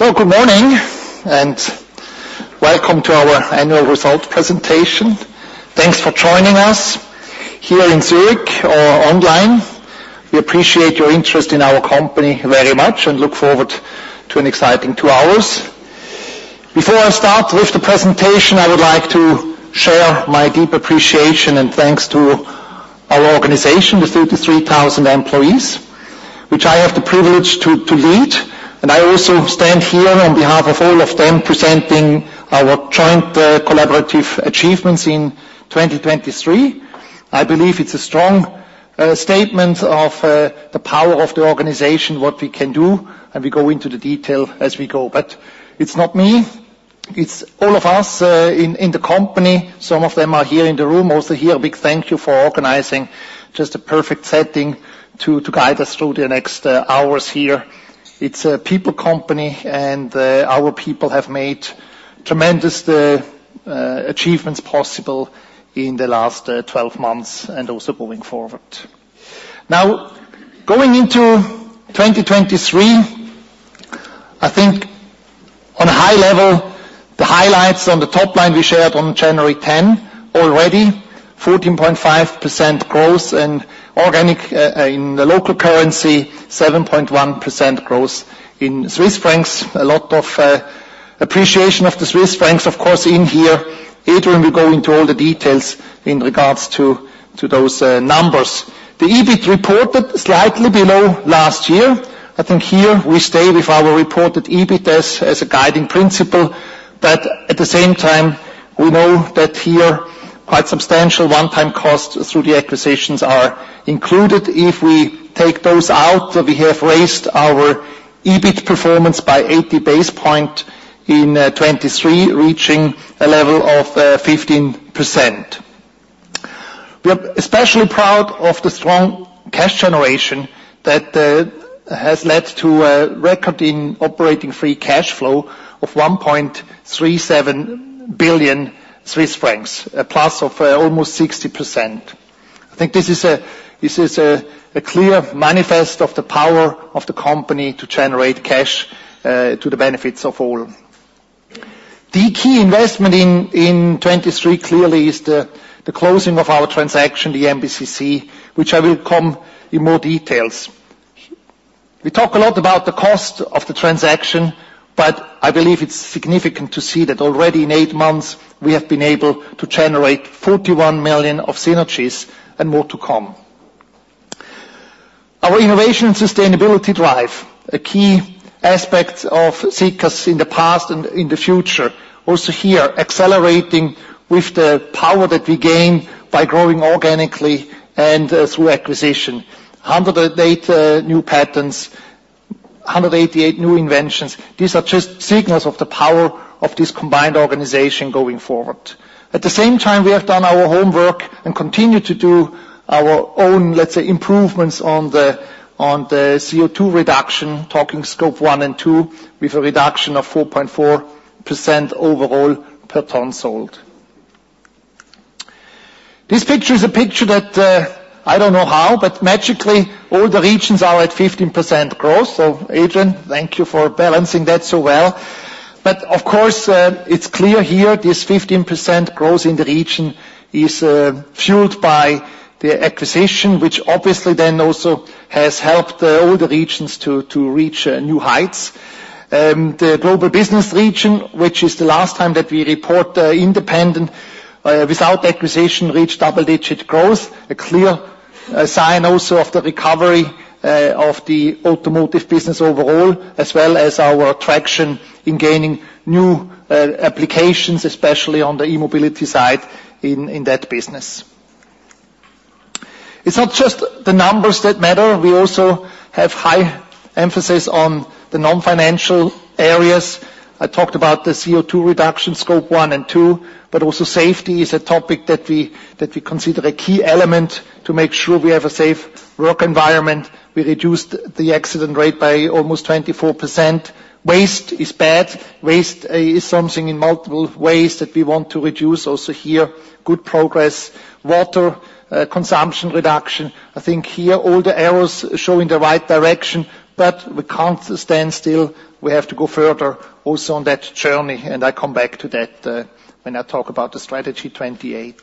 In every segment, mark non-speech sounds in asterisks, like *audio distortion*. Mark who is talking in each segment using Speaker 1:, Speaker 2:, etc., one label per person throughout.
Speaker 1: Good morning and welcome to our annual result presentation. Thanks for joining us here in Zurich or online. We appreciate your interest in our company very much and look forward to an exciting two hours. Before I start with the presentation, I would like to share my deep appreciation and thanks to our organization, the 33,000 employees, which I have the privilege to lead. I also stand here on behalf of all of them presenting our joint collaborative achievements in 2023. I believe it's a strong statement of the power of the organization, what we can do, and we go into the detail as we go. But it's not me. It's all of us in the company. Some of them are here in the room, also here. A big thank you for organizing just a perfect setting to guide us through the next hours here. It's a people company, and our people have made tremendous achievements possible in the last 12 months and also going forward. Now, going into 2023, I think on a high level, the highlights on the top line we shared on January 10th already: 14.5% growth in the local currency, 7.1% growth in Swiss francs. A lot of appreciation of the Swiss francs, of course, in here. Adrian, we'll go into all the details in regards to those numbers. The EBIT reported slightly below last year. I think here we stay with our reported EBIT as a guiding principle. But at the same time, we know that here quite substantial one-time costs through the acquisitions are included. If we take those out, we have raised our EBIT performance by 80 basis points in 2023, reaching a level of 15%. We are especially proud of the strong cash generation that has led to a record in operating free cash flow of 1.37 billion Swiss francs, a plus of almost 60%. I think this is a clear manifestation of the power of the company to generate cash to the benefits of all. The key investment in 2023 clearly is the closing of our transaction, the MBCC, which I will come to in more detail. We talk a lot about the cost of the transaction, but I believe it's significant to see that already in eight months, we have been able to generate 41 million of synergies and more to come. Our innovation and sustainability drive, a key aspect of Sika's in the past and in the future, also here accelerating with the power that we gain by growing organically and through acquisition. 108 new patents, 188 new inventions, these are just signals of the power of this combined organization going forward. At the same time, we have done our homework and continue to do our own, let's say, improvements on the CO2 reduction, talking Scope 1 and 2, with a reduction of 4.4% overall per tonne sold. This picture is a picture that I don't know how, but magically, all the regions are at 15% growth. So Adrian, thank you for balancing that so well. But of course, it's clear here this 15% growth in the region is fueled by the acquisition, which obviously then also has helped all the regions to reach new heights. The Global Business region, which is the last time that we report independent without acquisition, reached double-digit growth, a clear sign also of the recovery of the automotive business overall, as well as our traction in gaining new applications, especially on the e-mobility side in that business. It's not just the numbers that matter. We also have high emphasis on the non-financial areas. I talked about the CO2 reduction, Scope 1 and 2, but also safety is a topic that we consider a key element to make sure we have a safe work environment. We reduced the accident rate by almost 24%. Waste is bad. Waste is something in multiple ways that we want to reduce also here. Good progress. Water consumption reduction. I think here all the arrows show in the right direction, but we can't stand still. We have to go further also on that journey. And I come back to that when I talk about the Strategy 2028.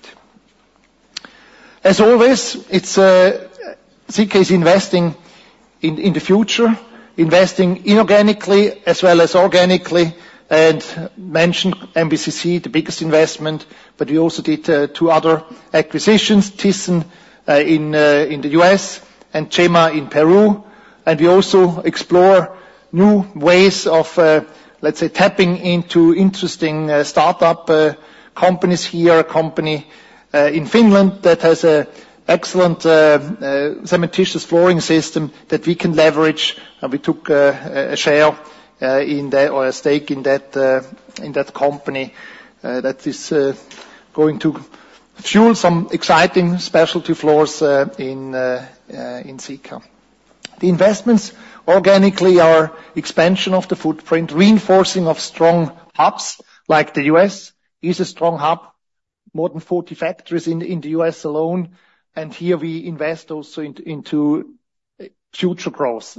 Speaker 1: As always, Sika is investing in the future, investing inorganically as well as organically. And mentioned MBCC, the biggest investment, but we also did two other acquisitions, Thiessen in the U.S. and Chema in Peru. And we also explore new ways of, let's say, tapping into interesting startup companies here. A company in Finland that has an excellent cementitious flooring system that we can leverage. We took a share in that or a stake in that company that is going to fuel some exciting specialty floors in Sika. The investments organically are expansion of the footprint, reinforcing of strong hubs like the U.S. U.S. is a strong hub, more than 40 factories in the U.S. alone. And here we invest also into future growth.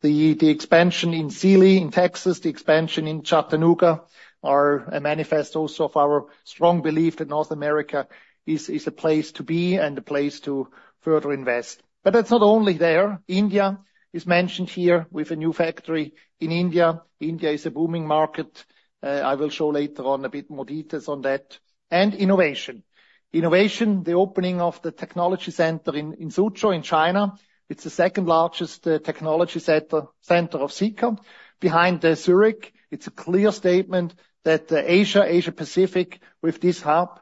Speaker 1: The expansion in Sealy, Texas, the expansion in Chattanooga are also a manifestation of our strong belief that North America is a place to be and a place to further invest. But that's not only there. India is mentioned here with a new factory in India. India is a booming market. I will show later on a bit more details on that. And innovation. Innovation, the opening of the technology center in Suzhou in China. It's the second largest technology center of Sika. Behind Zurich, it's a clear statement that Asia, Asia-Pacific with this hub,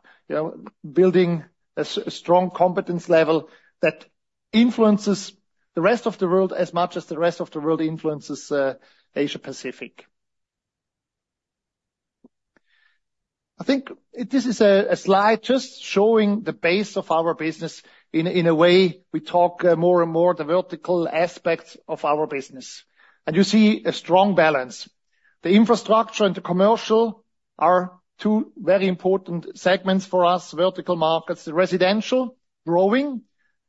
Speaker 1: building a strong competence level that influences the rest of the world as much as the rest of the world influences Asia-Pacific. I think this is a slide just showing the base of our business in a way we talk more and more the vertical aspects of our business. You see a strong balance. The infrastructure and the commercial are two very important segments for us, vertical markets. The residential, growing,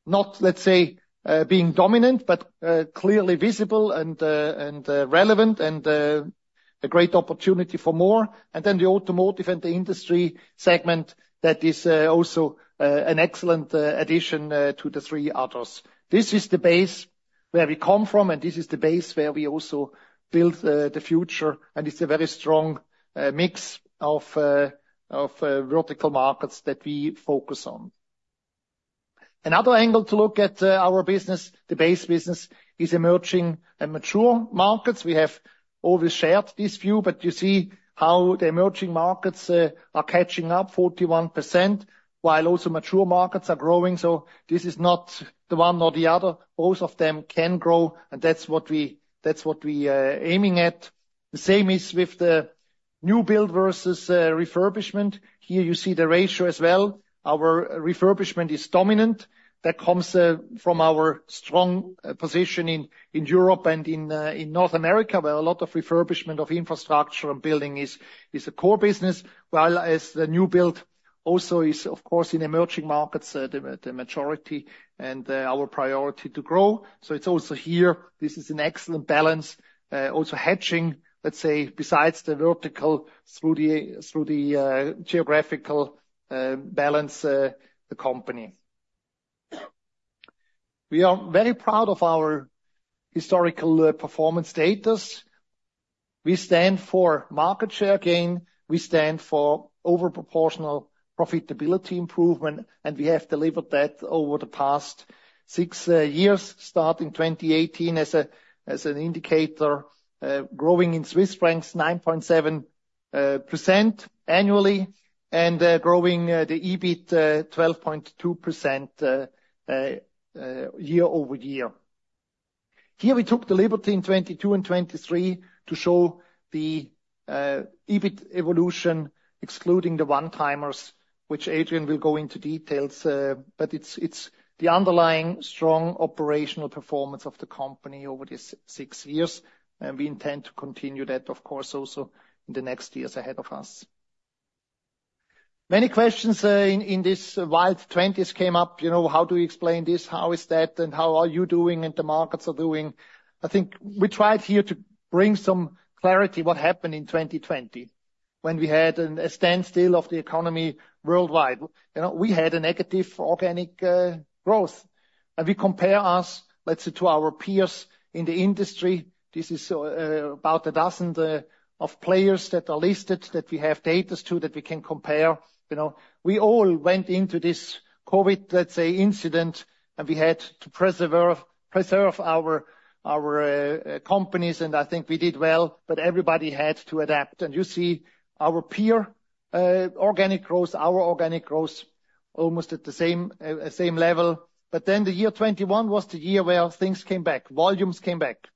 Speaker 1: not, let's say, being dominant, but clearly visible and relevant and a great opportunity for more. And then the automotive and the industry segment that is also an excellent addition to the three others. This is the base where we come from, and this is the base where we also build the future. And it's a very strong mix of vertical markets that we focus on. Another angle to look at our business, the base business, is emerging and mature markets. We have always shared this view, but you see how the emerging markets are catching up, 41%, while also mature markets are growing. So this is not the one nor the other. Both of them can grow, and that's what we're aiming at. The same is with the new build versus refurbishment. Here you see the ratio as well. Our refurbishment is dominant. That comes from our strong position in Europe and in North America, where a lot of refurbishment of infrastructure and building is a core business, while the new build also is, of course, in emerging markets, the majority and our priority to grow. So it's also here. This is an excellent balance, also hedging, let's say, besides the vertical through the geographical balance, the company. We are very proud of our historical performance data. We stand for market share gain. We stand for overproportional profitability improvement, and we have delivered that over the past six years, starting 2018, as an indicator, growing in Swiss francs 9.7% annually and growing the EBIT 12.2% year-over-year. Here we took the liberty in 2022 and 2023 to show the EBIT evolution, excluding the one-timers, which Adrian will go into details. It's the underlying strong operational performance of the company over these six years. We intend to continue that, of course, also in the next years ahead of us. Many questions in this wild 2020s came up. How do we explain this? How is that? And how are you doing and the markets are doing? I think we tried here to bring some clarity what happened in 2020 when we had a standstill of the economy worldwide. We had a negative organic growth. We compare us, let's say, to our peers in the industry. This is about a dozen of players that are listed that we have data to that we can compare. We all went into this COVID, let's say, incident, and we had to preserve our companies. And I think we did well, but everybody had to adapt. And you see our peer organic growth, our organic growth almost at the same level. But then the year 2021 was the year where things came back, volumes came back.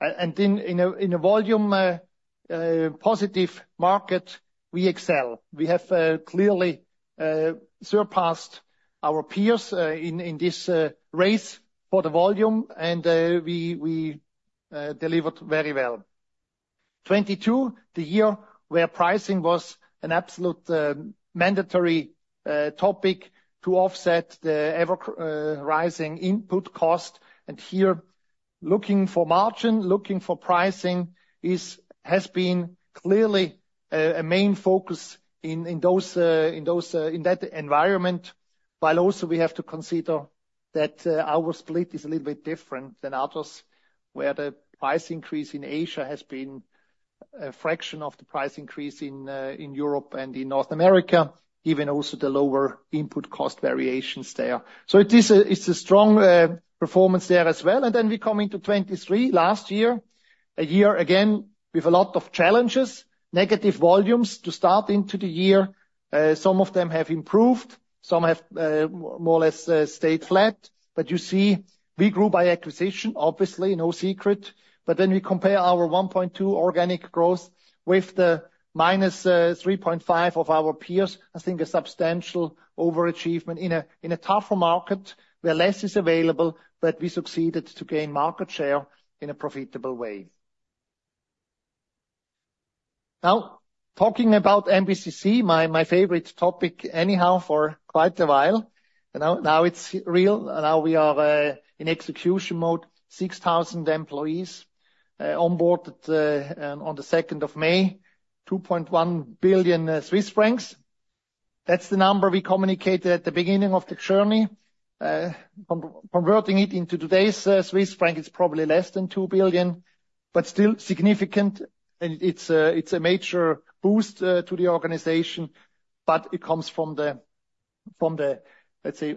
Speaker 1: And in a volume-positive market, we excel. We have clearly surpassed our peers in this race for the volume, and we delivered very well. 2022, the year where pricing was an absolute mandatory topic to offset the ever-rising input cost. And here looking for margin, looking for pricing has been clearly a main focus in that environment. While also we have to consider that our split is a little bit different than others, where the price increase in Asia has been a fraction of the price increase in Europe and in North America, even also the lower input cost variations there. So it's a strong performance there as well. And then we come into 2023, last year, a year again with a lot of challenges, negative volumes to start into the year. Some of them have improved. Some have more or less stayed flat. But you see we grew by acquisition, obviously, no secret. But then we compare our 1.2% organic growth with the -3.5% of our peers. I think a substantial overachievement in a tougher market where less is available, but we succeeded to gain market share in a profitable way. Now, talking about MBCC, my favorite topic anyhow for quite a while. Now it's real. Now we are in execution mode, 6,000 employees onboarded on the 2nd of May, 2.1 billion Swiss francs. That's the number we communicated at the beginning of the journey. Converting it into today's Swiss franc, it's probably less than 2 billion, but still significant. And it's a major boost to the organization. But it comes from the, let's say,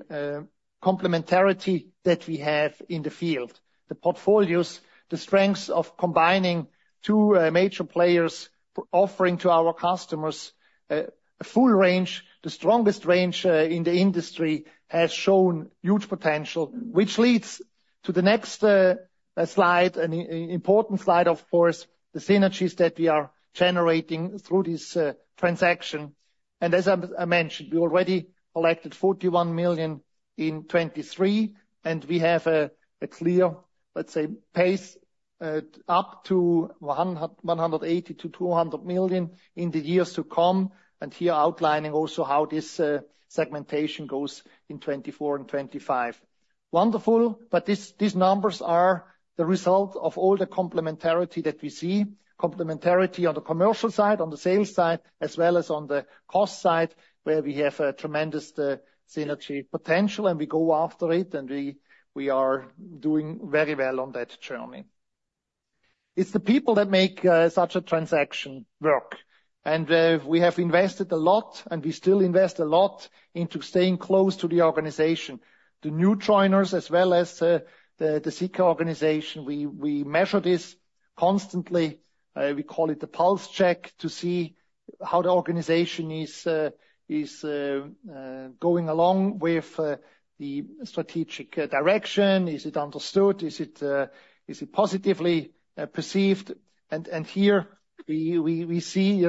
Speaker 1: complementarity that we have in the field, the portfolios, the strengths of combining two major players, offering to our customers a full range. The strongest range in the industry has shown huge potential, which leads to the next slide, an important slide, of course, the synergies that we are generating through this transaction. And as I mentioned, we already collected 41 million in 2023, and we have a clear, let's say, pace up to 180 million-200 million in the years to come. Here outlining also how this segmentation goes in 2024 and 2025. Wonderful. But these numbers are the result of all the complementarity that we see, complementarity on the commercial side, on the sales side, as well as on the cost side, where we have a tremendous synergy potential, and we go after it, and we are doing very well on that journey. It's the people that make such a transaction work. We have invested a lot, and we still invest a lot, into staying close to the organization, the new joiners as well as the Sika organization. We measure this constantly. We call it the pulse check to see how the organization is going along with the strategic direction. Is it understood? Is it positively perceived? Here we see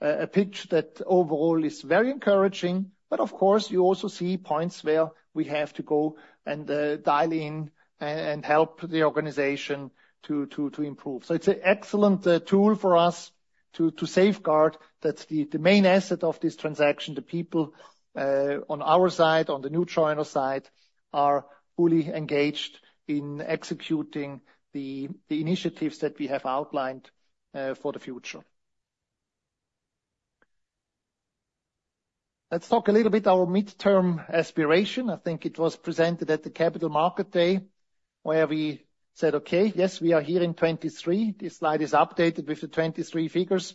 Speaker 1: a picture that overall is very encouraging. But of course, you also see points where we have to go and dial in and help the organization to improve. So it's an excellent tool for us to safeguard that the main asset of this transaction, the people on our side, on the new joiner side, are fully engaged in executing the initiatives that we have outlined for the future. Let's talk a little bit about our midterm aspiration. I think it was presented at the Capital Market Day, where we said, "Okay, yes, we are here in 2023." This slide is updated with the 2023 figures.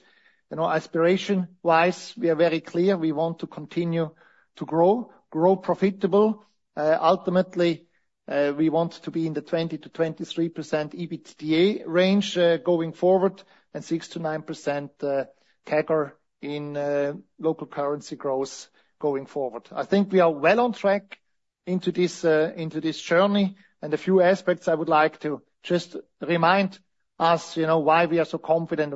Speaker 1: Aspiration-wise, we are very clear. We want to continue to grow, grow profitable. Ultimately, we want to be in the 20%-23% EBITDA range going forward and 6%-9% CAGR in local currency growth going forward. I think we are well on track into this journey. A few aspects I would like to just remind us why we are so confident,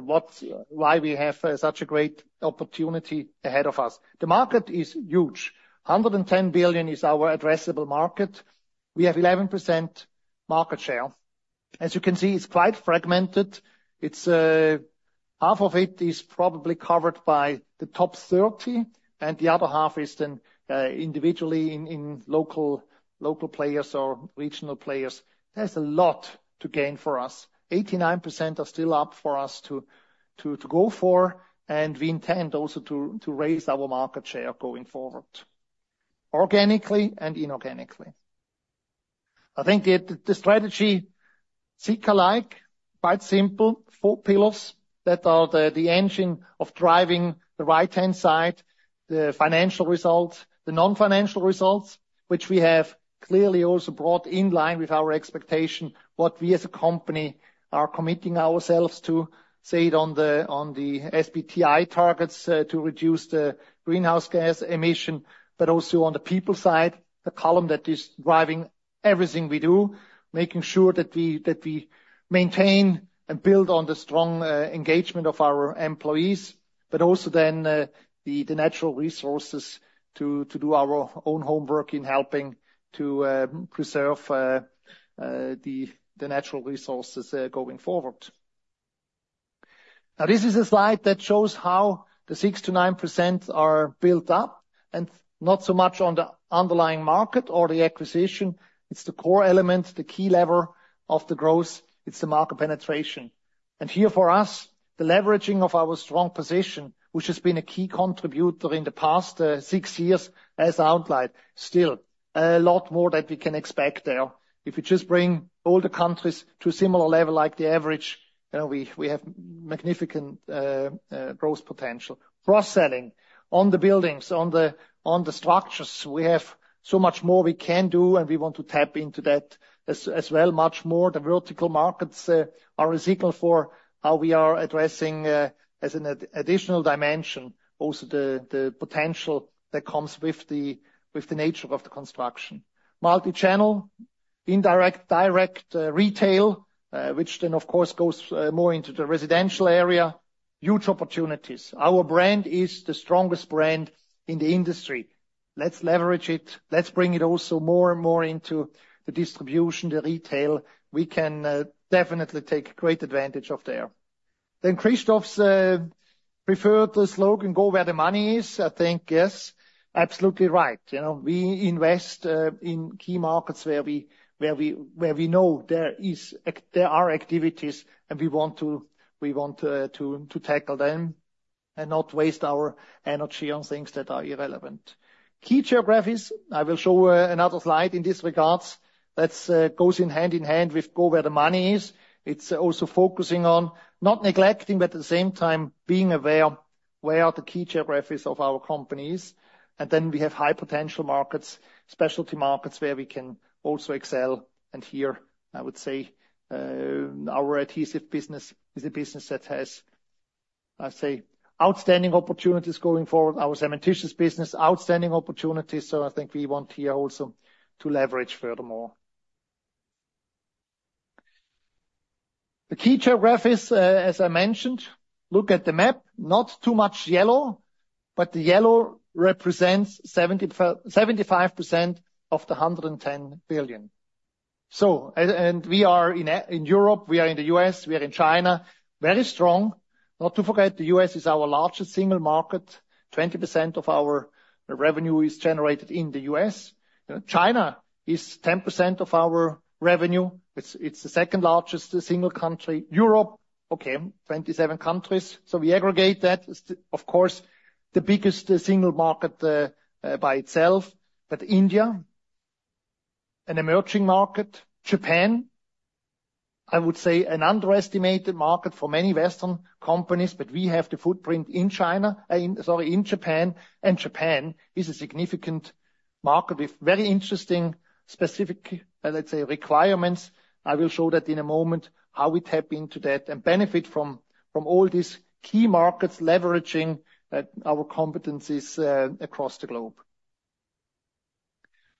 Speaker 1: why we have such a great opportunity ahead of us. The market is huge. 110 billion is our addressable market. We have 11% market share. As you can see, it's quite fragmented. Half of it is probably covered by the top 30, and the other half is then individually in local players or regional players. There's a lot to gain for us. 89% are still up for us to go for. And we intend also to raise our market share going forward, organically and inorganically. I think the strategy, Sika-like, is quite simple: four pillars that are the engine of driving the right-hand side, the financial results, the non-financial results, which we have clearly also brought in line with our expectation, what we as a company are committing ourselves to, say, on the SBTi targets to reduce the greenhouse gas emission, but also on the people side, the column that is driving everything we do, making sure that we maintain and build on the strong engagement of our employees, but also then the natural resources to do our own homework in helping to preserve the natural resources going forward. Now, this is a slide that shows how the 6%-9% are built up and not so much on the underlying market or the acquisition. It's the core element, the key lever of the growth. It's the market penetration. And here for us, the leveraging of our strong position, which has been a key contributor in the past six years, as outlined, still a lot more that we can expect there. If we just bring all the countries to a similar level like the average, we have magnificent growth potential. Cross-selling on the buildings, on the structures. We have so much more we can do, and we want to tap into that as well. Much more. The vertical markets are a signal for how we are addressing, as an additional dimension, also the potential that comes with the nature of the construction. Multi-channel, indirect, direct retail, which then, of course, goes more into the residential area. Huge opportunities. Our brand is the strongest brand in the industry. Let's leverage it. Let's bring it also more and more into the distribution, the retail. We can definitely take great advantage of there. Then Christoph's preferred slogan, "Go where the money is," I think, yes, absolutely right. We invest in key markets where we know there are activities, and we want to tackle them and not waste our energy on things that are irrelevant. Key geographies, I will show another slide in this regard. That goes hand in hand with "Go where the money is." It's also focusing on not neglecting, but at the same time being aware where the key geographies of our company are. And then we have high-potential markets, specialty markets where we can also excel. And here, I would say our adhesive business is a business that has, I'd say, outstanding opportunities going forward, our cementitious business, outstanding opportunities. So I think we want here also to leverage furthermore. The key geographies, as I mentioned, look at the map, not too much yellow, but the yellow represents 75% of the 110 billion. We are in Europe. We are in the U.S. We are in China, very strong. Not to forget, the U.S. is our largest single market. 20% of our revenue is generated in the U.S. China is 10% of our revenue. It's the second largest single country. Europe, okay, 27 countries. So we aggregate that. Of course, the biggest single market by itself, but India, an emerging market. Japan, I would say, an underestimated market for many Western companies, but we have the footprint in China, sorry, in Japan. And Japan is a significant market with very interesting, specific, let's say, requirements. I will show that in a moment, how we tap into that and benefit from all these key markets leveraging our competencies across the globe.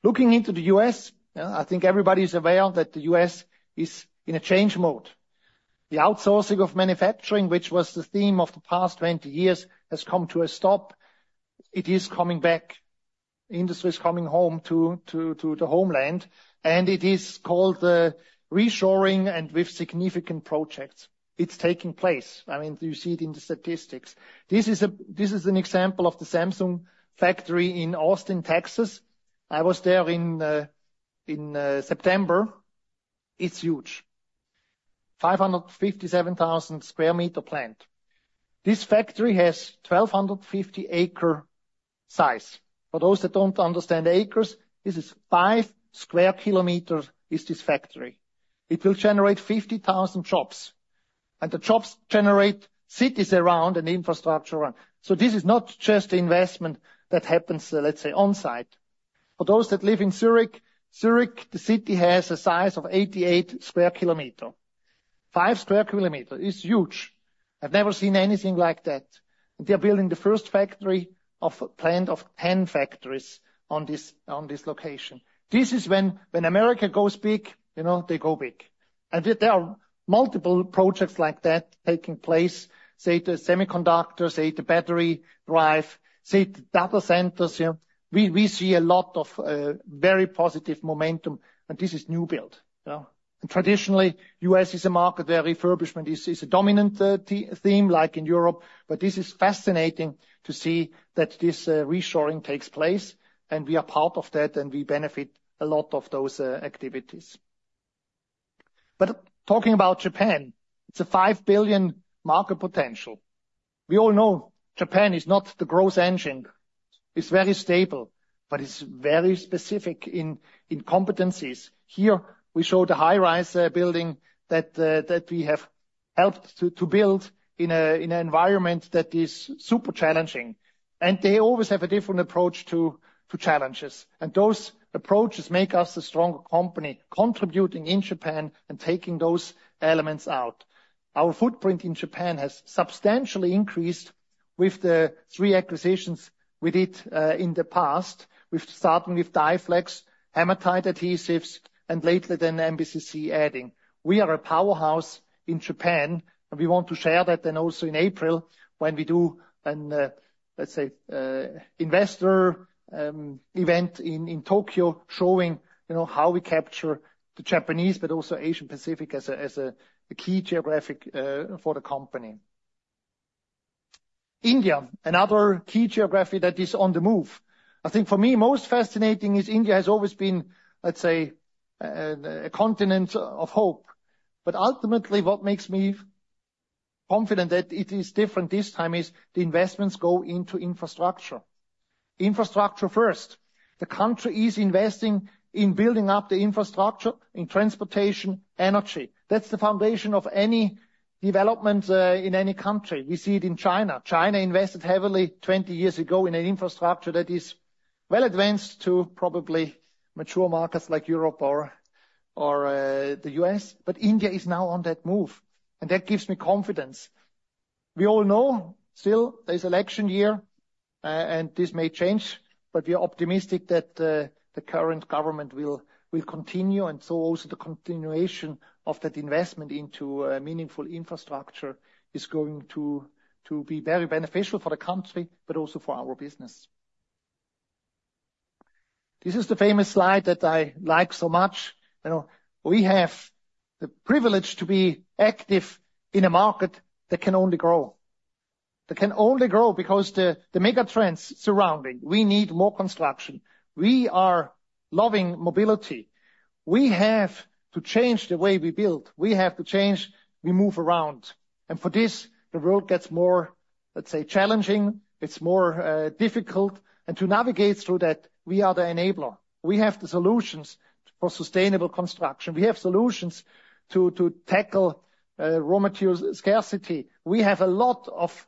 Speaker 1: Looking into the U.S., I think everybody is aware that the U.S. is in a change mode. The outsourcing of manufacturing, which was the theme of the past 20 years, has come to a stop. It is coming back. The industry is coming home to the homeland. And it is called reshoring and with significant projects. It's taking place. I mean, you see it in the statistics. This is an example of the Samsung factory in Austin, Texas. I was there in September. It's huge, 557,000 square meter plant. This factory has 1,250 acre size. For those that don't understand acres, this is five square kilometers, is this factory. It will generate 50,000 jobs. And the jobs generate cities around and infrastructure around. So this is not just investment that happens, let's say, on-site. For those that live in Zurich, Zurich, the city has a size of 88 square kilometer. 5 square kilometer. It's huge. I've never seen anything like that. And they are building the first plant of 10 factories on this location. This is when America goes big, they go big. And there are multiple projects like that taking place, say, the semiconductors, say, the battery drive, say, the data centers. We see a lot of very positive momentum. And this is new build. And traditionally, the U.S. is a market where refurbishment is a dominant theme, like in Europe. But this is fascinating to see that this reshoring takes place. And we are part of that, and we benefit a lot of those activities. But talking about Japan, it's a 5 billion market potential. We all know Japan is not the growth engine. It's very stable, but it's very specific in competencies. Here, we show the high-rise building that we have helped to build in an environment that is super challenging. They always have a different approach to challenges. Those approaches make us a stronger company, contributing in Japan and taking those elements out. Our footprint in Japan has substantially increased with the three acquisitions we did in the past, starting with Dyflex, Hamatite adhesives, and lately then MBCC adding. We are a powerhouse in Japan. We want to share that then also in April when we do an, let's say, investor event in Tokyo showing how we capture the Japanese, but also Asian Pacific as a key geographic for the company. India, another key geography that is on the move. I think for me, most fascinating is India has always been, let's say, a continent of hope. But ultimately, what makes me confident that it is different this time is the investments go into infrastructure, infrastructure first. The country is investing in building up the infrastructure in transportation, energy. That's the foundation of any development in any country. We see it in China. China invested heavily 20 years ago in an infrastructure that is well advanced to probably mature markets like Europe or the U.S. But India is now on that move. And that gives me confidence. We all know still, there's election year, and this may change. But we are optimistic that the current government will continue. And so also the continuation of that investment into meaningful infrastructure is going to be very beneficial for the country, but also for our business. This is the famous slide that I like so much. We have the privilege to be active in a market that can only grow, that can only grow because of the megatrends surrounding. We need more construction. We are loving mobility. We have to change the way we build. We have to change. We move around. And for this, the world gets more, let's say, challenging. It's more difficult. And to navigate through that, we are the enabler. We have the solutions for sustainable construction. We have solutions to tackle raw material scarcity. We have a lot of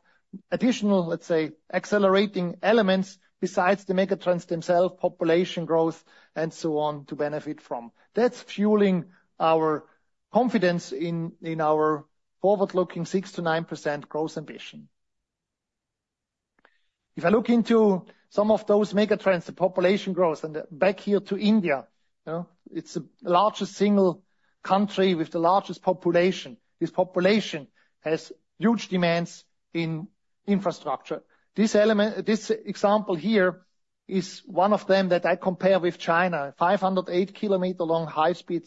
Speaker 1: additional, let's say, accelerating elements besides the megatrends themselves, population growth, and so on to benefit from. That's fueling our confidence in our forward-looking 6%-9% growth ambition. If I look into some of those megatrends, the population growth, and back here to India, it's the largest single country with the largest population. This population has huge demands in infrastructure. This example here is one of them that I compare with China, a 508-kilometer-long high-speed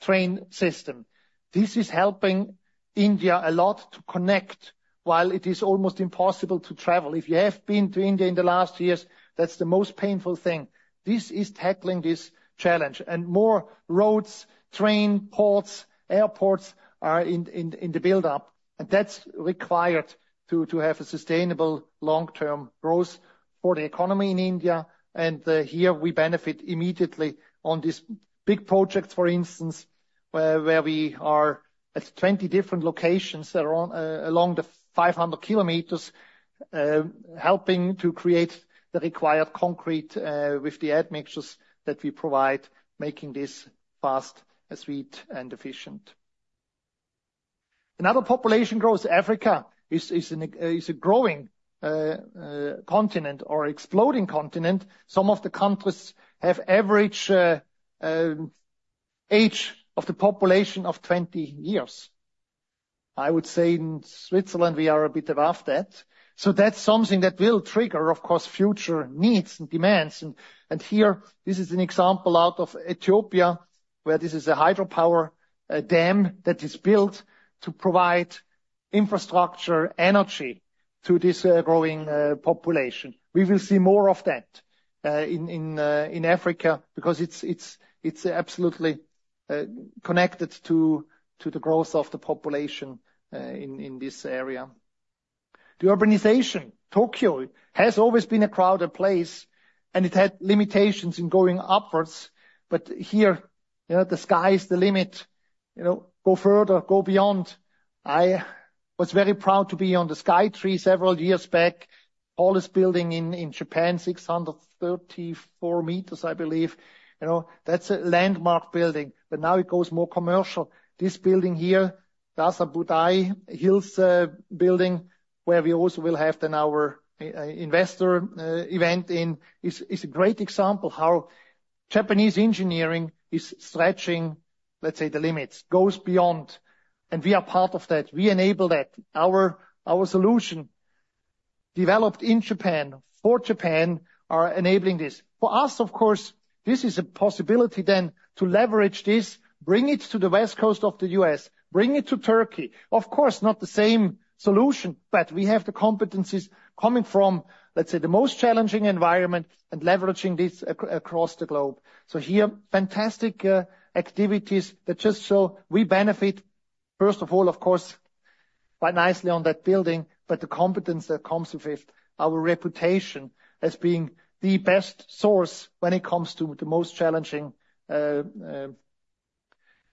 Speaker 1: train system. This is helping India a lot to connect while it is almost impossible to travel. If you have been to India in the last years, that's the most painful thing. This is tackling this challenge. More roads, train ports, airports are in the buildup. That's required to have a sustainable long-term growth for the economy in India. Here, we benefit immediately on these big projects, for instance, where we are at 20 different locations along the 500 km, helping to create the required concrete with the admixtures that we provide, making this fast, sweet, and efficient. Another population growth, Africa is a growing continent or exploding continent. Some of the countries have average age of the population of 20 years. I would say in Switzerland, we are a bit above that. So that's something that will trigger, of course, future needs and demands. And here, this is an example out of Ethiopia, where this is a hydropower dam that is built to provide infrastructure, energy to this growing population. We will see more of that in Africa because it's absolutely connected to the growth of the population in this area. The urbanization, Tokyo has always been a crowded place, and it had limitations in going upwards. But here, the sky is the limit. Go further, go beyond. I was very proud to be on the Tokyo Skytree several years back, tallest building in Japan, 634 meters, I believe. That's a landmark building. But now it goes more commercial. This building here, Azabudai Hills building, where we also will have then our investor event in, is a great example of how Japanese engineering is stretching, let's say, the limits, goes beyond. And we are part of that. We enable that. Our solution developed in Japan for Japan are enabling this. For us, of course, this is a possibility then to leverage this, bring it to the west coast of the U.S., bring it to Turkey. Of course, not the same solution, but we have the competencies coming from, let's say, the most challenging environment and leveraging this across the globe. So here, fantastic activities that just show we benefit, first of all, of course, quite nicely on that building, but the competence that comes with our reputation as being the best source when it comes to the most challenging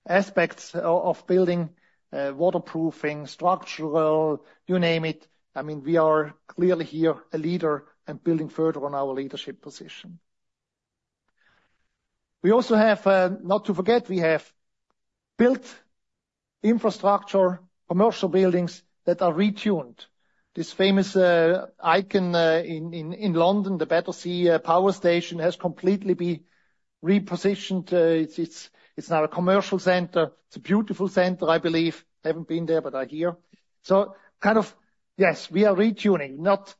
Speaker 1: aspects of building, waterproofing, structural, you name it. I mean, we are clearly here a leader and building further on our leadership position. We also have, not to forget, we have built infrastructure, commercial buildings that are retuned. This famous icon in London, the Battersea Power Station, has completely been repositioned. It's now a commercial center. It's a beautiful center, I believe. Haven't been there, but I'm here. So kind of, yes, we are retuning, not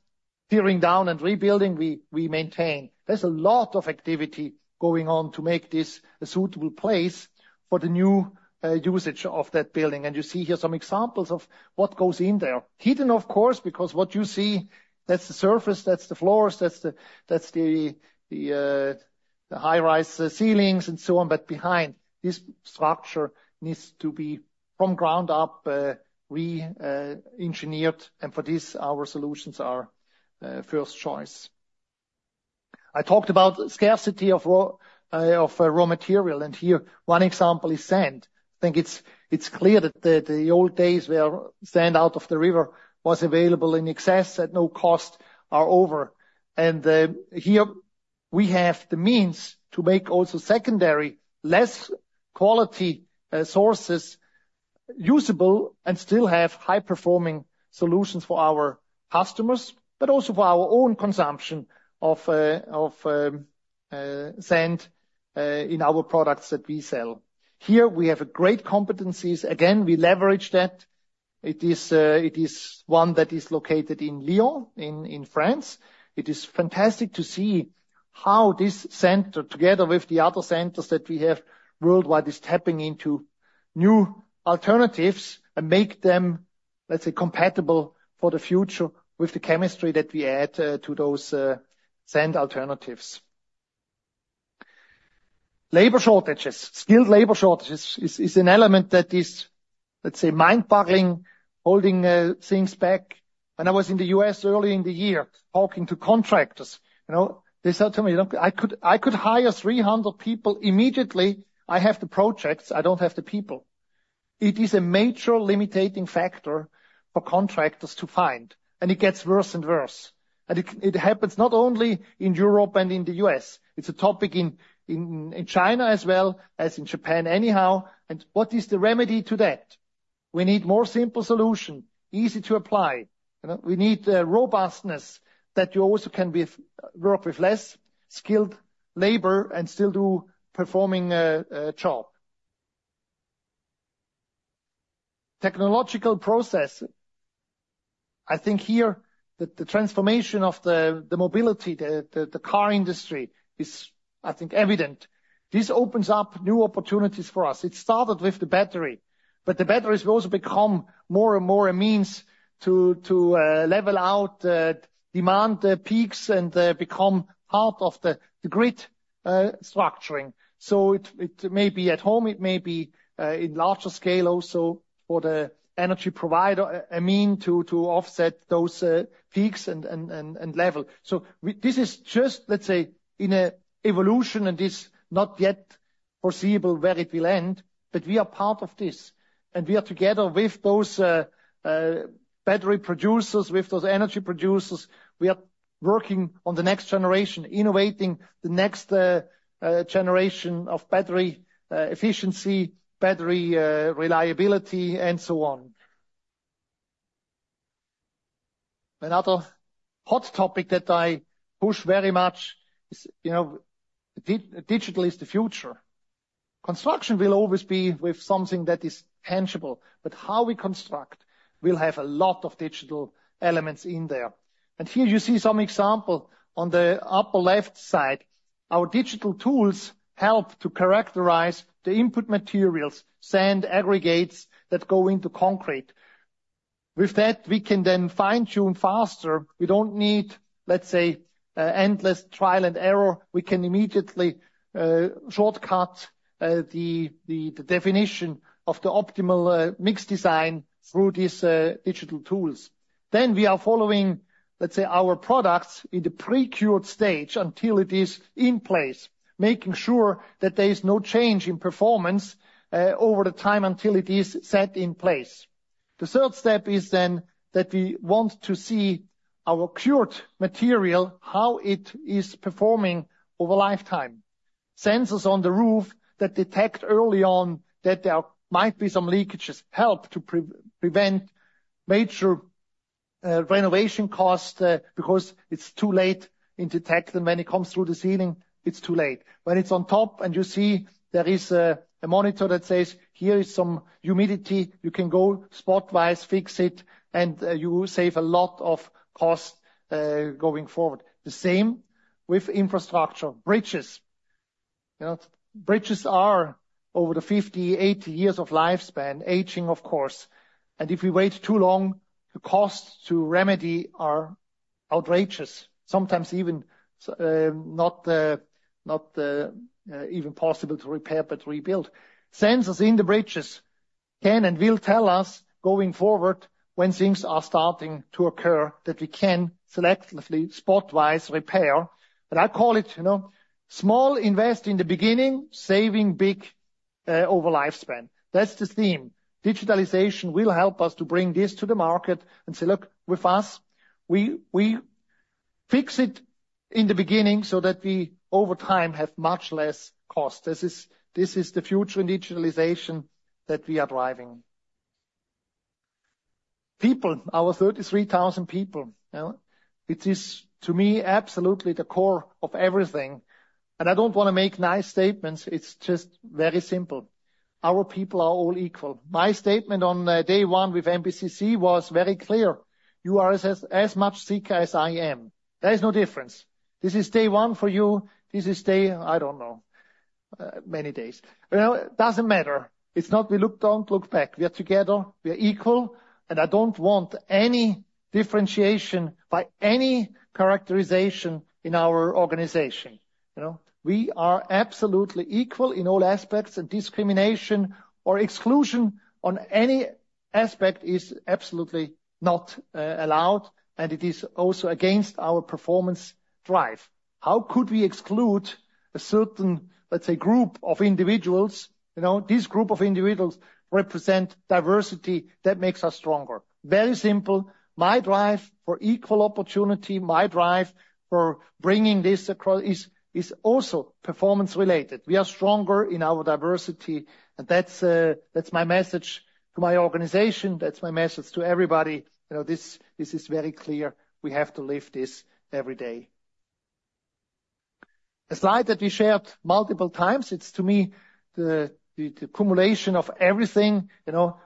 Speaker 1: tearing down and rebuilding. We maintain. There's a lot of activity going on to make this a suitable place for the new usage of that building. You see here some examples of what goes in there, hidden, of course, because what you see, that's the surface, that's the floors, that's the high-rise ceilings, and so on. But behind, this structure needs to be from ground up re-engineered. For this, our solutions are first choice. I talked about scarcity of raw material. Here, one example is sand. I think it's clear that the old days where sand out of the river was available in excess at no cost are over. Here, we have the means to make also secondary, less-quality sources usable and still have high-performing solutions for our customers, but also for our own consumption of sand in our products that we sell. Here, we have great competencies. Again, we leverage that. It is one that is located in Lyon in France. It is fantastic to see how this center, together with the other centers that we have worldwide, is tapping into new alternatives and make them, let's say, compatible for the future with the chemistry that we add to those sand alternatives. Labor shortages, skilled labor shortages, is an element that is, let's say, mind-boggling, holding things back. When I was in the U.S. early in the year, talking to contractors, they said to me, "I could hire 300 people immediately. I have the projects. I don't have the people." It is a major limiting factor for contractors to find. It gets worse and worse. It happens not only in Europe and in the U.S. It's a topic in China as well as in Japan anyhow. What is the remedy to that? We need a more simple solution, easy to apply. We need robustness that you also can work with less skilled labor and still do a performing job. Technological process. I think here, the transformation of the mobility, the car industry, is, I think, evident. This opens up new opportunities for us. It started with the battery. But the batteries will also become more and more a means to level out demand peaks and become part of the grid structuring. So it may be at home. It may be in larger scale also for the energy provider, a mean to offset those peaks and level. So this is just, let's say, in an evolution. And it's not yet foreseeable where it will end. But we are part of this. And we are together with those battery producers, with those energy producers. We are working on the next generation, innovating the next generation of battery efficiency, battery reliability, and so on. Another hot topic that I push very much is digital is the future. Construction will always be with something that is tangible. But how we construct will have a lot of digital elements in there. And here, you see some example on the upper left side. Our digital tools help to characterize the input materials, sand aggregates that go into concrete. With that, we can then fine-tune faster. We don't need, let's say, endless trial and error. We can immediately shortcut the definition of the optimal mix design through these digital tools. Then we are following, let's say, our products in the pre-cured stage until it is in place, making sure that there is no change in performance over the time until it is set in place. The third step is then that we want to see our cured material, how it is performing over lifetime. Sensors on the roof that detect early on that there might be some leakages help to prevent major renovation costs because it's too late in detection. When it comes through the ceiling, it's too late. When it's on top and you see there is a monitor that says, "Here is some humidity," you can go spot-wise, fix it, and you save a lot of cost going forward. The same with infrastructure, bridges. Bridges are over the 50-80 years of lifespan, aging, of course. If we wait too long, the cost to remedy are outrageous, sometimes even not even possible to repair but rebuild. Sensors in the bridges can and will tell us going forward when things are starting to occur that we can selectively, spot-wise, repair. I call it small invest in the beginning, saving big over lifespan. That's the theme. Digitalization will help us to bring this to the market and say, "Look, with us, we fix it in the beginning so that we over time have much less cost." This is the future in digitalization that we are driving. People, our 33,000 people, it is, to me, absolutely the core of everything. And I don't want to make nice statements. It's just very simple. Our people are all equal. My statement on day one with MBCC was very clear. You are as much Sika as I am. There is no difference. This is day one for you. This is day, I don't know, many days. It doesn't matter. It's not we don't look back. We are together. We are equal. And I don't want any differentiation by any characterization in our organization. We are absolutely equal in all aspects. Discrimination or exclusion on any aspect is absolutely not allowed. It is also against our performance drive. How could we exclude a certain, let's say, group of individuals? This group of individuals represent diversity that makes us stronger. Very simple. My drive for equal opportunity, my drive for bringing this across is also performance-related. We are stronger in our diversity. That's my message to my organization. That's my message to everybody. This is very clear. We have to live this every day. A slide that we shared multiple times. It's, to me, the accumulation of everything.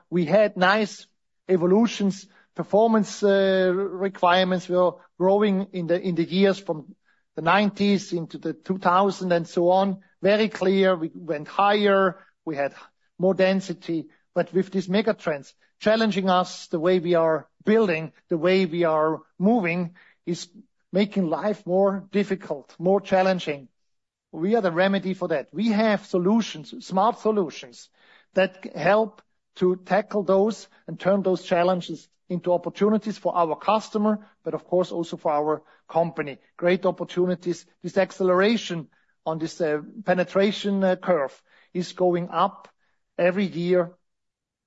Speaker 1: We had nice evolutions, performance requirements. We were growing in the years from the 1990s into the 2000s and so on. Very clear. We went higher. We had more density. But with these megatrends challenging us, the way we are building, the way we are moving is making life more difficult, more challenging. We are the remedy for that. We have solutions, smart solutions that help to tackle those and turn those challenges into opportunities for our customer, but of course, also for our company. Great opportunities. This acceleration on this penetration curve is going up every year,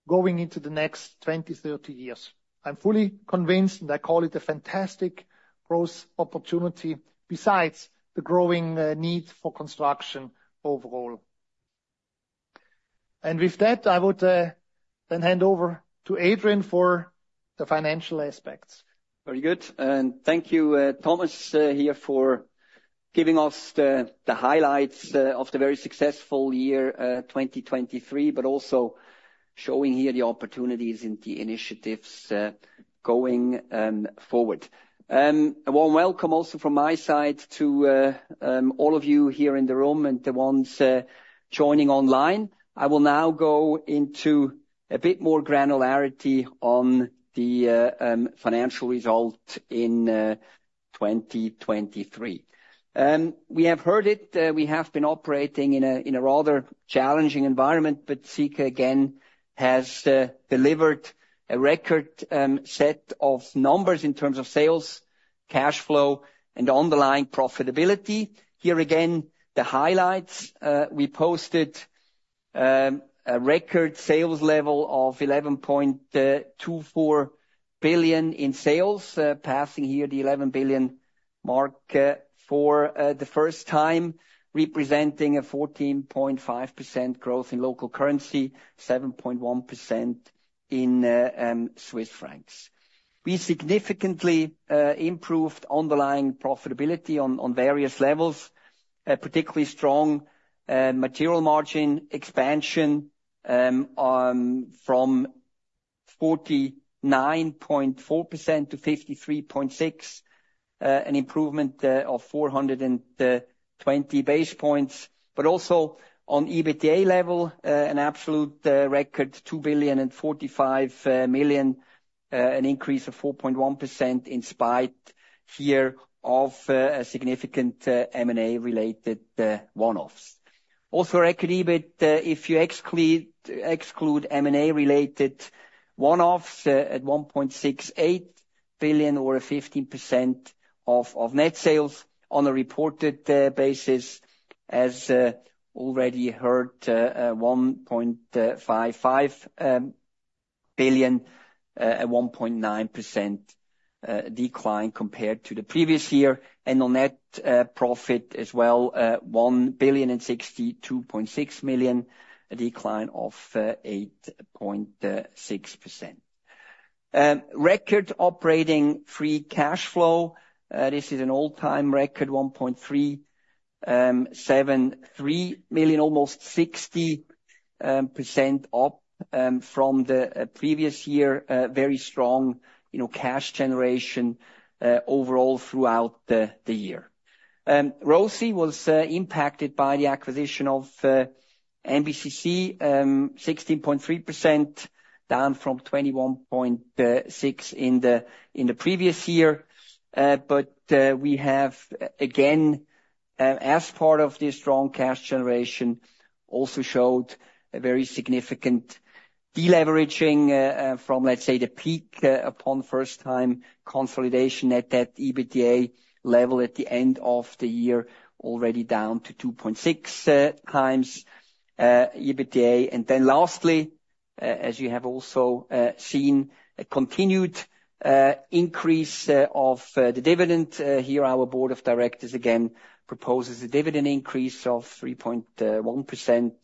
Speaker 1: going into the next 20-30 years. I'm fully convinced, and I call it a fantastic growth opportunity besides the growing need for construction overall. And with that, I would then hand over to Adrian for the financial aspects.
Speaker 2: Very good. Thank you, Thomas, here for giving us the highlights of the very successful year 2023, but also showing here the opportunities and the initiatives going forward. A warm welcome also from my side to all of you here in the room and the ones joining online. I will now go into a bit more granularity on the financial result in 2023. We have heard it. We have been operating in a rather challenging environment. But Sika, again, has delivered a record set of numbers in terms of sales, cash flow, and underlying profitability. Here again, the highlights. We posted a record sales level of 11.24 billion in sales, passing here the 11 billion mark for the first time, representing a 14.5% growth in local currency, 7.1% in Swiss francs. We significantly improved underlying profitability on various levels, particularly strong material margin expansion from 49.4% to 53.6%, an improvement of 420 basis points. But also on EBITDA level, an absolute record, 2.045 billion, an increase of 4.1% in spite here of significant M&A-related one-offs. Also, record EBIT if you exclude M&A-related one-offs at 1.68 billion or 15% of net sales on a reported basis, as already heard, 1.55 billion, a 1.9% decline compared to the previous year. On net profit as well, 1.0626 billion, a decline of 8.6%. Record operating free cash flow. This is an all-time record, 1.373 billion, almost 60% up from the previous year. Very strong cash generation overall throughout the year. ROCE was impacted by the acquisition of MBCC, 16.3% down from 21.6% in the previous year. But we have, again, as part of this strong cash generation, also showed a very significant deleveraging from, let's say, the peak upon first-time consolidation at that EBITDA level at the end of the year, already down to 2.6x EBITDA. Then lastly, as you have also seen, a continued increase of the dividend. Here, our board of directors, again, proposes a dividend increase of 3.1% to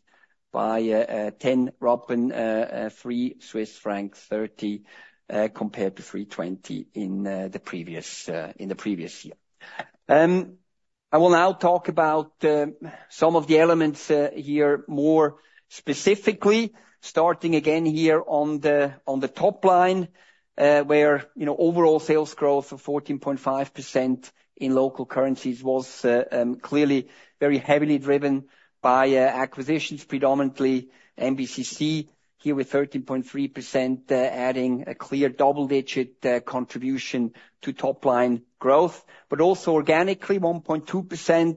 Speaker 2: 10.30 Swiss francs compared to 9.80 in the previous year. I will now talk about some of the elements here more specifically, starting again here on the top line, where overall sales growth of 14.5% in local currencies was clearly very heavily driven by acquisitions, predominantly MBCC, here with 13.3% adding a clear double-digit contribution to top-line growth. But also organically, 1.2%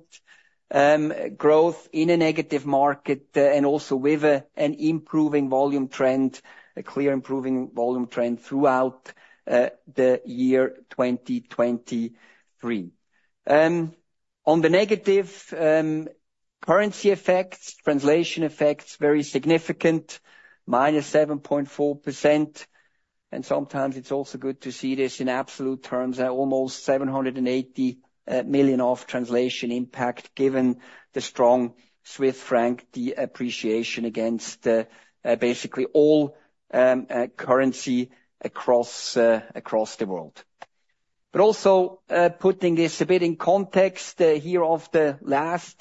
Speaker 2: growth in a negative market and also with an improving volume trend, a clear improving volume trend throughout the year 2023. On the negative, currency effects, translation effects, very significant, -7.4%. And sometimes it's also good to see this in absolute terms, almost 780 million of translation impact given the strong Swiss franc depreciation against basically all currency across the world. But also putting this a bit in context here of the last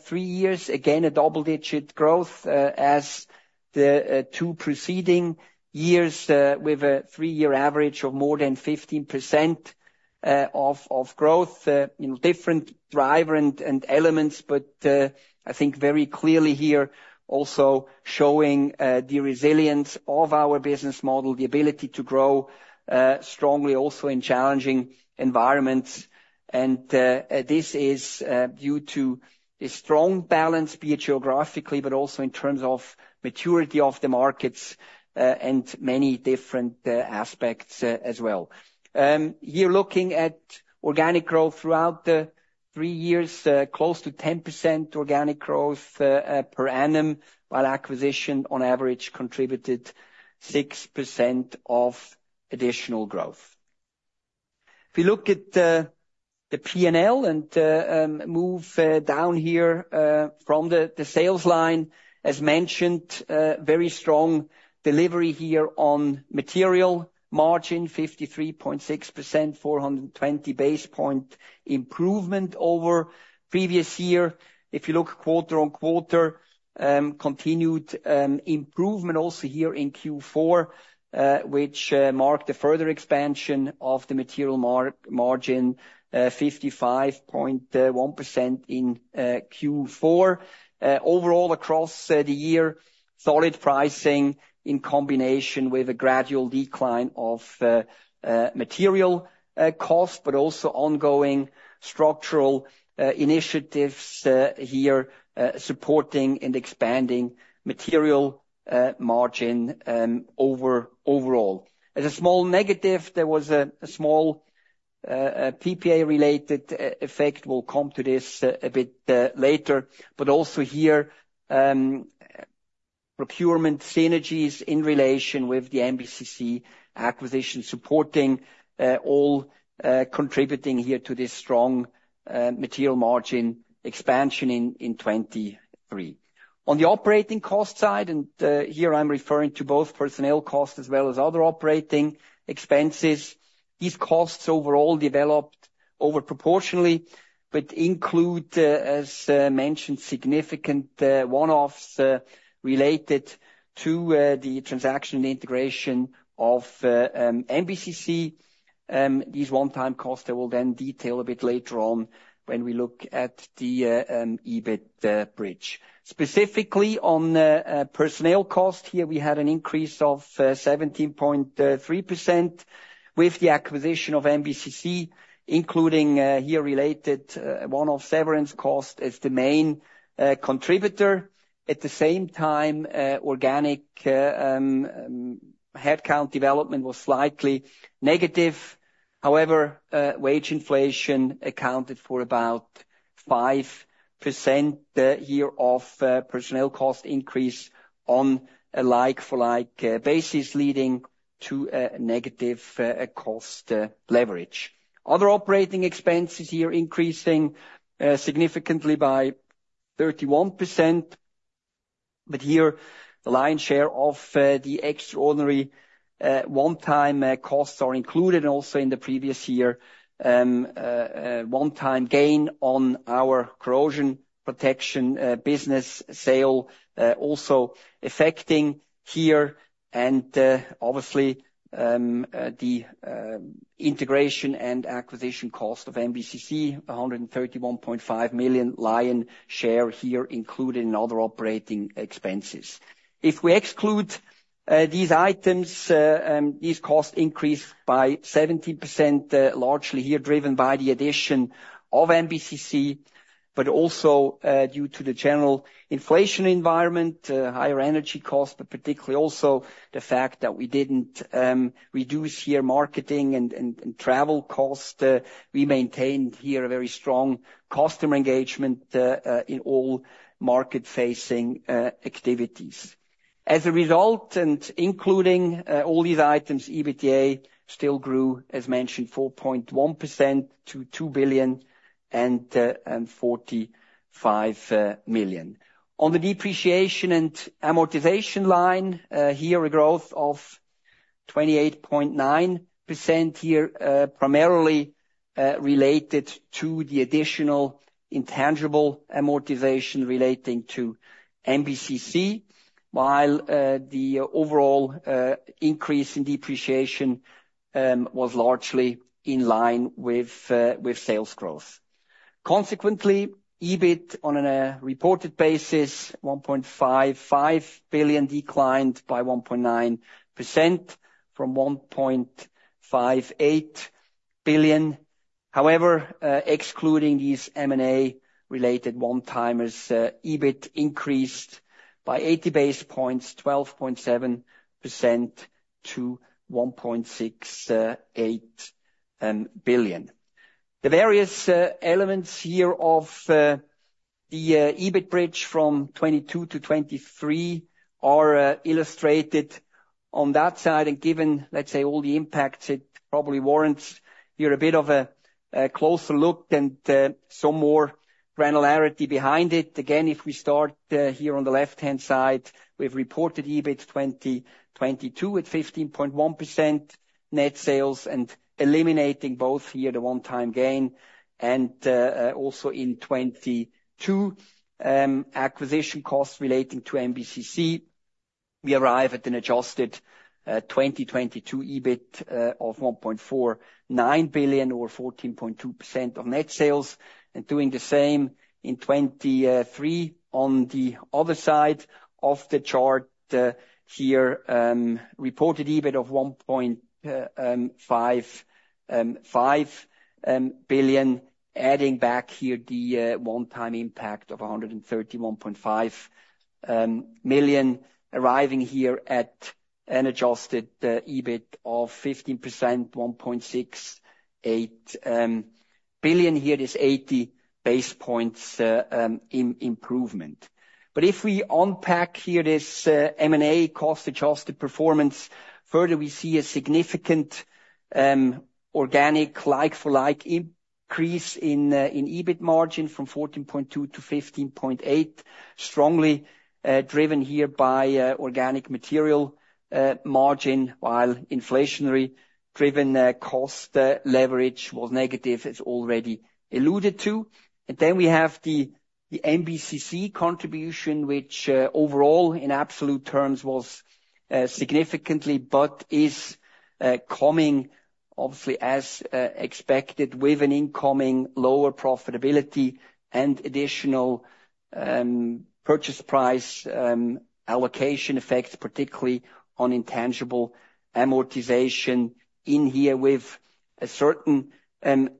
Speaker 2: three years, again, a double-digit growth as the two preceding years with a three-year average of more than 15% of growth, different driver and elements. But I think very clearly here also showing the resilience of our business model, the ability to grow strongly also in challenging environments. And this is due to a strong balance, be it geographically, but also in terms of maturity of the markets and many different aspects as well. Here, looking at organic growth throughout the three years, close to 10% organic growth per annum, while acquisition on average contributed 6% of additional growth. If we look at the P&L and move down here from the sales line, as mentioned, very strong delivery here on material margin, 53.6%, 420 basis points improvement over previous year. If you look quarter-on-quarter, continued improvement also here in Q4, which marked a further expansion of the material margin, 55.1% in Q4. Overall across the year, solid pricing in combination with a gradual decline of material cost, but also ongoing structural initiatives here supporting and expanding material margin overall. As a small negative, there was a small PPA-related effect. We'll come to this a bit later. But also here, procurement synergies in relation with the MBCC acquisition supporting, all contributing here to this strong material margin expansion in 2023. On the operating cost side, and here I'm referring to both personnel costs as well as other operating expenses, these costs overall developed overproportionally, but include, as mentioned, significant one-offs related to the transaction and integration of MBCC. These one-time costs, I will then detail a bit later on when we look at the EBIT bridge. Specifically on personnel cost, here we had an increase of 17.3% with the acquisition of MBCC, including here related one-off severance cost as the main contributor. At the same time, organic headcount development was slightly negative. However, wage inflation accounted for about 5% here of personnel cost increase on a like-for-like basis, leading to a negative cost leverage. Other operating expenses here increasing significantly by 31%. But here, the lion's share of the extraordinary one-time costs are included also in the previous year. One-time gain on our corrosion protection business sale also affecting here. And obviously, the integration and acquisition cost of MBCC, 131.5 million lion's share here included in other operating expenses. If we exclude these items, these costs increase by 17%, largely here driven by the addition of MBCC. But also due to the general inflation environment, higher energy costs, but particularly also the fact that we didn't reduce here marketing and travel costs. We maintained here a very strong customer engagement in all market-facing activities. As a result, and including all these items, EBITDA still grew, as mentioned, 4.1% to 2.045 billion. On the depreciation and amortization line, here a growth of 28.9% here, primarily related to the additional intangible amortization relating to MBCC, while the overall increase in depreciation was largely in line with sales growth. Consequently, EBIT on a reported basis, 1.55 billion, declined by 1.9% from 1.58 billion. However, excluding these M&A-related one-timers, EBIT increased by 80 basis points, 12.7% to 1.68 billion. The various elements here of the EBIT bridge from 2022 to 2023 are illustrated on that side. Given, let's say, all the impacts, it probably warrants here a bit of a closer look and some more granularity behind it. Again, if we start here on the left-hand side with reported EBIT 2022 at 15.1% net sales and eliminating both here the one-time gain and also in 2022 acquisition costs relating to MBCC, we arrive at an adjusted 2022 EBIT of 1.49 billion or 14.2% of net sales. Doing the same in 2023 on the other side of the chart, here, reported EBIT of 1.5 billion, adding back here the one-time impact of 131.5 million, arriving here at an adjusted EBIT of 15%, 1.68 billion. Here it is 80 basis points in improvement. But if we unpack here this M&A cost-adjusted performance further, we see a significant organic like-for-like increase in EBIT margin from 14.2% to 15.8%, strongly driven here by organic material margin, while inflationary-driven cost leverage was negative, as already alluded to. Then we have the MBCC contribution, which overall in absolute terms was significant, but is coming, obviously as expected, with an incoming lower profitability and additional purchase price allocation effects, particularly on intangible amortization in here with a certain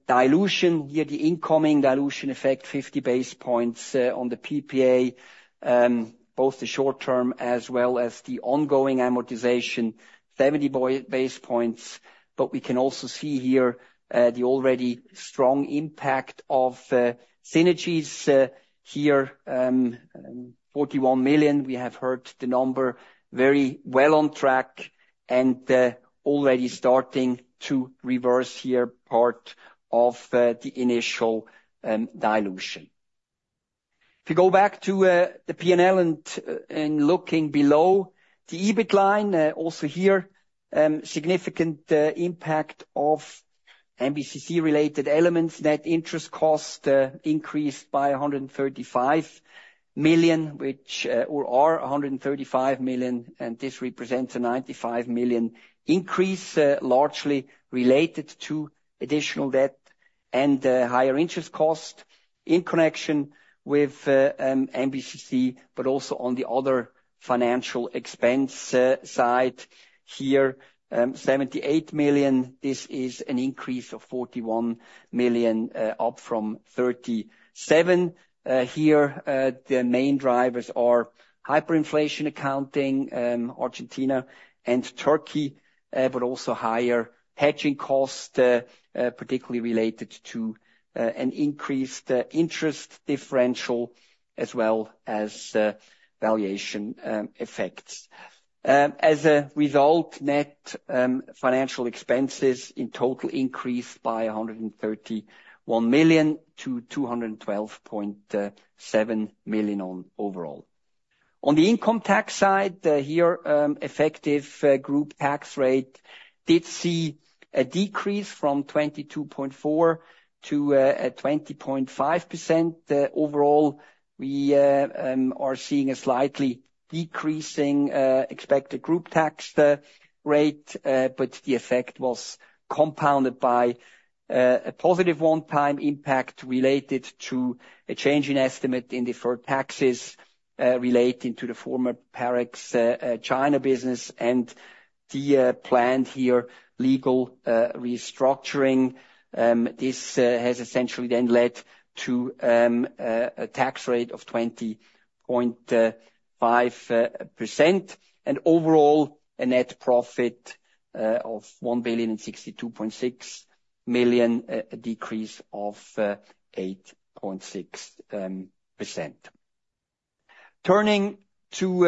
Speaker 2: dilution. Here, the incoming dilution effect, 50 basis points on the PPA, both the short-term as well as the ongoing amortization, 70 basis points. We can also see here the already strong impact of synergies. Here, 41 million, we have heard the number very well on track and already starting to reverse here part of the initial dilution. If you go back to the P&L and looking below the EBIT line, also here, significant impact of MBCC-related elements. Net interest cost increased by 135 million, which are 135 million. This represents a 95 million increase, largely related to additional debt and higher interest cost in connection with MBCC, but also on the other financial expense side here, 78 million. This is an increase of 41 million up from 37 million. Here, the main drivers are hyperinflation accounting, Argentina and Turkey, but also higher hedging cost, particularly related to an increased interest differential as well as valuation effects. As a result, net financial expenses in total increased by 131 million to 212.7 million overall. On the income tax side, here, effective group tax rate did see a decrease from 22.4% to 20.5% overall. We are seeing a slightly decreasing expected group tax rate, but the effect was compounded by a positive one-time impact related to a change in estimate in deferred taxes relating to the former Parex China business and the planned here legal restructuring. This has essentially then led to a tax rate of 20.5% and overall a net profit of 1.62 billion, a decrease of 8.6%. Turning to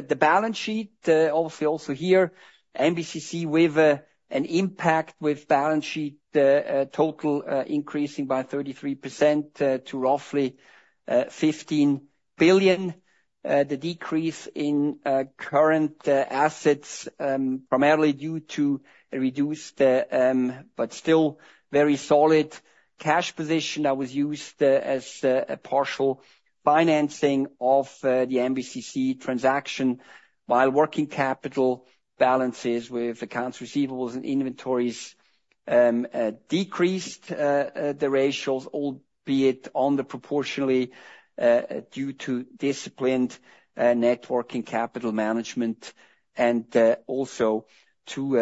Speaker 2: the balance sheet, obviously also here, MBCC with an impact with balance sheet total increasing by 33% to roughly 15 billion. The decrease in current assets, primarily due to a reduced, but still very solid cash position that was used as a partial financing of the MBCC transaction, while working capital balances with accounts receivable and inventories decreased the ratios, albeit underproportionately due to disciplined net working capital management and also to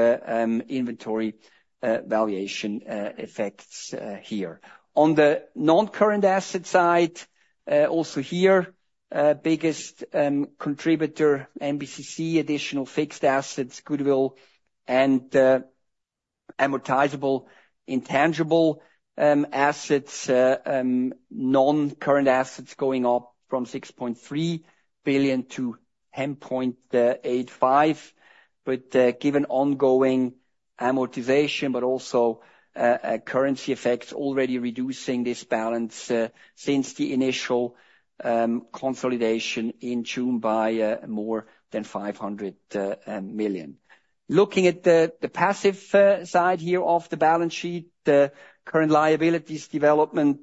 Speaker 2: inventory valuation effects here. On the non-current asset side, also here, biggest contributor, MBCC, additional fixed assets, goodwill, and amortizable intangible assets, non-current assets going up from 6.3 billion to 10.85 billion. But given ongoing amortization, but also currency effects already reducing this balance since the initial consolidation in June by more than 500 million. Looking at the passive side here of the balance sheet, the current liabilities development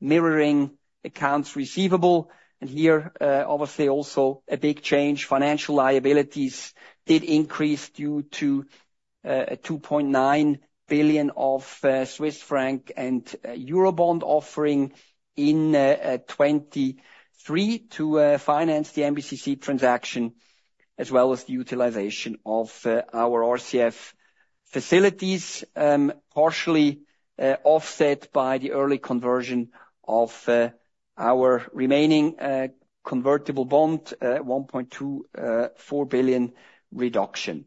Speaker 2: mirroring accounts receivable. And here, obviously also a big change, financial liabilities did increase due to a 2.9 billion of Swiss franc and eurobond offering in 2023 to finance the MBCC transaction, as well as the utilization of our RCF facilities, partially offset by the early conversion of our remaining convertible bond, 1.24 billion reduction.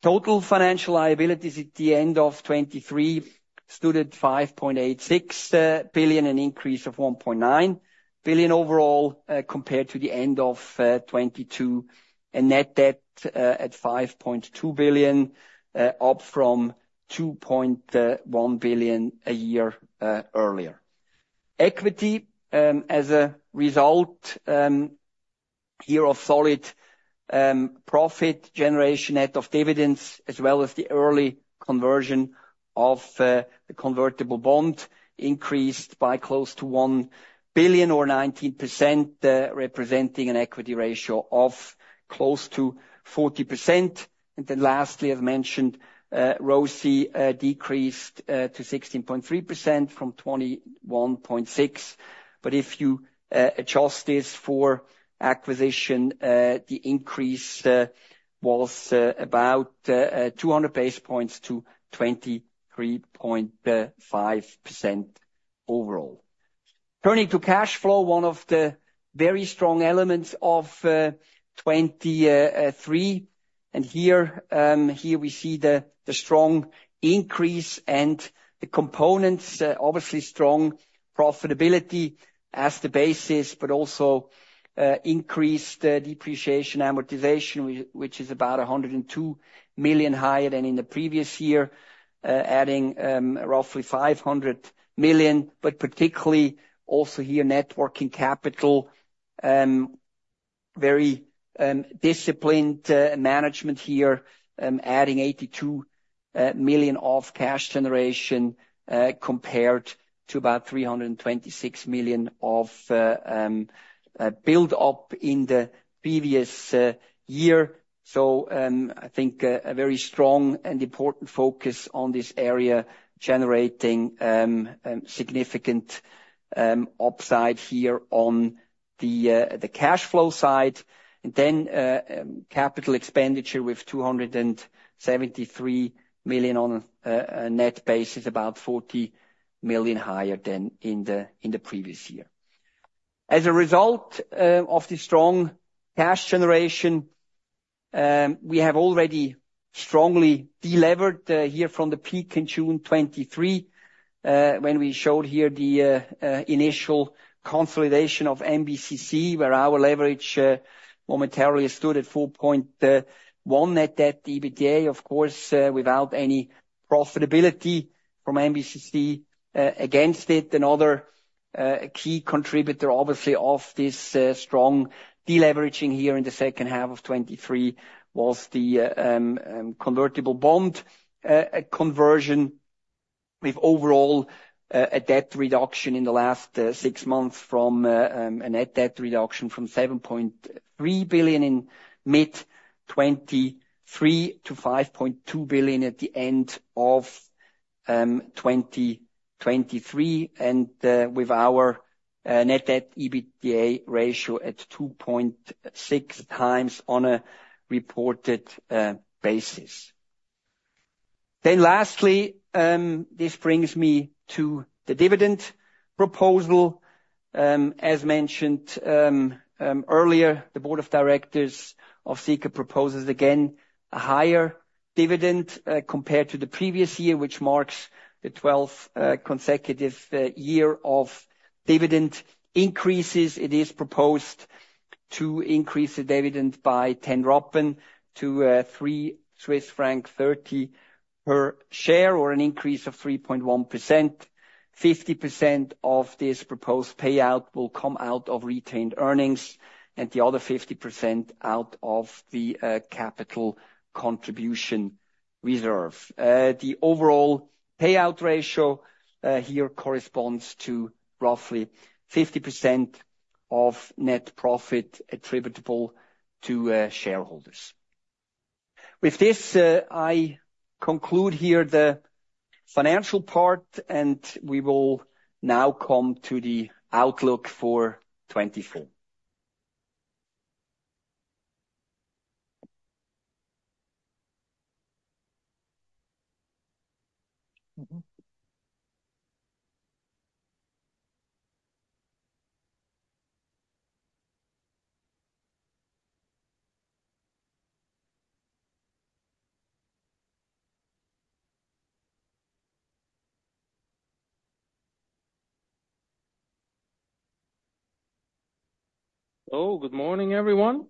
Speaker 2: Total financial liabilities at the end of 2023 stood at 5.86 billion, an increase of 1.9 billion overall compared to the end of 2022, a net debt at 5.2 billion, up from 2.1 billion a year earlier. Equity, as a result of solid profit generation net of dividends, as well as the early conversion of the convertible bond, increased by close to 1 billion or 19%, representing an equity ratio of close to 40%. And then lastly, as mentioned, ROCE decreased to 16.3% from 21.6%. But if you adjust this for acquisition, the increase was about 200 basis points to 23.5% overall. Turning to cash flow, one of the very strong elements of 2023, and here we see the strong increase and the components, obviously strong profitability as the basis, but also increased depreciation and amortization, which is about 102 million higher than in the previous year, adding roughly 500 million. But particularly also here net working capital, very disciplined management here, adding 82 million of cash generation compared to about 326 million of buildup in the previous year. So I think a very strong and important focus on this area generating significant upside here on the cash flow side. And then capital expenditure with 273 million on a net basis, about 40 million higher than in the previous year. As a result of the strong cash generation, we have already strongly delevered here from the peak in June 2023, when we showed here the initial consolidation of MBCC, where our leverage momentarily stood at 4.1 net debt EBITDA, of course without any profitability from MBCC against it. Another key contributor, obviously, of this strong deleveraging here in the second half of 2023 was the convertible bond conversion with overall a debt reduction in the last six months from a net debt reduction from 7.3 billion in mid-2023 to 5.2 billion at the end of 2023, and with our net debt EBITDA ratio at 2.6x on a reported basis. Lastly, this brings me to the dividend proposal. As mentioned earlier, the board of directors of Sika proposes again a higher dividend compared to the previous year, which marks the 12th consecutive year of dividend increases. It is proposed to increase the dividend by 0.10 to 3.30 Swiss franc per share, or an increase of 3.1%. 50% of this proposed payout will come out of retained earnings, and the other 50% out of the capital contribution reserve. The overall payout ratio here corresponds to roughly 50% of net profit attributable to shareholders. With this, I conclude here the financial part, and we will now come to the outlook for 2024.
Speaker 3: Oh, good morning, everyone.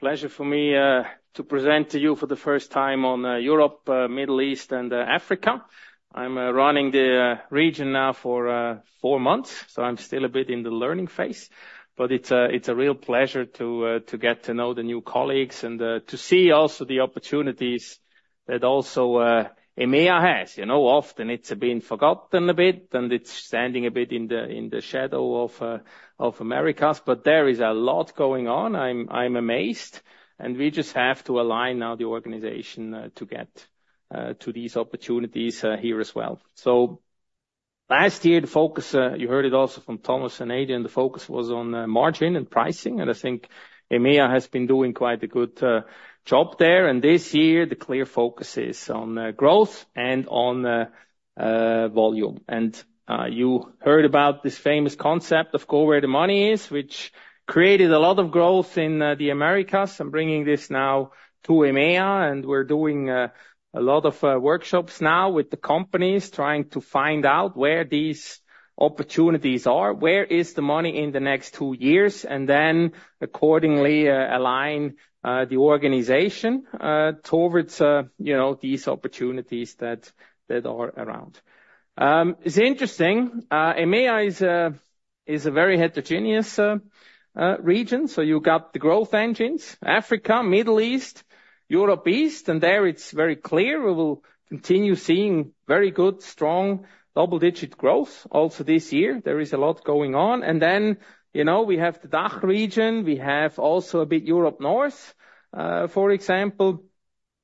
Speaker 3: Pleasure for me to present to you for the first time on Europe, Middle East, and Africa. I'm running the region now for four months, so I'm still a bit in the learning phase. But it's a real pleasure to get to know the new colleagues and to see also the opportunities that also EMEA has. You know, often it's been forgotten a bit and it's standing a bit in the shadow of Americas, but there is a lot going on. I'm amazed. We just have to align now the organization to get to these opportunities here as well. So last year, the focus, you heard it also from Thomas and Adrian, the focus was on margin and pricing. I think EMEA has been doing quite a good job there. This year, the clear focus is on growth and on volume. You heard about this famous concept of go where the money is, which created a lot of growth in the Americas. I'm bringing this now to EMEA, and we're doing a lot of workshops now with the companies trying to find out where these opportunities are, where is the money in the next two years, and then accordingly align the organization towards, you know, these opportunities that that are around. It's interesting. EMEA is a very heterogeneous region. So you've got the growth engines, Africa, Middle East, Europe East, and there it's very clear we will continue seeing very good, strong double-digit growth also this year. There is a lot going on. And then, you know, we have the DACH region. We have also a bit Europe North, for example,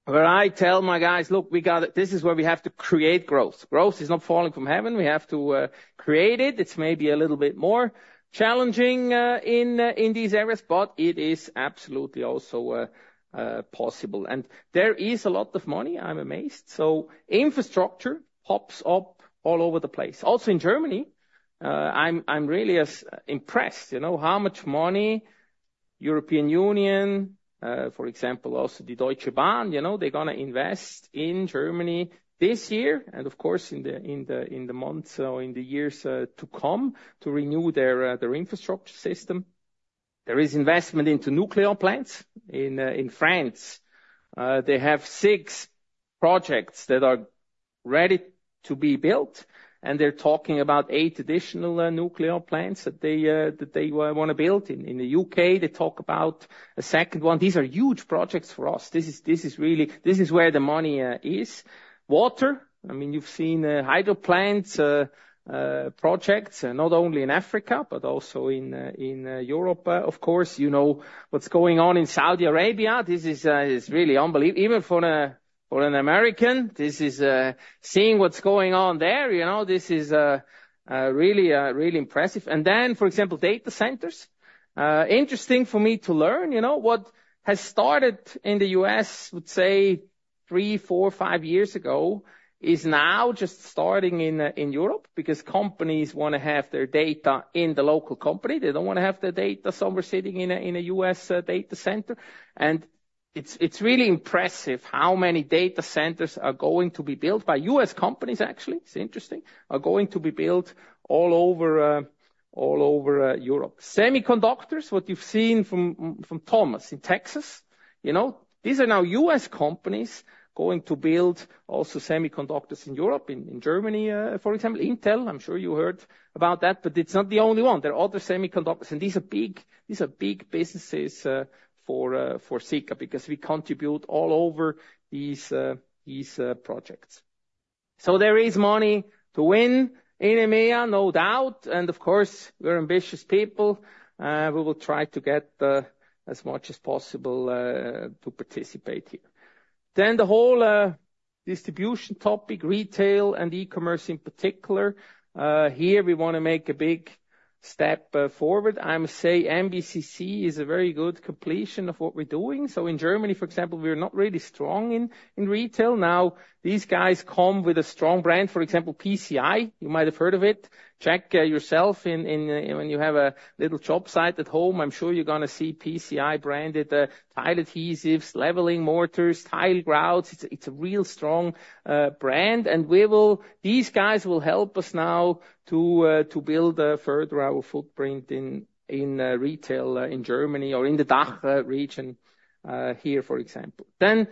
Speaker 3: where I tell my guys, look, we got it. This is where we have to create growth. Growth is not falling from heaven. We have to create it. It's maybe a little bit more challenging in these areas, but it is absolutely also possible. And there is a lot of money. I'm amazed. So infrastructure pops up all over the place. Also in Germany, I'm really impressed, you know, how much money European Union, for example, also the Deutsche Bahn, you know, they're going to invest in Germany this year and of course in the months or in the years to come to renew their infrastructure system. There is investment into nuclear plants in France. They have six projects that are ready to be built, and they're talking about eight additional nuclear plants that they want to build. In the U.K., they talk about a second one. These are huge projects for us. This is really where the money is. Well, I mean, you've seen hydro plants projects, not only in Africa, but also in Europe. Of course, you know what's going on in Saudi Arabia. This is really unbelievable. Even for an American, this is seeing what's going on there. You know, this is really impressive. And then, for example, data centers. Interesting for me to learn, you know, what has started in the U.S., would say three, four, five years ago, is now just starting in Europe because companies want to have their data in the local company. They don't want to have their data somewhere sitting in a US data center. And it's really impressive how many data centers are going to be built by U.S. companies, actually. It's interesting. Are going to be built all over Europe. Semiconductors, what you've seen from Thomas in Texas, you know, these are now U.S. companies going to build also semiconductors in Europe, in Germany, for example, Intel. I'm sure you heard about that, but it's not the only one. There are other semiconductors, and these are big businesses for Sika because we contribute all over these projects. So there is money to win in EMEA, no doubt. And of course, we're ambitious people. We will try to get as much as possible to participate here. Then the whole distribution topic, retail and e-commerce in particular. Here we want to make a big step forward. I must say MBCC is a very good completion of what we're doing. So in Germany, for example, we're not really strong in retail. Now these guys come with a strong brand, for example, PCI. You might have heard of it. Check yourself in when you have a little job site at home. I'm sure you're going to see PCI branded tile adhesives, leveling mortars, tile grouts. It's a real strong brand. And these guys will help us now to build further our footprint in retail in Germany or in the DACH region here, for example. Then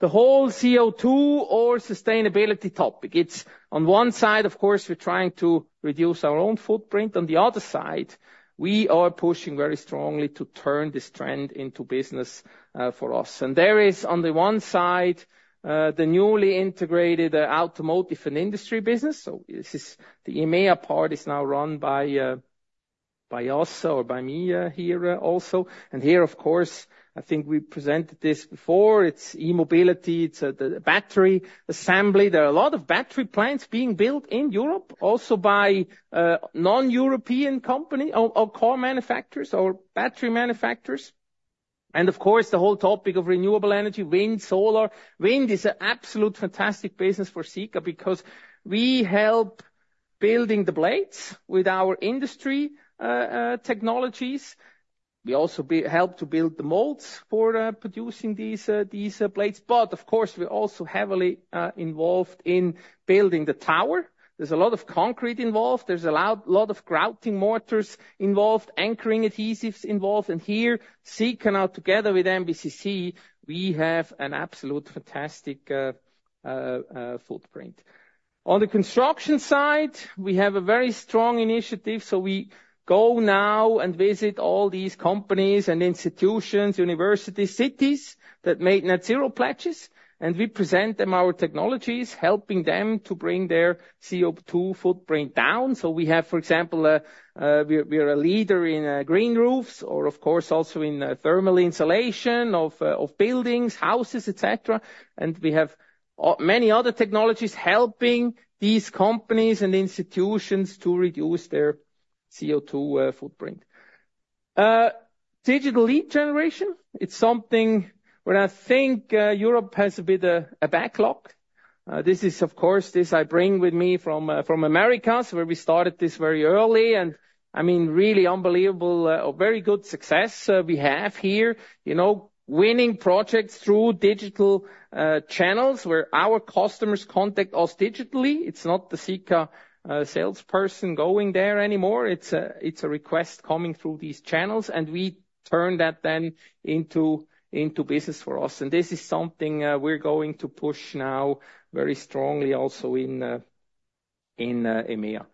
Speaker 3: the whole CO2 or sustainability topic. It's on one side, of course, we're trying to reduce our own footprint. On the other side, we are pushing very strongly to turn this trend into business for us. And there is on the one side the newly integrated automotive and industry business. So the EMEA part is now run by us or by me here also. And here, of course, I think we presented this before. It's e-mobility It's a battery assembly. There are a lot of battery plants being built in Europe, also by non-European company or car manufacturers or battery manufacturers. And of course, the whole topic of renewable energy, wind, solar. Wind is an absolute fantastic business for Sika because we help building the blades with our industry technologies. We also help to build the molds for producing these blades. But of course, we're also heavily involved in building the tower. There's a lot of concrete involved. There's a lot of grouting mortars involved, anchoring adhesives involved. And here, Sika now together with MBCC, we have an absolute fantastic footprint. On the construction side, we have a very strong initiative. So we go now and visit all these companies and institutions, universities, cities that make net zero pledges. And we present them our technologies, helping them to bring their CO2 footprint down. So we have, for example, we're a leader in green roofs or of course also in thermal insulation of buildings, houses, etc. And we have many other technologies helping these companies and institutions to reduce their CO2 footprint. Digital lead generation, it's something where I think Europe has a bit of a backlog. This is, of course, this I bring with me from Americas where we started this very early. And I mean, really unbelievable or very good success we have here, you know, winning projects through digital channels where our customers contact us digitally. It's not the Sika salesperson going there anymore. It's a request coming through these channels. And we turn that then into business for us. And this is something we're going to push now very strongly also in EMEA.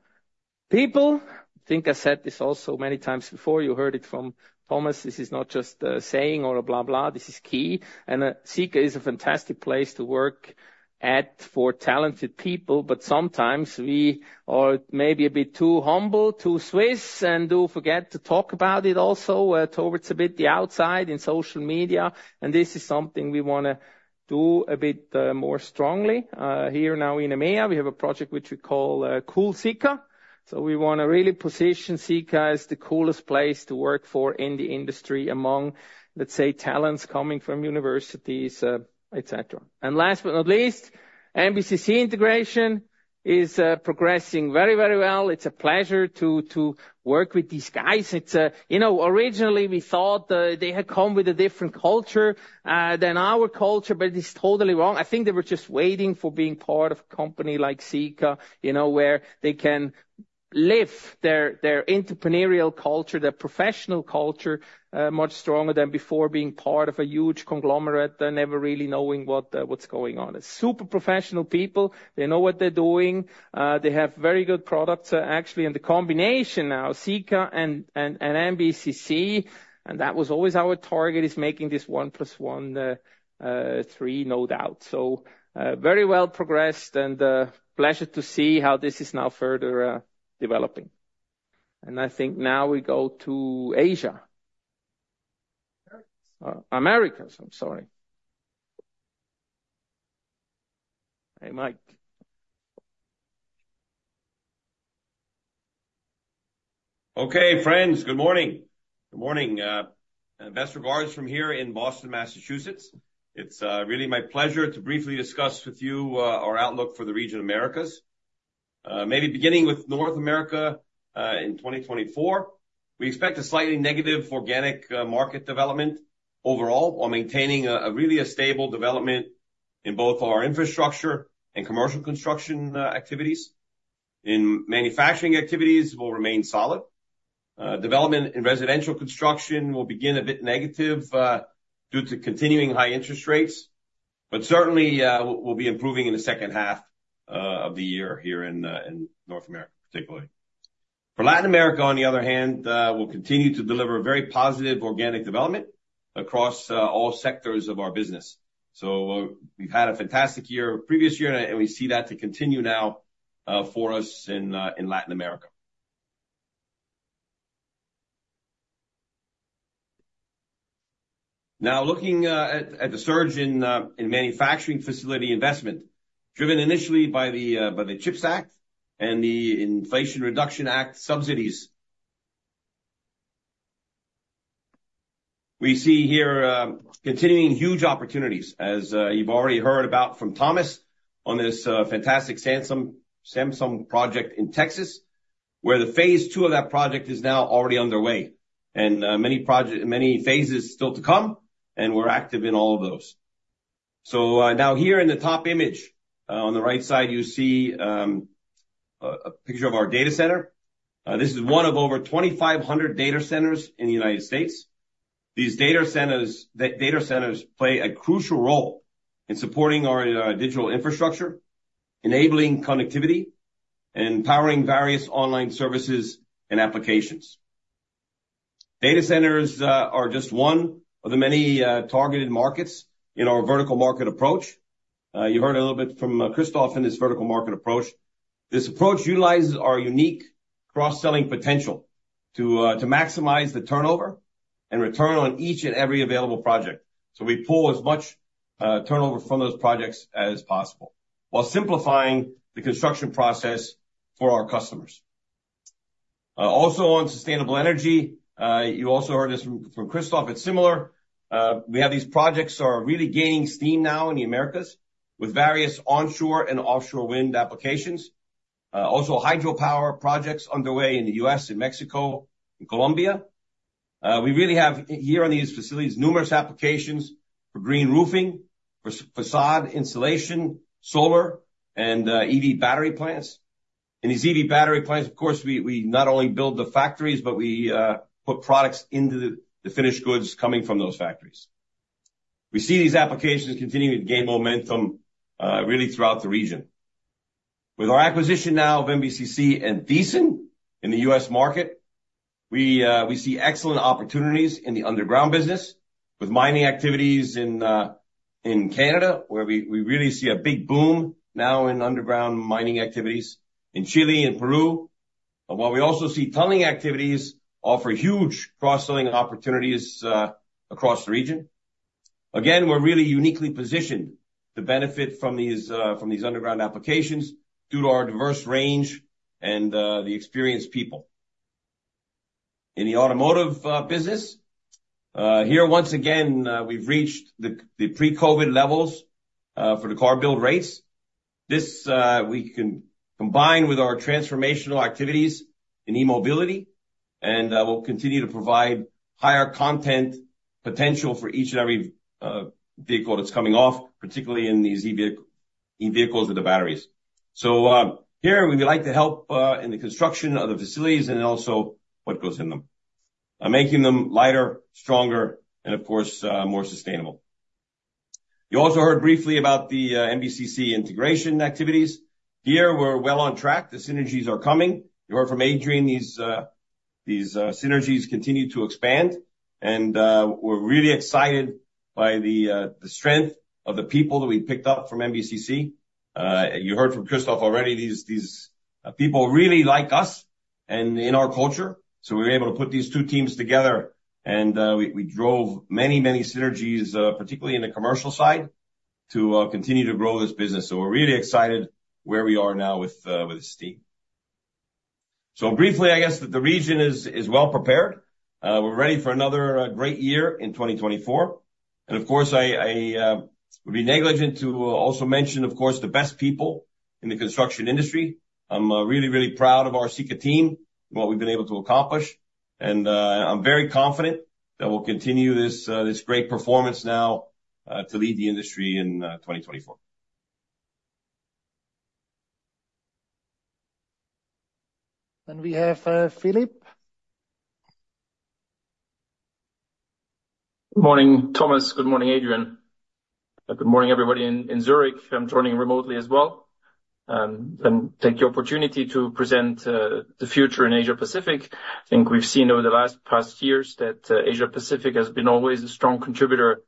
Speaker 3: People, I think I said this also many times before, you heard it from Thomas, this is not just a saying or a blah blah, this is key. And Sika is a fantastic place to work at for talented people, but sometimes we are maybe a bit too humble, too Swiss, and do forget to talk about it also towards a bit the outside in social media. And this is something we want to do a bit more strongly. Here now in EMEA, we have a project which we call Cool Sika. So we want to really position Sika as the coolest place to work for in the industry among, let's say, talents coming from universities, etc. And last but not least, MBCC integration is progressing very, very well. It's a pleasure to work with these guys. It's a, you know, originally we thought they had come with a different culture than our culture, but it's totally wrong. I think they were just waiting for being part of a company like Sika, you know, where they can live their their entrepreneurial culture, their professional culture much stronger than before being part of a huge conglomerate, never really knowing what what's going on. It's super professional people. They know what they're doing. They have very good products, actually. And the combination now, Sika and and and MBCC, and that was always our target, is making this one plus one three, no doubt. So very well progressed and pleasure to see how this is now further developing. And I think now we go to Asia. Americas, I'm sorry. Hey, Mike.
Speaker 4: Okay, friends, good morning. Good morning. Best regards from here in Boston, Massachusetts. It's really my pleasure to briefly discuss with you our outlook for the region of Americas. Maybe beginning with North America in 2024, we expect a slightly negative organic market development overall while maintaining a really stable development in both our infrastructure and commercial construction activities. In manufacturing activities, we'll remain solid. Development in residential construction will begin a bit negative due to continuing high interest rates, but certainly will be improving in the second half of the year here in North America, particularly. For Latin America, on the other hand, we'll continue to deliver a very positive organic development across all sectors of our business. We've had a fantastic year previous year and we see that to continue now for us in Latin America. Now looking at the surge in manufacturing facility investment, driven initially by the CHIPS Act and the Inflation Reduction Act subsidies. We see here continuing huge opportunities as you've already heard about from Thomas on this fantastic Samsung project in Texas where the phase two of that project is now already underway and many projects, many phases still to come and we're active in all of those. So now here in the top image on the right side, you see a picture of our data center. This is one of over 2,500 data centers in the United States. These data centers play a crucial role in supporting our digital infrastructure, enabling connectivity and powering various online services and applications. Data centers are just one of the many targeted markets in our vertical market approach. You heard a little bit from Christoph in this vertical market approach. This approach utilizes our unique cross-selling potential to maximize the turnover and return on each and every available project. So we pull as much turnover from those projects as possible while simplifying the construction process for our customers. Also on sustainable energy, you also heard this from Christoph. It's similar. We have these projects are really gaining steam now in the Americas with various onshore and offshore wind applications. Also hydropower projects underway in the U.S., in Mexico, in Colombia. We really have here on these facilities numerous applications for green roofing, for façade insulation, solar and EV battery plants. In these EV battery plants, of course, we not only build the factories, but we put products into the finished goods coming from those factories. We see these applications continuing to gain momentum really throughout the region. With our acquisition now of MBCC and Thiessen in the U.S. market, we see excellent opportunities in the underground business with mining activities in Canada where we really see a big boom now in underground mining activities in Chile and Peru. And while we also see tunneling activities offer huge cross-selling opportunities across the region. Again, we're really uniquely positioned to benefit from these underground applications due to our diverse range and the experienced people. In the automotive business, here once again, we've reached the pre-COVID levels for the car build rates. This we can combine with our transformational activities in e-mobility and we'll continue to provide higher content potential for each and every vehicle that's coming off, particularly in these EV vehicles with the batteries. So here we would like to help in the construction of the facilities and then also what goes in them, making them lighter, stronger, and of course, more sustainable. You also heard briefly about the MBCC integration activities. Here we're well on track. The synergies are coming. You heard from Adrian, these synergies continue to expand and we're really excited by the strength of the people that we picked up from MBCC. You heard from Christoph already, these people really like us and in our culture. So we were able to put these two teams together and we drove many, many synergies, particularly in the commercial side to continue to grow this business. So we're really excited where we are now with the steam. So briefly, I guess that the region is well prepared. We're ready for another great year in 2024. Of course, I would be negligent to also mention, of course, the best people in the construction industry. I'm really, really proud of our Sika team and what we've been able to accomplish. And I'm very confident that we'll continue this great performance now to lead the industry in 2024.
Speaker 1: And we have Philippe.
Speaker 5: Good morning, Thomas. Good morning, Adrian. Good morning, everybody in Zurich. I'm joining remotely as well. And take the opportunity to present the future in Asia-Pacific. I think we've seen over the last past years that Asia-Pacific has been always a strong contributor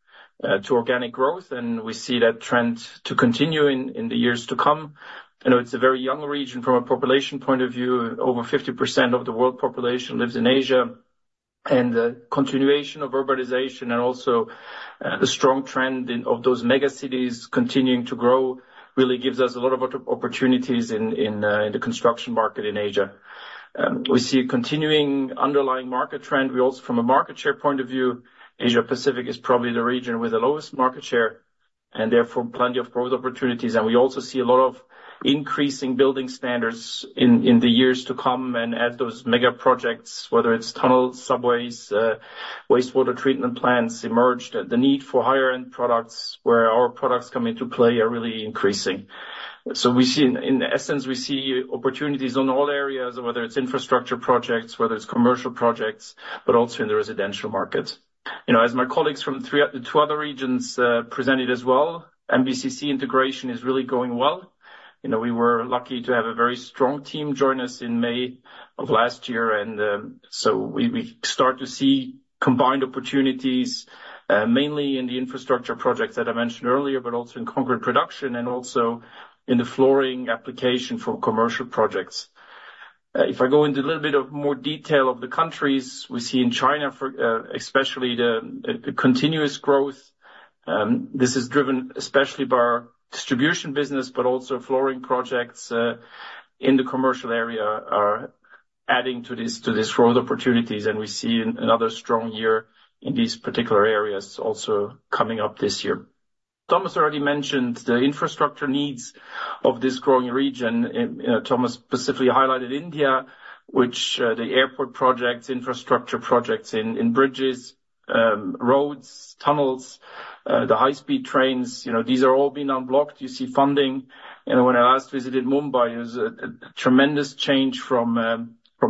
Speaker 5: to organic growth and we see that trend to continue in the years to come. I know it's a very young region from a population point of view. Over 50% of the world population lives in Asia. And the continuation of urbanization and also the strong trend of those mega cities continuing to grow really gives us a lot of opportunities in the construction market in Asia. We see a continuing underlying market trend. We also from a market share point of view, Asia-Pacific is probably the region with the lowest market share and therefore plenty of growth opportunities. And we also see a lot of increasing building standards in the years to come. And as those mega projects, whether it's tunnels, subways, wastewater treatment plants emerged, the need for higher-end products where our products come into play are really increasing. So we see in essence, we see opportunities on all areas, whether it's infrastructure projects, whether it's commercial projects, but also in the residential market. You know, as my colleagues from three two other regions presented as well, MBCC integration is really going well. You know, we were lucky to have a very strong team join us in May of last year. And so we start to see combined opportunities mainly in the infrastructure projects that I mentioned earlier, but also in concrete production and also in the flooring application for commercial projects. If I go into a little bit of more detail of the countries we see in China, for especially the continuous growth, this is driven especially by our distribution business, but also flooring projects in the commercial area are adding to this to this growth opportunities. And we see another strong year in these particular areas also coming up this year. Thomas already mentioned the infrastructure needs of this growing region. You know, Thomas specifically highlighted India, which the airport projects, infrastructure projects in in bridges, roads, tunnels, the high-speed trains, you know, these are all being unblocked. You see funding. You know, when I last visited Mumbai, it was a tremendous change from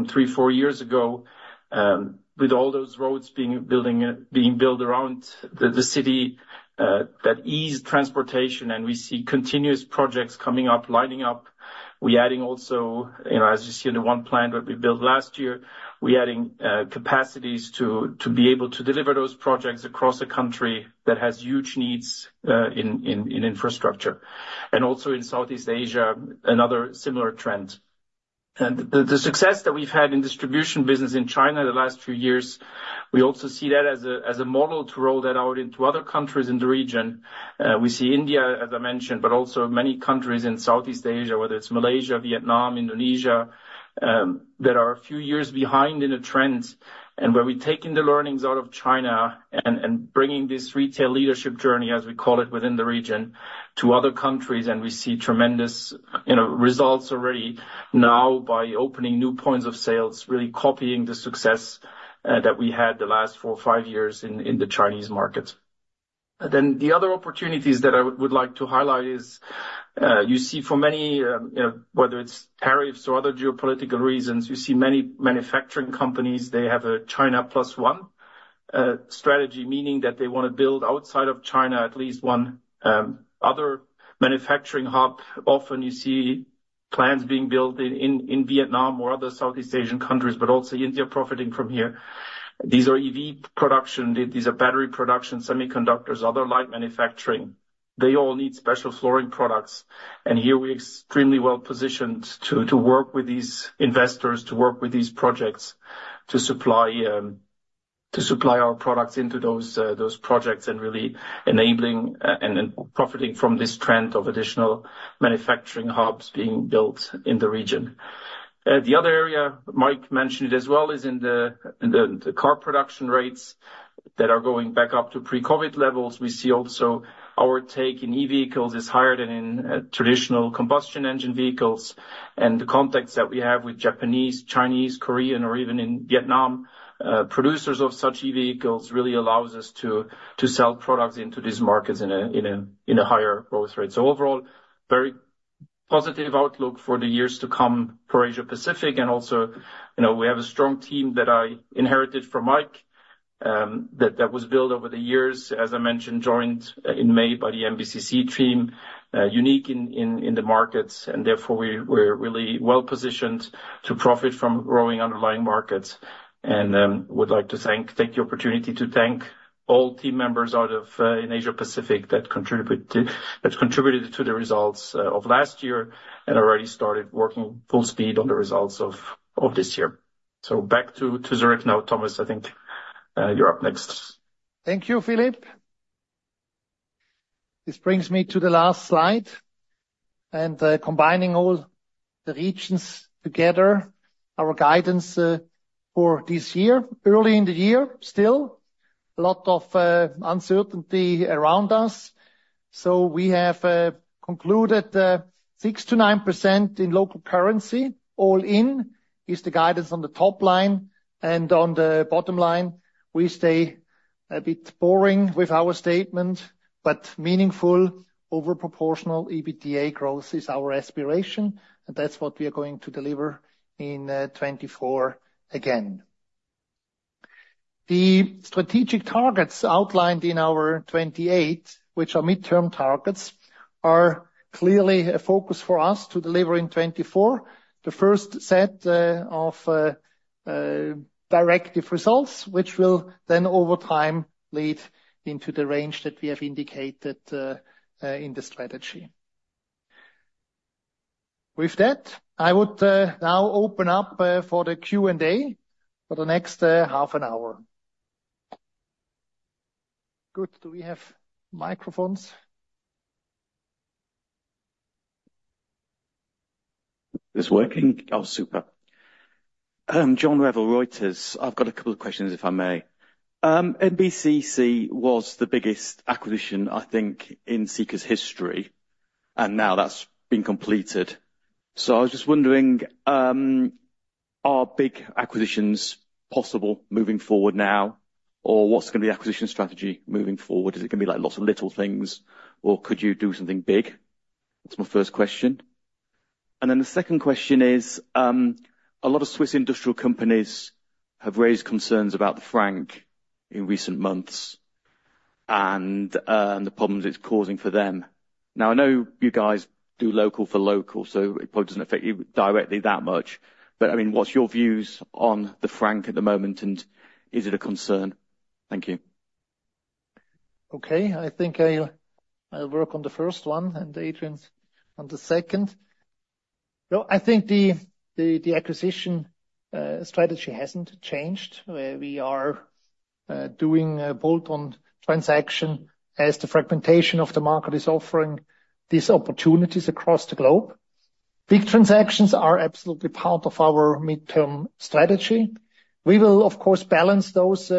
Speaker 5: three-four years ago. With all those roads being built around the city, that eased transportation. And we see continuous projects coming up, lining up. We're adding also, you know, as you see in the one plant that we built last year, we're adding capacities to be able to deliver those projects across the country that has huge needs in infrastructure. And also in Southeast Asia, another similar trend. And the success that we've had in distribution business in China the last few years, we also see that as a model to roll that out into other countries in the region. We see India, as I mentioned, but also many countries in Southeast Asia, whether it's Malaysia, Vietnam, Indonesia, that are a few years behind in a trend and where we're taking the learnings out of China and bringing this retail leadership journey, as we call it within the region, to other countries. And we see tremendous, you know, results already now by opening new points of sales, really copying the success that we had the last four or five years in the Chinese markets. Then the other opportunities that I would like to highlight is you see for many, you know, whether it's tariffs or other geopolitical reasons, you see many manufacturing companies, they have a China Plus One strategy, meaning that they want to build outside of China at least one other manufacturing hub. Often you see plants being built in Vietnam or other Southeast Asian countries, but also India profiting from here. These are EV production. These are battery production, semiconductors, other light manufacturing. They all need special flooring products. And here we're extremely well positioned to work with these investors, to work with these projects, to supply our products into those projects and really enabling and profiting from this trend of additional manufacturing hubs being built in the region. The other area, Mike mentioned it as well, is in the car production rates that are going back up to pre-COVID levels. We see also our take in e-vehicles is higher than in traditional combustion engine vehicles. And the context that we have with Japanese, Chinese, Korean, or even in Vietnam, producers of such e-vehicles really allows us to sell products into these markets in a higher growth rate. So overall, very positive outlook for the years to come for Asia-Pacific. And also, you know, we have a strong team that I inherited from Mike that was built over the years, as I mentioned, joined in May by the MBCC team, unique in the markets. And therefore we're really well positioned to profit from growing underlying markets. And would like to take the opportunity to thank all team members in Asia-Pacific that contributed to the results of last year and already started working full speed on the results of this year. So back to Zurich now, Thomas, I think you're up next.
Speaker 1: Thank you, Philippe. This brings me to the last slide and combining all the regions together, our guidance for this year. Early in the year, still a lot of uncertainty around us. So we have concluded 6%-9% in local currency all in is the guidance on the top line and on the bottom line. We stay a bit boring with our statement, but meaningful. Overproportional EBITDA growth is our aspiration and that's what we are going to deliver in 2024 again. The strategic targets outlined in our 2028, which are midterm targets, are clearly a focus for us to deliver in 2024. The first set of directive results, which will then over time lead into the range that we have indicated in the strategy. With that, I would now open up for the Q&A for the next half an hour. Good. Do we have microphones?
Speaker 6: Is it working? Oh, super. John Revill, Reuters. I've got a couple of questions, if I may. MBCC was the biggest acquisition, I think, in Sika's history. And now that's been completed. So I was just wondering, are big acquisitions possible moving forward now, or what's going to be the acquisition strategy moving forward? Is it going to be like lots of little things, or could you do something big? That's my first question. And then the second question is, a lot of Swiss industrial companies have raised concerns about the franc in recent months and the problems it's causing for them. Now, I know you guys do local for local, so it probably doesn't affect you directly that much. But I mean, what's your views on the franc at the moment, and is it a concern? Thank you.
Speaker 1: Okay, I think I'll work on the first one and Adrian's on the second. Well, I think the acquisition strategy hasn't changed. We are doing a bolt-on transaction as the fragmentation of the market is offering these opportunities across the globe. Big transactions are absolutely part of our midterm strategy. We will, of course, balance those,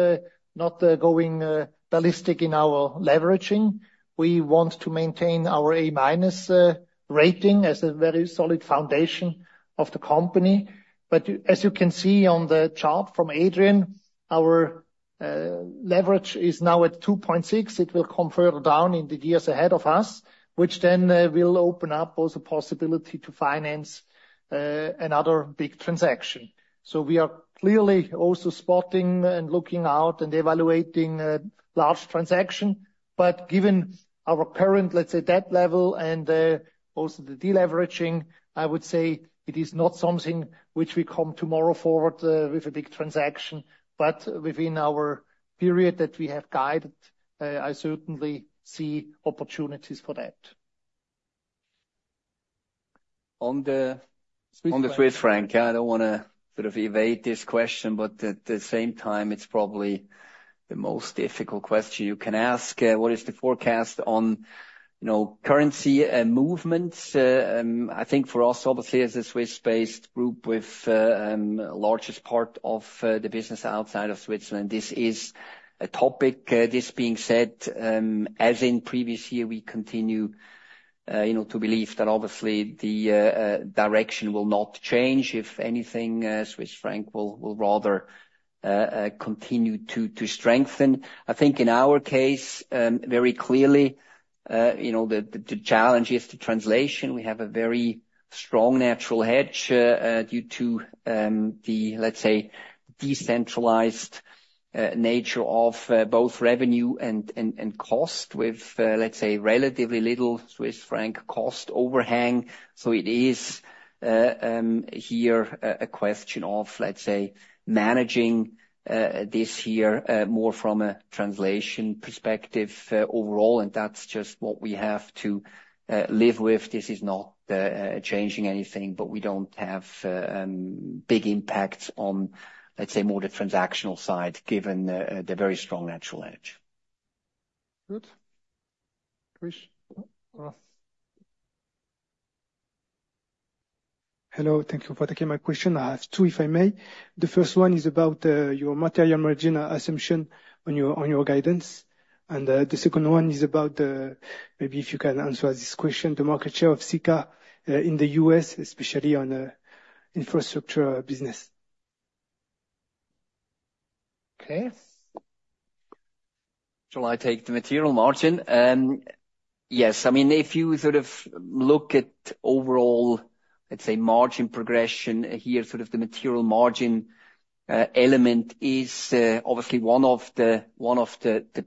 Speaker 1: not going ballistic in our leveraging. We want to maintain our A- rating as a very solid foundation of the company. But as you can see on the chart from Adrian, our leverage is now at 2.6. It will come down in the years ahead of us, which then will open up also possibility to finance another big transaction. So we are clearly also spotting and looking out and evaluating a large transaction. But given our current, let's say, debt level and also the deleveraging, I would say it is not something which we come tomorrow forward with a big transaction. But within our period that we have guided, I certainly see opportunities for that.
Speaker 2: On the Swiss on the franc, I don't want to sort of evade this question, but at the same time, it's probably the most difficult question you can ask. What is the forecast on you know currency movements? I think for us, obviously, as a Swiss-based group with the largest part of the business outside of Switzerland, this is a topic. This being said, as in previous year, we continue you know to believe that obviously the direction will not change. If anything, Swiss franc will rather continue to strengthen. I think in our case, very clearly, you know the challenge is the translation. We have a very strong natural hedge due to the, let's say, decentralized nature of both revenue and cost with, let's say, relatively little Swiss franc cost overhang. So it is here a question of, let's say, managing this year more from a translation perspective overall. And that's just what we have to live with. This is not changing anything, but we don't have big impacts on, let's say, more the transactional side given the very strong natural hedge.
Speaker 1: Good. Chris.
Speaker 7: Hello, thank you for taking my question. I have two, if I may. The first one is about your material margin assumption on your guidance. And the second one is about the, maybe if you can answer this question, the market share of Sika in the U.S., especially on the infrastructure business.
Speaker 1: Okay.
Speaker 2: Shall I take the material margin? Yes, I mean, if you sort of look at overall, let's say, margin progression here, sort of the material margin element is obviously one of the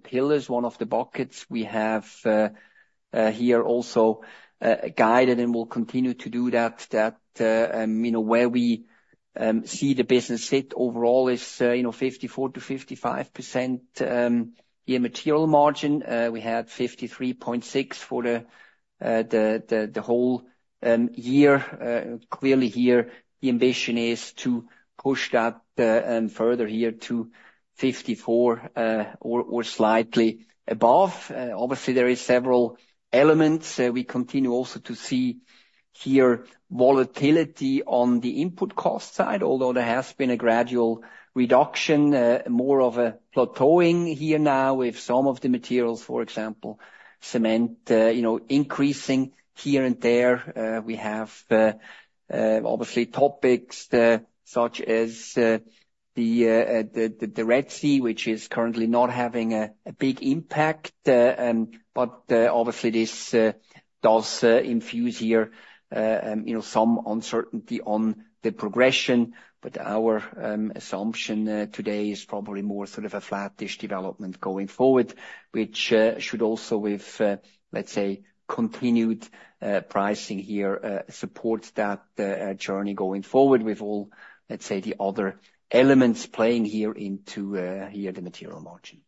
Speaker 2: pillars, one of the buckets we have here also guided and will continue to do that. That you know where we see the business sit overall is you know 54%-55% year material margin. We had 53.6% for the whole year. Clearly here, the ambition is to push that further here to 54% or slightly above. Obviously, there are several elements. We continue also to see here volatility on the input cost side, although there has been a gradual reduction, more of a plateauing here now with some of the materials, for example, cement, you know increasing here and there. We have obviously topics such as the Red Sea, which is currently not having a big impact. But obviously this does infuse here you know some uncertainty on the progression. But our assumption today is probably more sort of a flat-ish development going forward, which should also with, let's say, continued pricing here, support that journey going forward with all, let's say, the other elements playing into the material margin.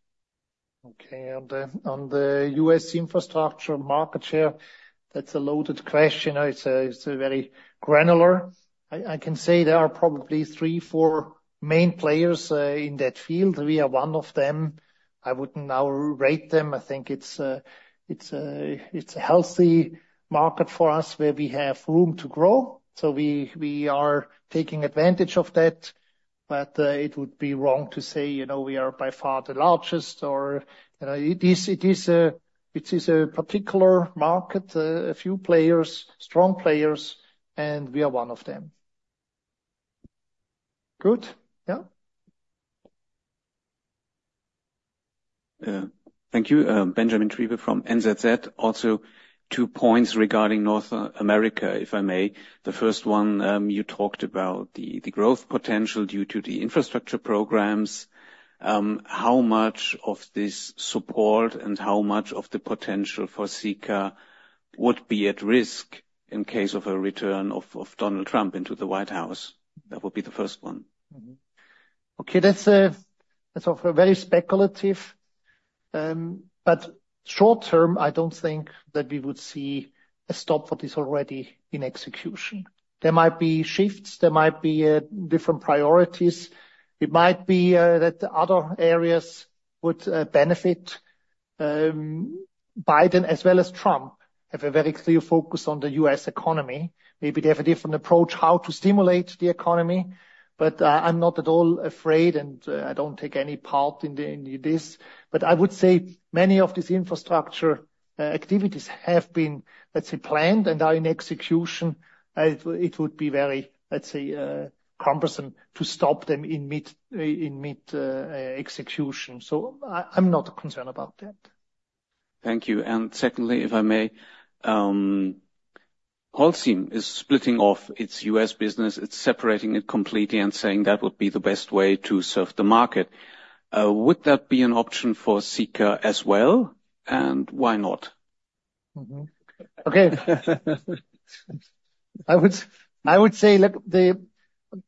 Speaker 1: Okay, and on the U.S. infrastructure market share, that's a loaded question. It's a very granular. I can say there are probably three, four main players in that field. We are one of them. I wouldn't now rate them. I think it's a healthy market for us where we have room to grow. So we are taking advantage of that. But it would be wrong to say, you know, we are by far the largest or, you know, it is a particular market, a few players, strong players, and we are one of them. Good?
Speaker 7: Yeah.
Speaker 8: Yeah, thank you. Benjamin Triebe from NZZ. Also two points regarding North America, if I may. The first one, you talked about the growth potential due to the infrastructure programs. How much of this support and how much of the potential for Sika would be at risk in case of a return of Donald Trump into the White House? That would be the first one.
Speaker 1: Okay, that's a very speculative. But short term, I don't think that we would see a stop for this already in execution. There might be shifts. There might be different priorities. It might be that other areas would benefit. Biden as well as Trump have a very clear focus on the U.S. economy. Maybe they have a different approach how to stimulate the economy. But I'm not at all afraid and I don't take any part in this. But I would say many of these infrastructure activities have been, let's say, planned and are in execution. It would be very, let's say, cumbersome to stop them in mid execution. So I'm not concerned about that.
Speaker 8: Thank you. And secondly, if I may, Holcim is splitting off its U.S. business. It's separating it completely and saying that would be the best way to serve the market. Would that be an option for Sika as well? And why not?
Speaker 1: Okay. I would say let the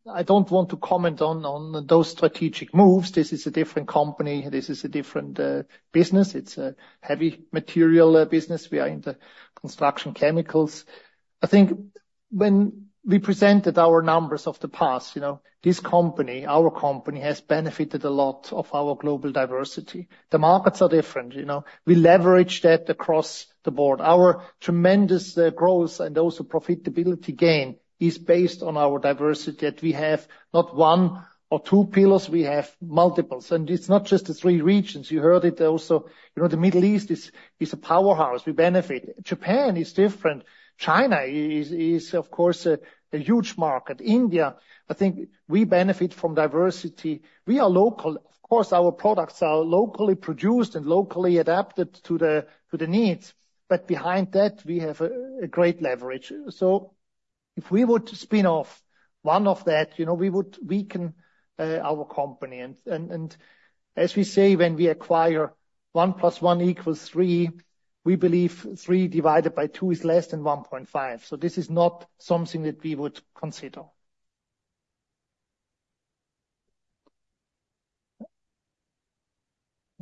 Speaker 1: I don't want to comment on those strategic moves. This is a different company. This is a different business. It's a heavy material business. We are in the construction chemicals. I think when we presented our numbers of the past, you know, this company, our company has benefited a lot of our global diversity. The markets are different, you know. We leverage that across the board. Our tremendous growth and also profitability gain is based on our diversity that we have not one or two pillars. We have multiples. And it's not just the three regions. You heard it also. You know, the Middle East is a powerhouse. We benefit. Japan is different. China is, of course, a huge market. India, I think we benefit from diversity. We are local. Of course, our products are locally produced and locally adapted to the needs. But behind that, we have a great leverage. So if we would spin off one of that, you know, we would weaken our company. And as we say, when we acquire one plus one equals three, we believe three divided by two is less than 1.5. So this is not something that we would consider.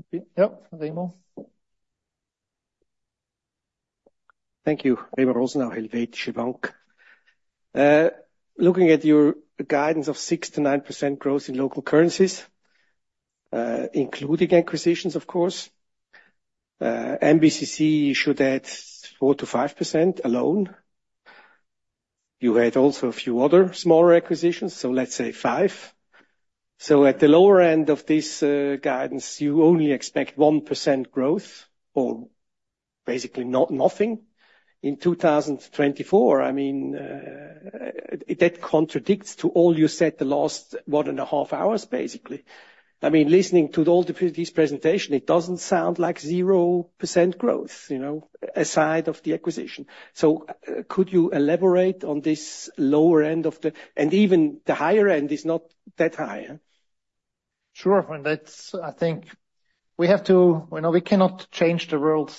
Speaker 1: Okay. Yep. Remo.
Speaker 9: Thank you. Remo Rosenau, Helvetische Bank. Looking at your guidance of 6%-9% growth in local currencies, including acquisitions, of course. MBCC should add 4%-5% alone. You had also a few other smaller acquisitions, so let's say five. So at the lower end of this guidance, you only expect 1% growth or basically not nothing. In 2024, I mean, that contradicts to all you said the last one and a half hours, basically. I mean, listening to all this presentation, it doesn't sound like 0% growth, you know, aside of the acquisition. So could you elaborate on this lower end of the and even the higher end is not that high?
Speaker 1: Sure. And that's, I think, we have to you know, we cannot change the world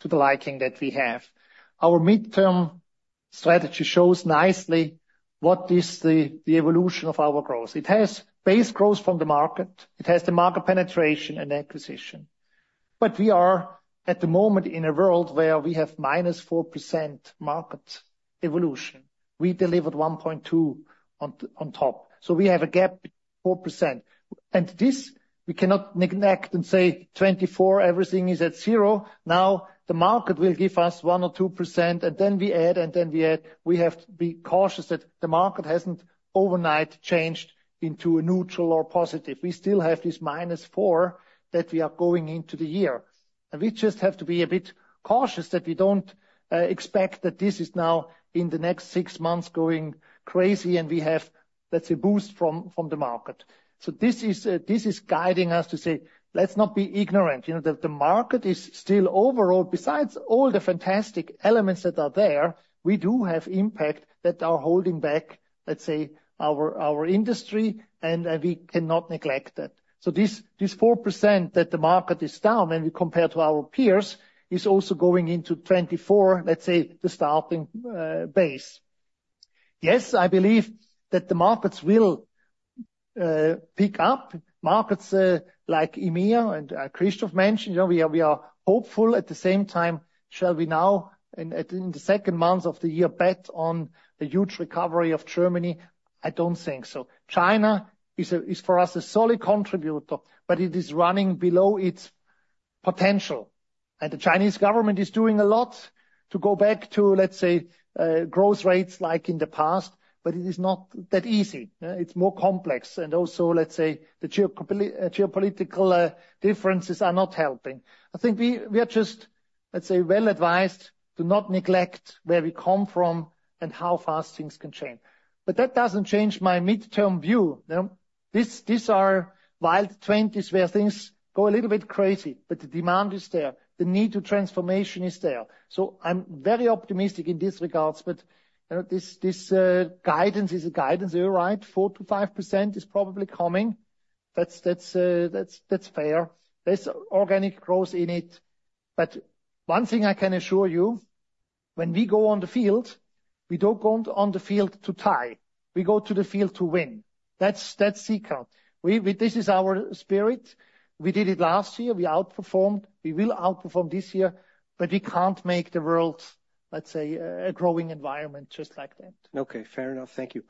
Speaker 1: to the liking that we have. Our midterm strategy shows nicely what is the evolution of our growth. It has base growth from the market. It has the market penetration and acquisition. But we are at the moment in a world where we have -4% market evolution. We delivered 1.2% on top. So we have a gap of 4%. And this we cannot neglect and say 2024, everything is at zero. Now the market will give us one or 2%, and then we add, and then we add. We have to be cautious that the market hasn't overnight changed into a neutral or positive. We still have this -4% that we are going into the year. And we just have to be a bit cautious that we don't expect that this is now in the next six months going crazy, and we have, let's say, a boost from the market. So this is guiding us to say, let's not be ignorant. You know, the market is still overall, besides all the fantastic elements that are there, we do have impacts that are holding back, let's say, our industry, and we cannot neglect that. So this 4% that the market is down when we compare to our peers is also going into 2024, let's say, the starting base. Yes, I believe that the markets will pick up. Markets like EMEA and Christoph mentioned, you know, we are hopeful at the same time. Shall we now and at in the second month of the year bet on a huge recovery of Germany? I don't think so. China is for us a solid contributor, but it is running below its potential. The Chinese government is doing a lot to go back to, let's say, growth rates like in the past, but it is not that easy. It's more complex. Also, let's say, the geopolitical differences are not helping. I think we are just, let's say, well advised to not neglect where we come from and how fast things can change. But that doesn't change my midterm view. You know, these are wild 2020s where things go a little bit crazy, but the demand is there. The need to transformation is there. So I'm very optimistic in this regard. But you know this guidance is a guidance. You're right. 4%-5% is probably coming. That's fair. There's organic growth in it. But one thing I can assure you, when we go on the field, we don't go on the field to tie. We go to the field to win. That's Sika. We this is our spirit. We did it last year. We outperformed. We will outperform this year. But we can't make the world, let's say, a growing environment just like that.
Speaker 9: Okay, fair enough. Thank you.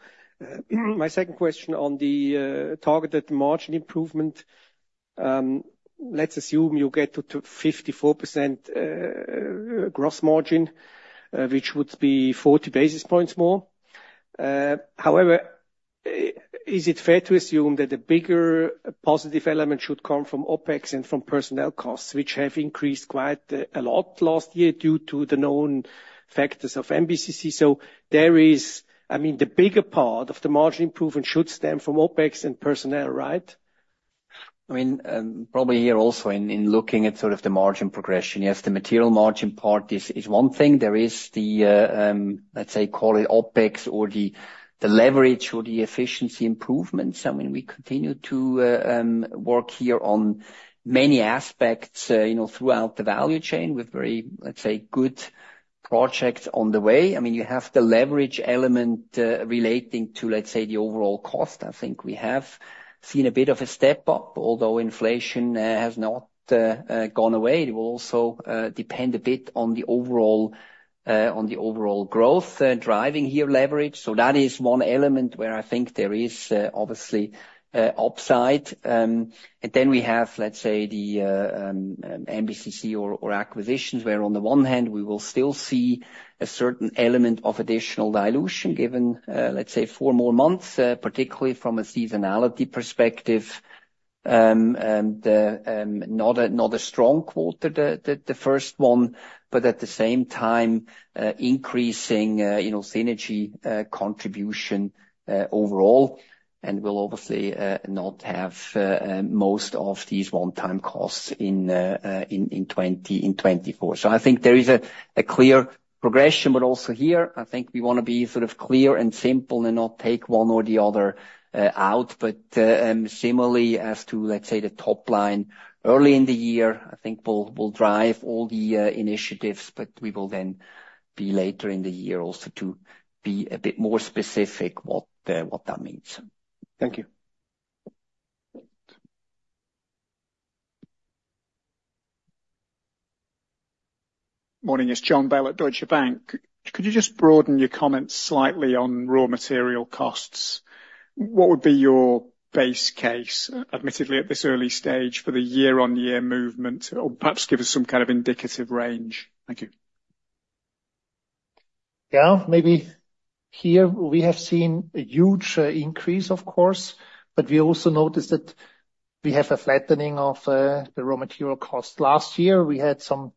Speaker 9: My second question on the targeted margin improvement. Let's assume you get to 54% gross margin, which would be 40 basis points more. However, is it fair to assume that a bigger positive element should come from OpEx and from personnel costs, which have increased quite a lot last year due to the known factors of MBCC? So there is, I mean, the bigger part of the margin improvement should stem from OpEx and personnel, right?
Speaker 2: I mean, probably here also in looking at sort of the margin progression, yes, the material margin part is one thing. There is the, let's say, call it OpEx or the leverage or the efficiency improvements. I mean, we continue to work here on many aspects, you know, throughout the value chain with very, let's say, good projects on the way. I mean, you have the leverage element relating to, let's say, the overall cost. I think we have seen a bit of a step up, although inflation has not gone away. It will also depend a bit on the overall growth driving here leverage. So that is one element where I think there is obviously upside. And then we have, let's say, the MBCC or acquisitions where on the one hand, we will still see a certain element of additional dilution given, let's say, four more months, particularly from a seasonality perspective. And not a strong quarter, the first one, but at the same time, increasing, you know, synergy contribution overall. And we'll obviously not have most of these one-time costs in 2024. So I think there is a clear progression, but also here, I think we want to be sort of clear and simple and not take one or the other out. But similarly as to, let's say, the top line early in the year, I think we'll drive all the initiatives, but we will then be later in the year also to be a bit more specific what that means.
Speaker 9: Thank you.
Speaker 10: Morning, it's Jon Bell at Deutsche Bank. Could you just broaden your comments slightly on raw material costs? What would be your base case, admittedly at this early stage, for the year-on-year movement, or perhaps give us some kind of indicative range? Thank you.
Speaker 1: Yeah, maybe here we have seen a huge increase, of course, but we also noticed that we have a flattening of the raw material cost. Last year, we had some,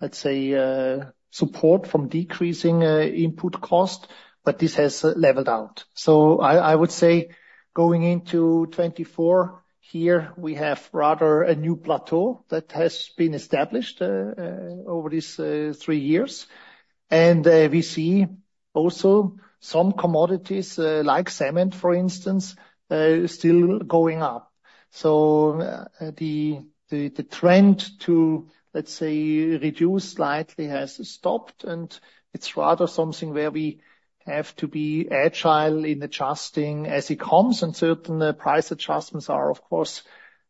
Speaker 1: let's say, support from decreasing input cost, but this has leveled out. So I would say going into 2024 here, we have rather a new plateau that has been established over these three years. And we see also some commodities like cement, for instance, still going up. So the trend to, let's say, reduce slightly has stopped, and it's rather something where we have to be agile in adjusting as it comes. Certain price adjustments are, of course,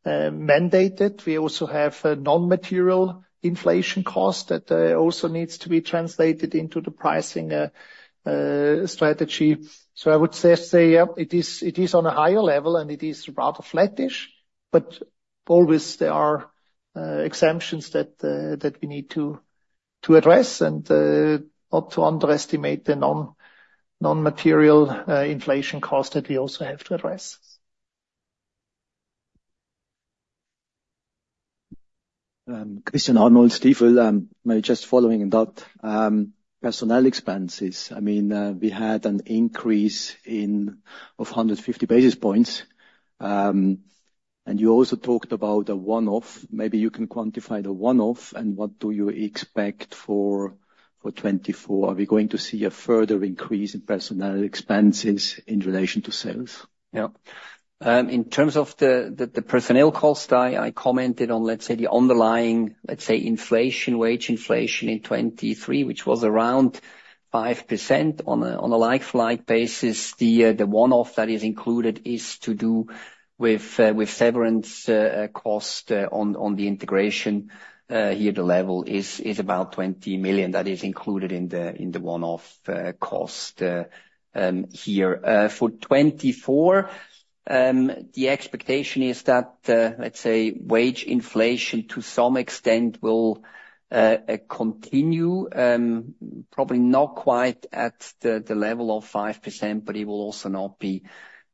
Speaker 1: mandated. We also have a non-material inflation cost that also needs to be translated into the pricing strategy. So I would just say, yeah, it is on a higher level, and it is rather flattish. But always there are exemptions that we need to address and not to underestimate the non-material inflation cost that we also have to address.
Speaker 11: Christian Arnold, Stifel, maybe just following that, personnel expenses. I mean, we had an increase of 150 basis points. And you also talked about a one-off. Maybe you can quantify the one-off and what do you expect for 2024? Are we going to see a further increase in personnel expenses in relation to sales? Yeah.
Speaker 2: In terms of the personnel cost, I commented on, let's say, the underlying, let's say, inflation, wage inflation in 2023, which was around 5% on a like-for-like basis. The one-off that is included is to do with severance cost on the integration. Here the level is about 20 million. That is included in the one-off cost here. For 2024, the expectation is that, let's say, wage inflation to some extent will continue, probably not quite at the level of 5%, but it will also not be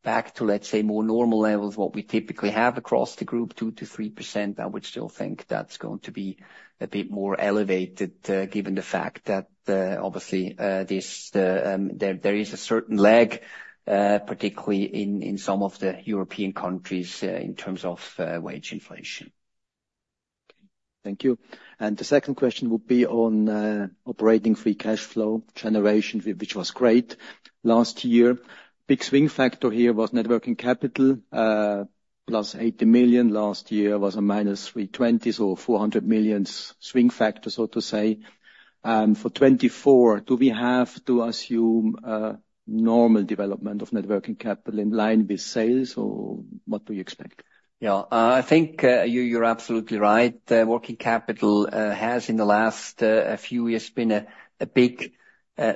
Speaker 2: back to, let's say, more normal levels, what we typically have across the group, 2%-3%. I would still think that's going to be a bit more elevated given the fact that, obviously, there is a certain lag, particularly in some of the European countries in terms of wage inflation.
Speaker 11: Okay, thank you. And the second question would be on operating free cash flow generation, which was great last year. Big swing factor here was working capital, plus 80 million. Last year was a minus 320, so 400 million swing factor, so to say. For 2024, do we have to assume normal development of working capital in line with sales, or what do you expect?
Speaker 2: Yeah, I think you're absolutely right. Working capital has in the last few years been a big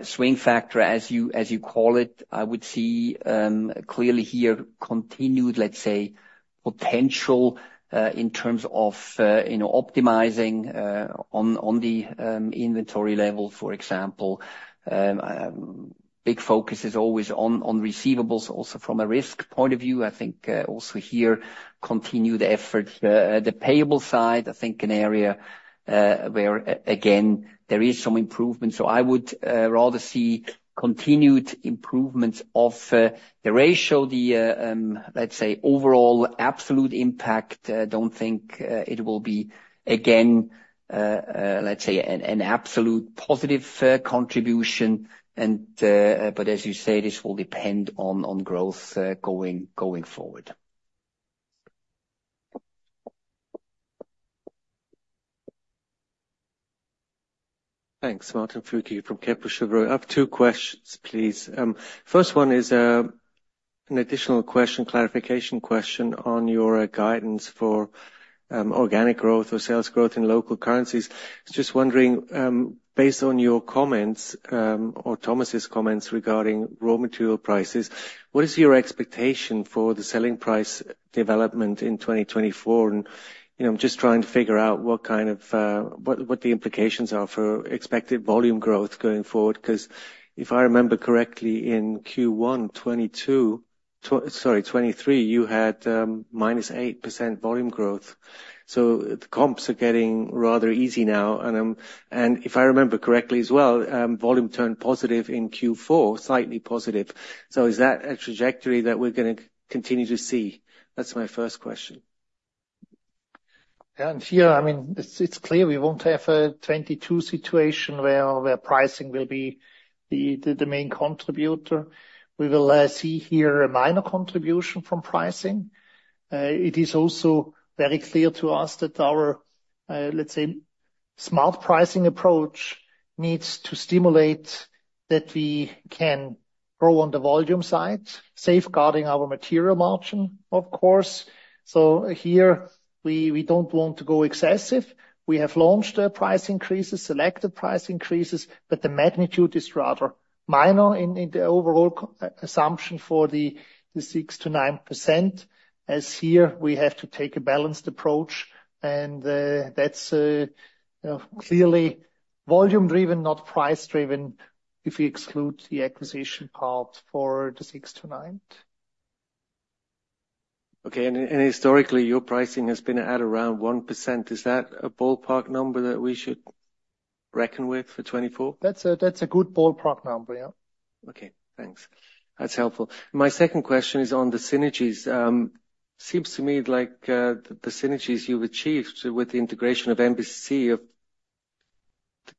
Speaker 2: swing factor, as you call it. I would see clearly here continued, let's say, potential in terms of, you know, optimizing on the inventory level, for example. Big focus is always on receivables also from a risk point of view. I think also here continue the effort. The payable side, I think an area where, again, there is some improvement. So I would rather see continued improvements of the ratio, the, let's say, overall absolute impact. I don't think it will be, again, let's say, an absolute positive contribution. But as you say, this will depend on growth going forward.
Speaker 12: Thanks, Martin Flückiger from Kepler Cheuvreux. I have two questions, please. First one is an additional question, clarification question on your guidance for organic growth or sales growth in local currencies. I'm just wondering, based on your comments, or Thomas's comments regarding raw material prices, what is your expectation for the selling price development in 2024? You know, I'm just trying to figure out what kind of, what the implications are for expected volume growth going forward. Because if I remember correctly, in Q1 2022, sorry, 2023, you had -8% volume growth. So the comps are getting rather easy now. And I'm, if I remember correctly as well, volume turned positive in Q4, slightly positive. So is that a trajectory that we're going to continue to see? That's my first question.
Speaker 1: Yeah, and here, I mean, it's clear we won't have a 2022 situation where pricing will be the main contributor. We will see here a minor contribution from pricing. It is also very clear to us that our, let's say, smart pricing approach needs to stimulate that we can grow on the volume side, safeguarding our material margin, of course. So here we don't want to go excessive. We have launched price increases, selected price increases, but the magnitude is rather minor in the overall assumption for the 6%-9%, as here we have to take a balanced approach. And that's a clearly volume-driven, not price-driven, if we exclude the acquisition part for the 6%-9%.
Speaker 12: Okay, and historically, your pricing has been at around 1%. Is that a ballpark number that we should reckon with for 2024? That's a good ballpark number, yeah. Okay, thanks. That's helpful. My second question is on the synergies. Seems to me like the synergies you've achieved with the integration of MBCC, of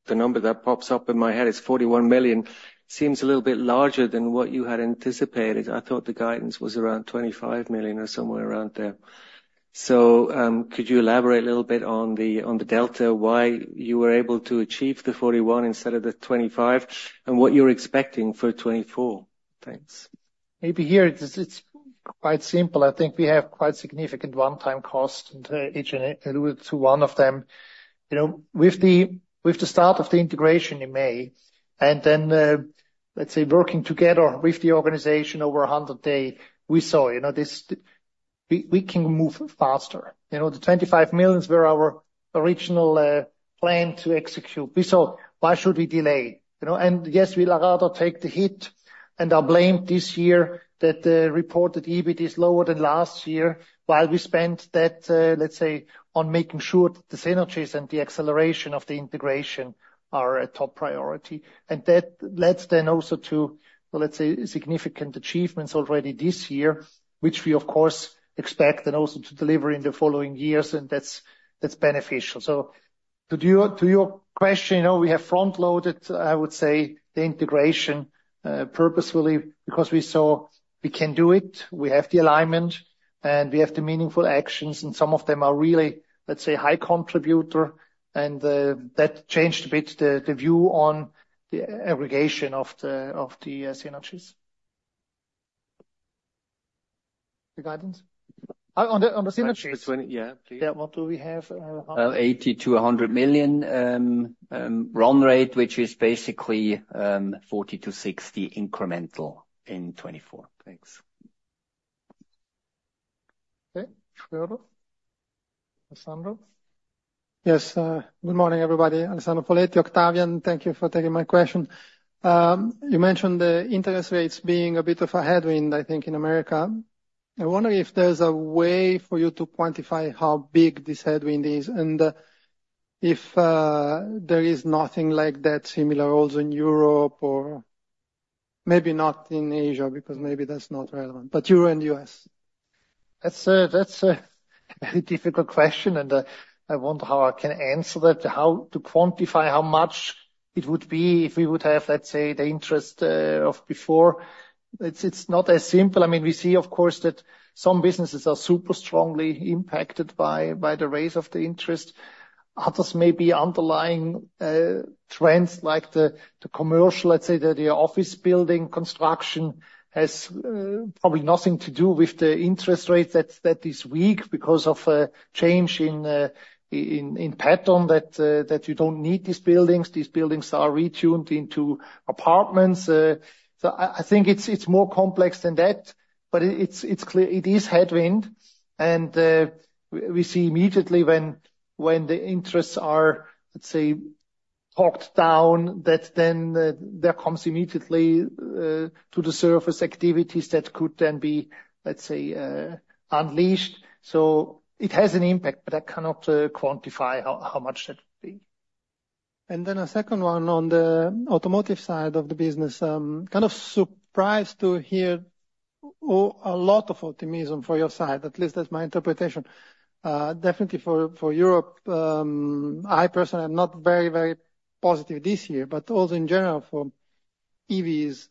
Speaker 12: the number that pops up in my head is 41 million, seems a little bit larger than what you had anticipated. I thought the guidance was around 25 million or somewhere around there. So could you elaborate a little bit on the delta, why you were able to achieve the 41 million instead of the 25 million, and what you're expecting for 2024? Thanks.
Speaker 1: Maybe here it's quite simple. I think we have quite significant one-time costs, and as alluded to one of them. You know, with the start of the integration in May, and then, let's say, working together with the organization over 100 days, we saw, you know, this we can move faster. You know, the 25 million were our original plan to execute. We saw, why should we delay? You know, and yes, we'll rather take the hit and are blamed this year that the reported EBIT is lower than last year, while we spent that, let's say, on making sure that the synergies and the acceleration of the integration are a top priority. That led then also to, well, let's say, significant achievements already this year, which we, of course, expect then also to deliver in the following years, and that's beneficial. To your question, you know, we have front-loaded, I would say, the integration purposefully because we saw we can do it. We have the alignment, and we have the meaningful actions, and some of them are really, let's say, high contributor. And that changed a bit the view on the aggregation of the synergies. The guidance? On the synergies.
Speaker 12: Yeah, please.
Speaker 1: Yeah, what do we have?
Speaker 2: 80 million-100 million run rate, which is basically 40 million-60 million incremental in 2024.
Speaker 12: Thanks.
Speaker 1: Okay, Alessandro.
Speaker 2: Yes, good morning, everybody. Alessandro Foletti, Octavian, thank you for taking my question.
Speaker 13: You mentioned the interest rates being a bit of a headwind, I think, in America. I wonder if there's a way for you to quantify how big this headwind is, and if there is nothing like that similar also in Europe, or maybe not in Asia, because maybe that's not relevant, but Europe and the U.S.
Speaker 1: That's a very difficult question, and I wonder how I can answer that, how to quantify how much it would be if we would have, let's say, the interest of before. It's not as simple. I mean, we see, of course, that some businesses are super strongly impacted by the rise of the interest. Others may be underlying trends like the commercial, let's say, the office building construction has probably nothing to do with the interest rate that is weak because of a change in pattern that you don't need these buildings. These buildings are turned into apartments. So I think it's more complex than that, but it's clear it is headwind. And we see immediately when the interests are, let's say, talked down, that then there comes immediately to the surface activities that could then be, let's say, unleashed. So it has an impact, but I cannot quantify how much that would be.
Speaker 13: And then a second one on the automotive side of the business. Kind of surprised to hear a lot of optimism for your side, at least that's my interpretation. Definitely for Europe, I personally am not very positive this year, but also in general for EVs,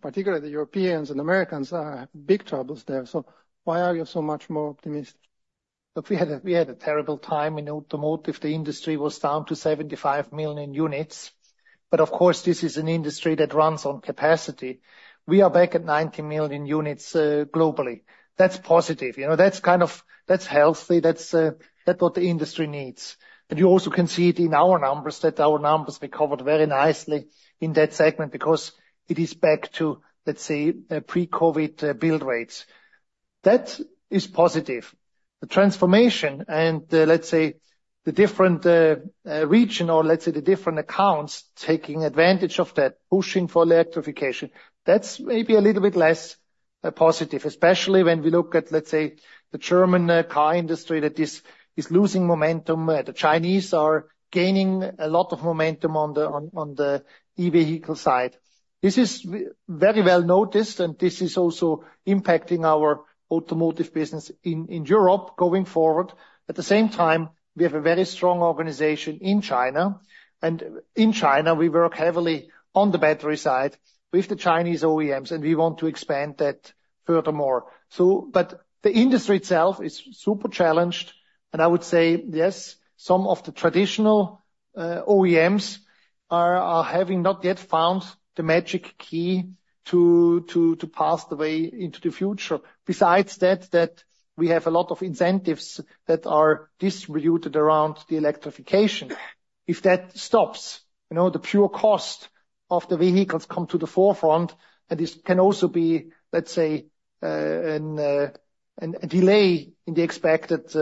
Speaker 13: particularly the Europeans and Americans are big troubles there. So why are you so much more optimistic?
Speaker 1: Look, we had a terrible time in automotive. The industry was down to 75 million units. But of course, this is an industry that runs on capacity. We are back at 90 million units globally. That's positive. You know, that's kind of healthy. That's what the industry needs. And you also can see it in our numbers, that our numbers recovered very nicely in that segment, because it is back to, let's say, pre-COVID build rates. That is positive. The transformation and, let's say, the different region, or let's say, the different accounts taking advantage of that, pushing for electrification, that's maybe a little bit less positive, especially when we look at, let's say, the German car industry that is losing momentum, and the Chinese are gaining a lot of momentum on the e-vehicle side. This is very well noticed, and this is also impacting our automotive business in Europe going forward. At the same time, we have a very strong organization in China, and in China we work heavily on the battery side with the Chinese OEMs, and we want to expand that furthermore. So but the industry itself is super challenged. And I would say, yes, some of the traditional OEMs are having not yet found the magic key to pass the way into the future. Besides that, we have a lot of incentives that are distributed around the electrification. If that stops, you know, the pure cost of the vehicles come to the forefront, and this can also be, let's say, a delay in the expected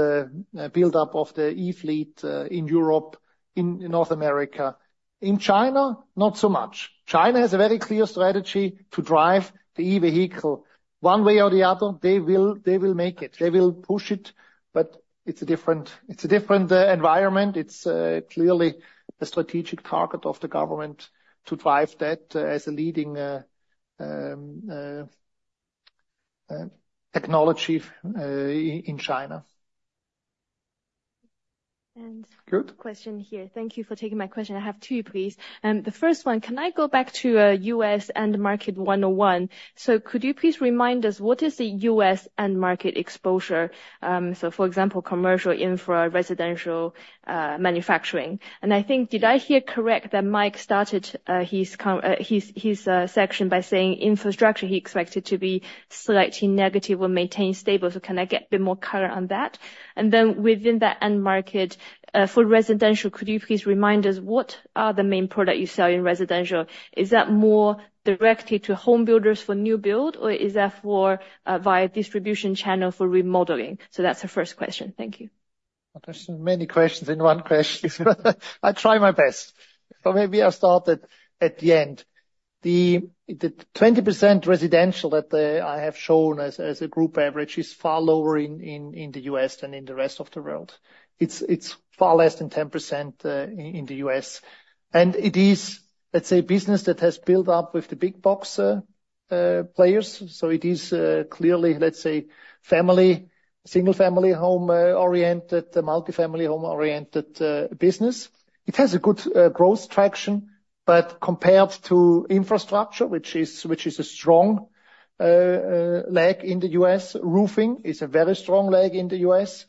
Speaker 1: buildup of the e-fleet in Europe, in North America. In China, not so much. China has a very clear strategy to drive the e-vehicle one way or the other. They will make it. They will push it. But it's a different environment. It's clearly a strategic target of the government to drive that as a leading technology in China.
Speaker 14: And-
Speaker 1: Good?
Speaker 14: Question here. Thank you for taking my question. I have two, please. The first one, can I go back to a U.S. end market 101? So could you please remind us, what is the U.S. end market exposure? So, for example, commercial, infra, residential manufacturing. And I think, did I hear correct that Mike started his section by saying infrastructure, he expected to be slightly negative or maintain stable. So can I get a bit more color on that? And then within that end market for residential, could you please remind us, what are the main products you sell in residential? Is that more directly to home builders for new build, or is that for via distribution channel for remodeling? So that's the first question. Thank you.
Speaker 1: Question. Many questions in one question. I try my best. So maybe I'll start at the end. The 20% residential that I have shown as a group average is far lower in the U.S. than in the rest of the world. It's far less than 10% in the U.S. It is, let's say, business that has built up with the big box players. So it is clearly, let's say, family, single-family home oriented, multifamily home oriented business. It has a good growth traction. But compared to infrastructure, which is a strong leg in the U.S, roofing is a very strong leg in the U.S.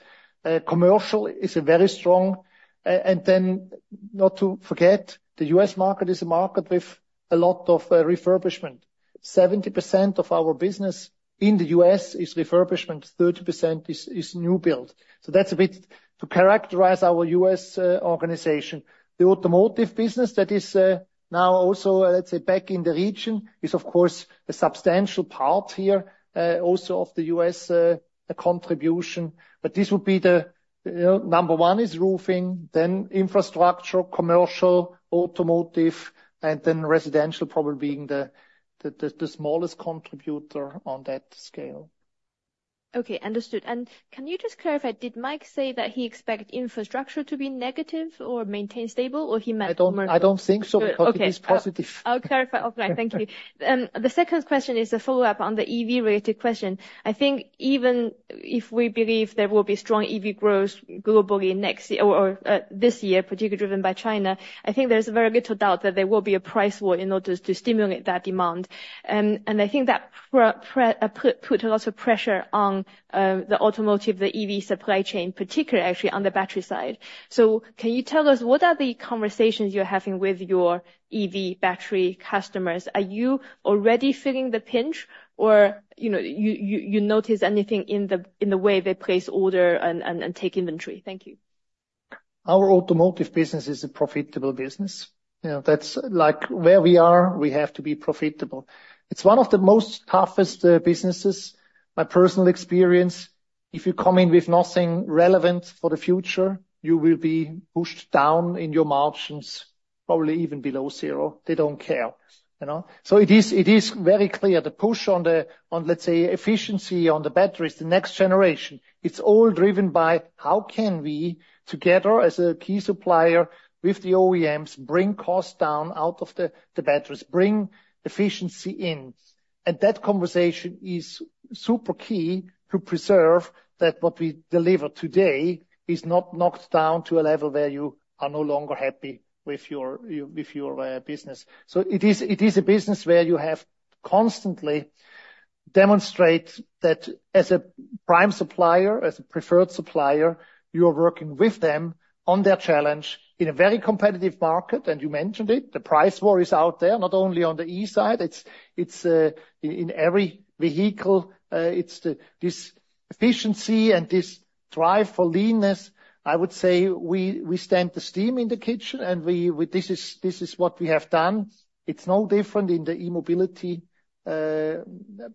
Speaker 1: Commercial is a very strong. And then not to forget, the U.S. market is a market with a lot of refurbishment. 70% of our business in the U.S. is refurbishment, 30% is new build. So that's a bit to characterize our U.S. organization. The automotive business that is now also, let's say, back in the region is, of course, a substantial part here, also of the U.S. contribution. But this would be the, you know, number one is roofing, then infrastructure, commercial, automotive, and then residential probably being the smallest contributor on that scale.
Speaker 14: Okay, understood. And can you just clarify, did Mike say that he expected infrastructure to be negative or maintain stable, or he meant commercial?
Speaker 1: I don't think so, because it is positive.
Speaker 14: I'll clarify. Okay, thank you. The second question is a follow-up on the EV-related question. I think even if we believe there will be strong EV growth globally next year or this year, particularly driven by China, I think there's very little doubt that there will be a price war in order to stimulate that demand. And I think that put a lot of pressure on the automotive, the EV supply chain, particularly actually on the battery side. So can you tell us, what are the conversations you're having with your EV battery customers? Are you already feeling the pinch, or you know, you notice anything in the way they place order and take inventory? Thank you.
Speaker 1: Our automotive business is a profitable business. You know, that's like where we are, we have to be profitable. It's one of the most toughest businesses. My personal experience, if you come in with nothing relevant for the future, you will be pushed down in your margins, probably even below zero. They don't care, you know. So it is very clear. The push on the, let's say, efficiency on the batteries, the next generation, it's all driven by how can we together as a key supplier with the OEMs bring cost down out of the batteries, bring efficiency in. That conversation is super key to preserve that what we deliver today is not knocked down to a level where you are no longer happy with your business. So it is a business where you have constantly demonstrate that as a prime supplier, as a preferred supplier, you are working with them on their challenge in a very competitive market. You mentioned it. The price war is out there, not only on the e-side. It's in every vehicle. It's this efficiency and this drive for leanness. I would say we stand the steam in the kitchen, and with this, this is what we have done. It's no different in the e-mobility. But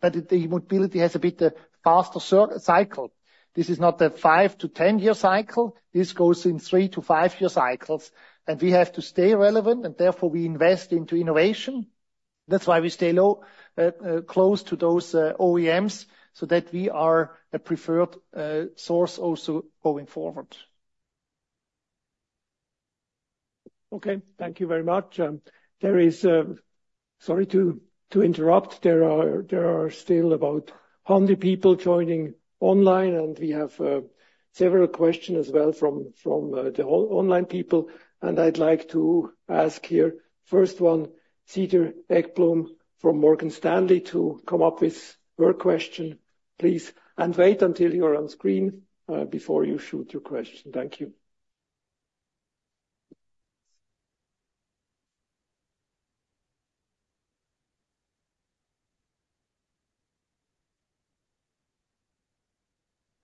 Speaker 1: the e-mobility has a bit faster cycle. This is not a five to 10 year cycle. This goes in three to five year cycles. And we have to stay relevant, and therefore we invest into innovation. That's why we stay close to those OEMs, so that we are a preferred source also going forward.
Speaker 15: Okay, thank you very much. Sorry to interrupt. There are still about 100 people joining online, and we have several questions as well from the online people. And I'd like to ask here, first one, Cedar Ekblom from Morgan Stanley to come up with her question, please, and wait until you're on screen before you shoot your question. Thank you.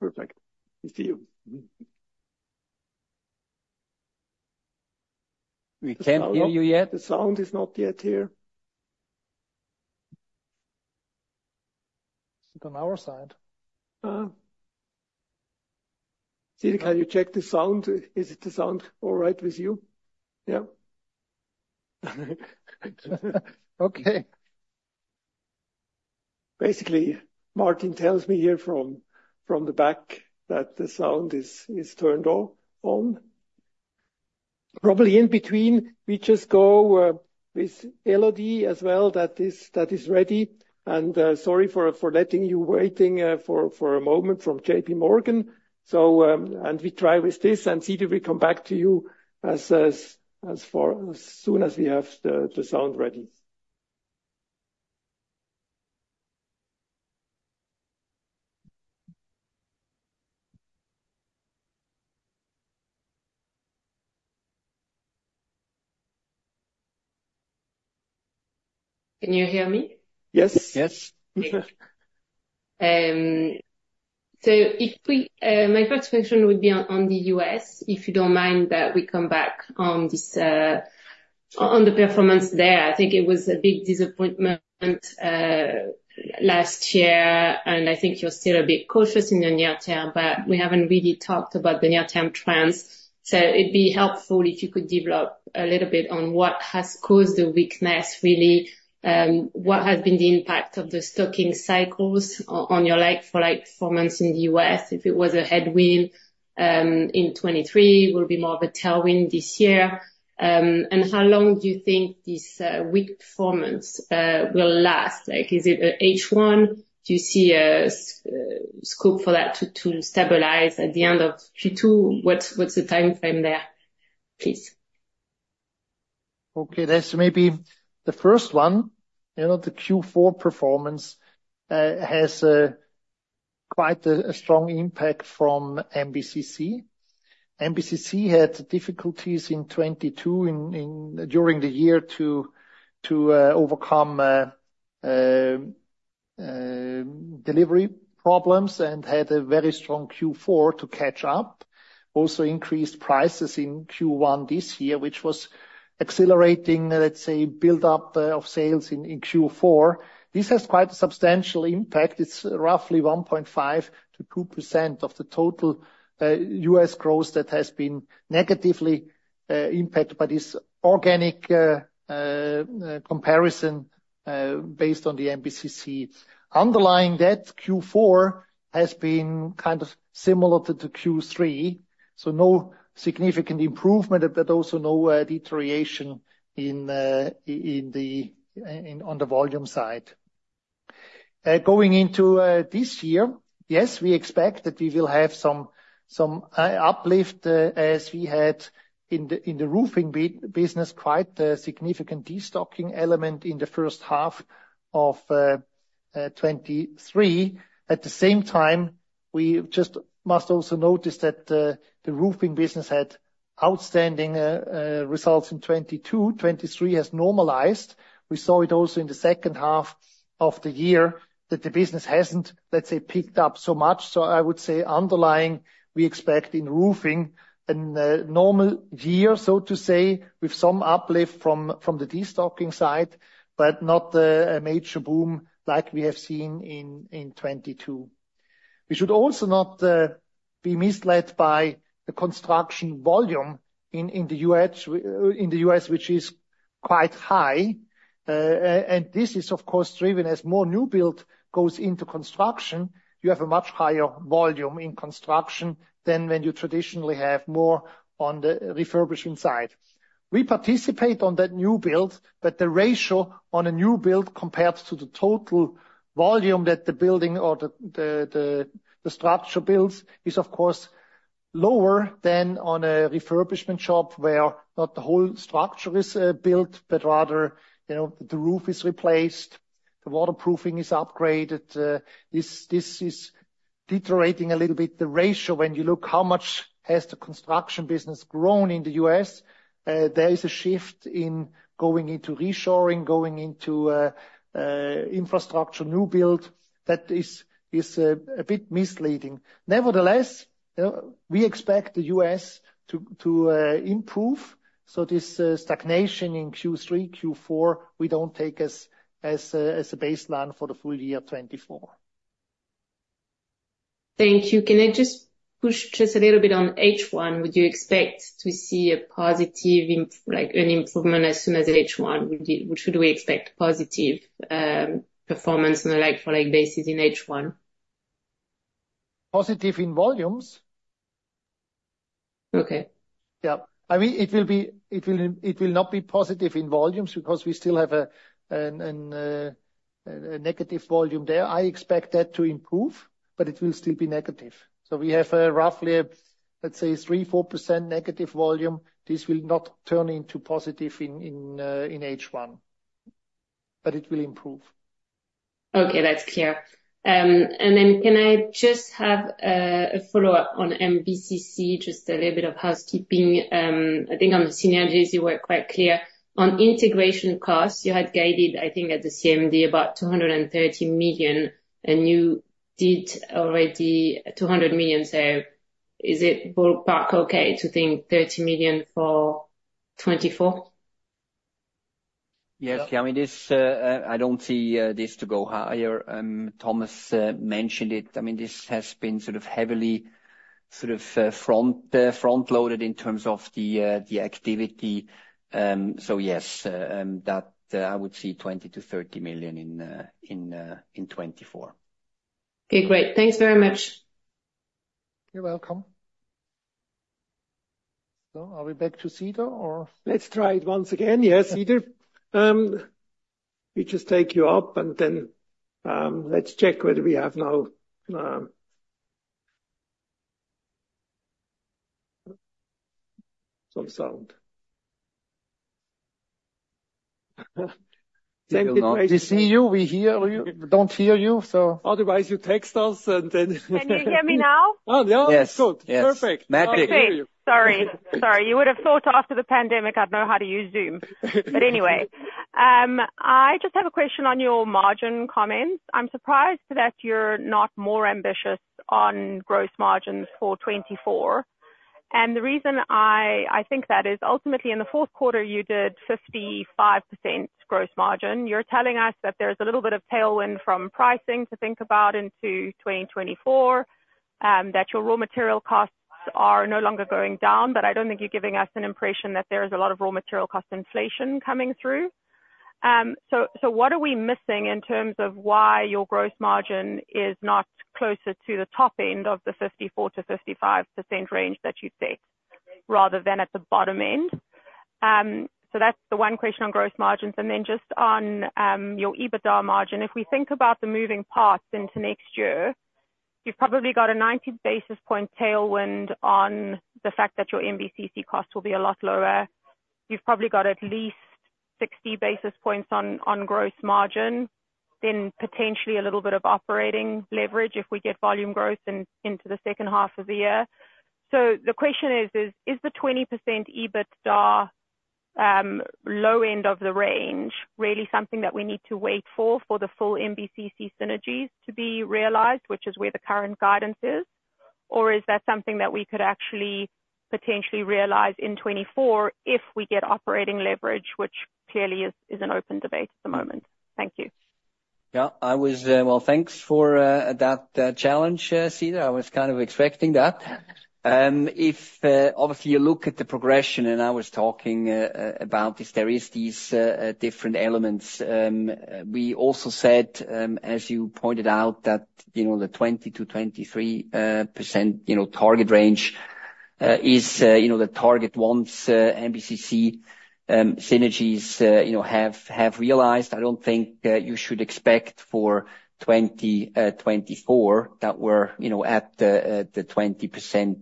Speaker 15: Perfect. We see you.
Speaker 2: We can't hear you yet.
Speaker 15: The sound is not yet here.
Speaker 1: It's on our side.
Speaker 15: Cedar, can you check the sound? Is the sound all right with you? Yeah. Okay. Basically, Martin tells me here from the back that the sound is turned on.
Speaker 1: Probably in between, we just go with Elodie as well that is ready. Sorry for letting you waiting for a moment from JPMorgan. So we try with this, and Cedar, we come back to you as far as soon as we have the sound ready.
Speaker 16: Can you hear me?
Speaker 15: Yes.
Speaker 1: Yes.
Speaker 16: So my first question would be on the U.S., if you don't mind that we come back on this on the performance there. I think it was a big disappointment last year, and I think you're still a bit cautious in the near term, but we haven't really talked about the near-term trends. So it'd be helpful if you could develop a little bit on what has caused the weakness, really, what has been the impact of the stocking cycles on your like-for-like performance in the U.S., if it was a headwind in 2023, it will be more of a tailwind this year. And how long do you think this weak performance will last? Like, is it a H1? Do you see a scope for that to stabilize at the end of Q2? What's the timeframe there, please?
Speaker 1: Okay, that's maybe the first one. You know, the Q4 performance has quite a strong impact from MBCC. MBCC had difficulties in 2022 during the year to overcome delivery problems and had a very strong Q4 to catch up. Also, increased prices in Q1 this year, which was accelerating, let's say, buildup of sales in Q4. This has quite a substantial impact. It's roughly 1.5%-2% of the total U.S. growth that has been negatively impacted by this organic comparison based on the MBCC. Underlying that, Q4 has been kind of similar to Q3. So no significant improvement, but also no deterioration in the volume side. Going into this year, yes, we expect that we will have some uplift as we had in the roofing business, quite a significant destocking element in the first half of 2023. At the same time, we just must also notice that the roofing business had outstanding results in 2022. 2023 has normalized. We saw it also in the second half of the year that the business hasn't, let's say, picked up so much. So I would say underlying, we expect in roofing a normal year, so to say, with some uplift from the destocking side, but not a major boom like we have seen in 2022. We should also not be misled by the construction volume in the U.S., which is quite high. And this is, of course, driven as more new build goes into construction, you have a much higher volume in construction than when you traditionally have more on the refurbishment side. We participate on that new build, but the ratio on a new build compared to the total volume that the building or the structure builds is, of course, lower than on a refurbishment shop where not the whole structure is built, but rather, you know, the roof is replaced, the waterproofing is upgraded. This is deteriorating a little bit. The ratio, when you look how much has the construction business grown in the U.S., there is a shift in going into reshoring, going into infrastructure, new build. That is a bit misleading. Nevertheless, you know we expect the U.S. to improve. So this stagnation in Q3, Q4, we don't take as a baseline for the full year 2024.
Speaker 16: Thank you. Can I just push a little bit on H1? Would you expect to see a positive like an improvement as soon as H1? Would you should we expect positive performance on a like-for-like basis in H1?
Speaker 1: Positive in volumes.
Speaker 16: Okay.
Speaker 1: Yeah. I mean, it will not be positive in volumes because we still have a negative volume there. I expect that to improve, but it will still be negative. So we have roughly a, let's say, 3%-4% negative volume. This will not turn into positive in H1. But it will improve.
Speaker 16: Okay, that's clear. And then can I just have a follow-up on MBCC, just a little bit of housekeeping? I think on the synergies, you were quite clear. On integration costs, you had guided, I think, at the CMD about 230 million, and you did already 200 million. So is it ballpark okay to think 30 million for 2024?
Speaker 2: Yes. Yeah. I mean, this I don't see this to go higher. Thomas mentioned it. I mean, this has been sort of heavily sort of front-loaded in terms of the activity. So yes, that I would see 20 million-30 million in 2024.
Speaker 16: Okay, great. Thanks very much.
Speaker 1: You're welcome. So are we back to Cedar, or?
Speaker 15: Let's try it once again. Yes, Cedar. We just take you up, and then let's check whether we have now some sound. Same good way to see you. We hear you. We don't hear you, so. Otherwise, you text us, and then.
Speaker 17: Can you hear me now?
Speaker 15: Oh, yeah.
Speaker 2: Yes.
Speaker 15: Good. Perfect.
Speaker 17: Okay.
Speaker 2: Magic.
Speaker 17: Okay. Sorry. Sorry. You would have thought after the pandemic, I'd know how to use Zoom. But anyway, I just have a question on your margin comments. I'm surprised that you're not more ambitious on gross margins for 2024. And the reason I think that is, ultimately, in the fourth quarter, you did 55% gross margin. You're telling us that there's a little bit of tailwind from pricing to think about into 2024, that your raw material costs are no longer going down, but I don't think you're giving us an impression that there is a lot of raw material cost inflation coming through. So what are we missing in terms of why your gross margin is not closer to the top end of the 54%-55% range that you'd set rather than at the bottom end? So that's the one question on gross margins. And then just on your EBITDA margin, if we think about the moving parts into next year, you've probably got a 90 basis point tailwind on the fact that your MBCC costs will be a lot lower. You've probably got at least 60 basis points on gross margin, then potentially a little bit of operating leverage if we get volume growth into the second half of the year. So the question is, is the 20% EBITDA low end of the range really something that we need to wait for for the full MBCC synergies to be realized, which is where the current guidance is? Or is that something that we could actually potentially realize in 2024 if we get operating leverage, which clearly is an open debate at the moment? Thank you.
Speaker 2: Yeah. Well, thanks for that challenge, Cedar. I was kind of expecting that. If obviously, you look at the progression and I was talking about this, there is these different elements. We also said, as you pointed out, that the 20%-23% target range is the target once MBCC synergies have realized. I don't think you should expect for 2024 that we're at the 20%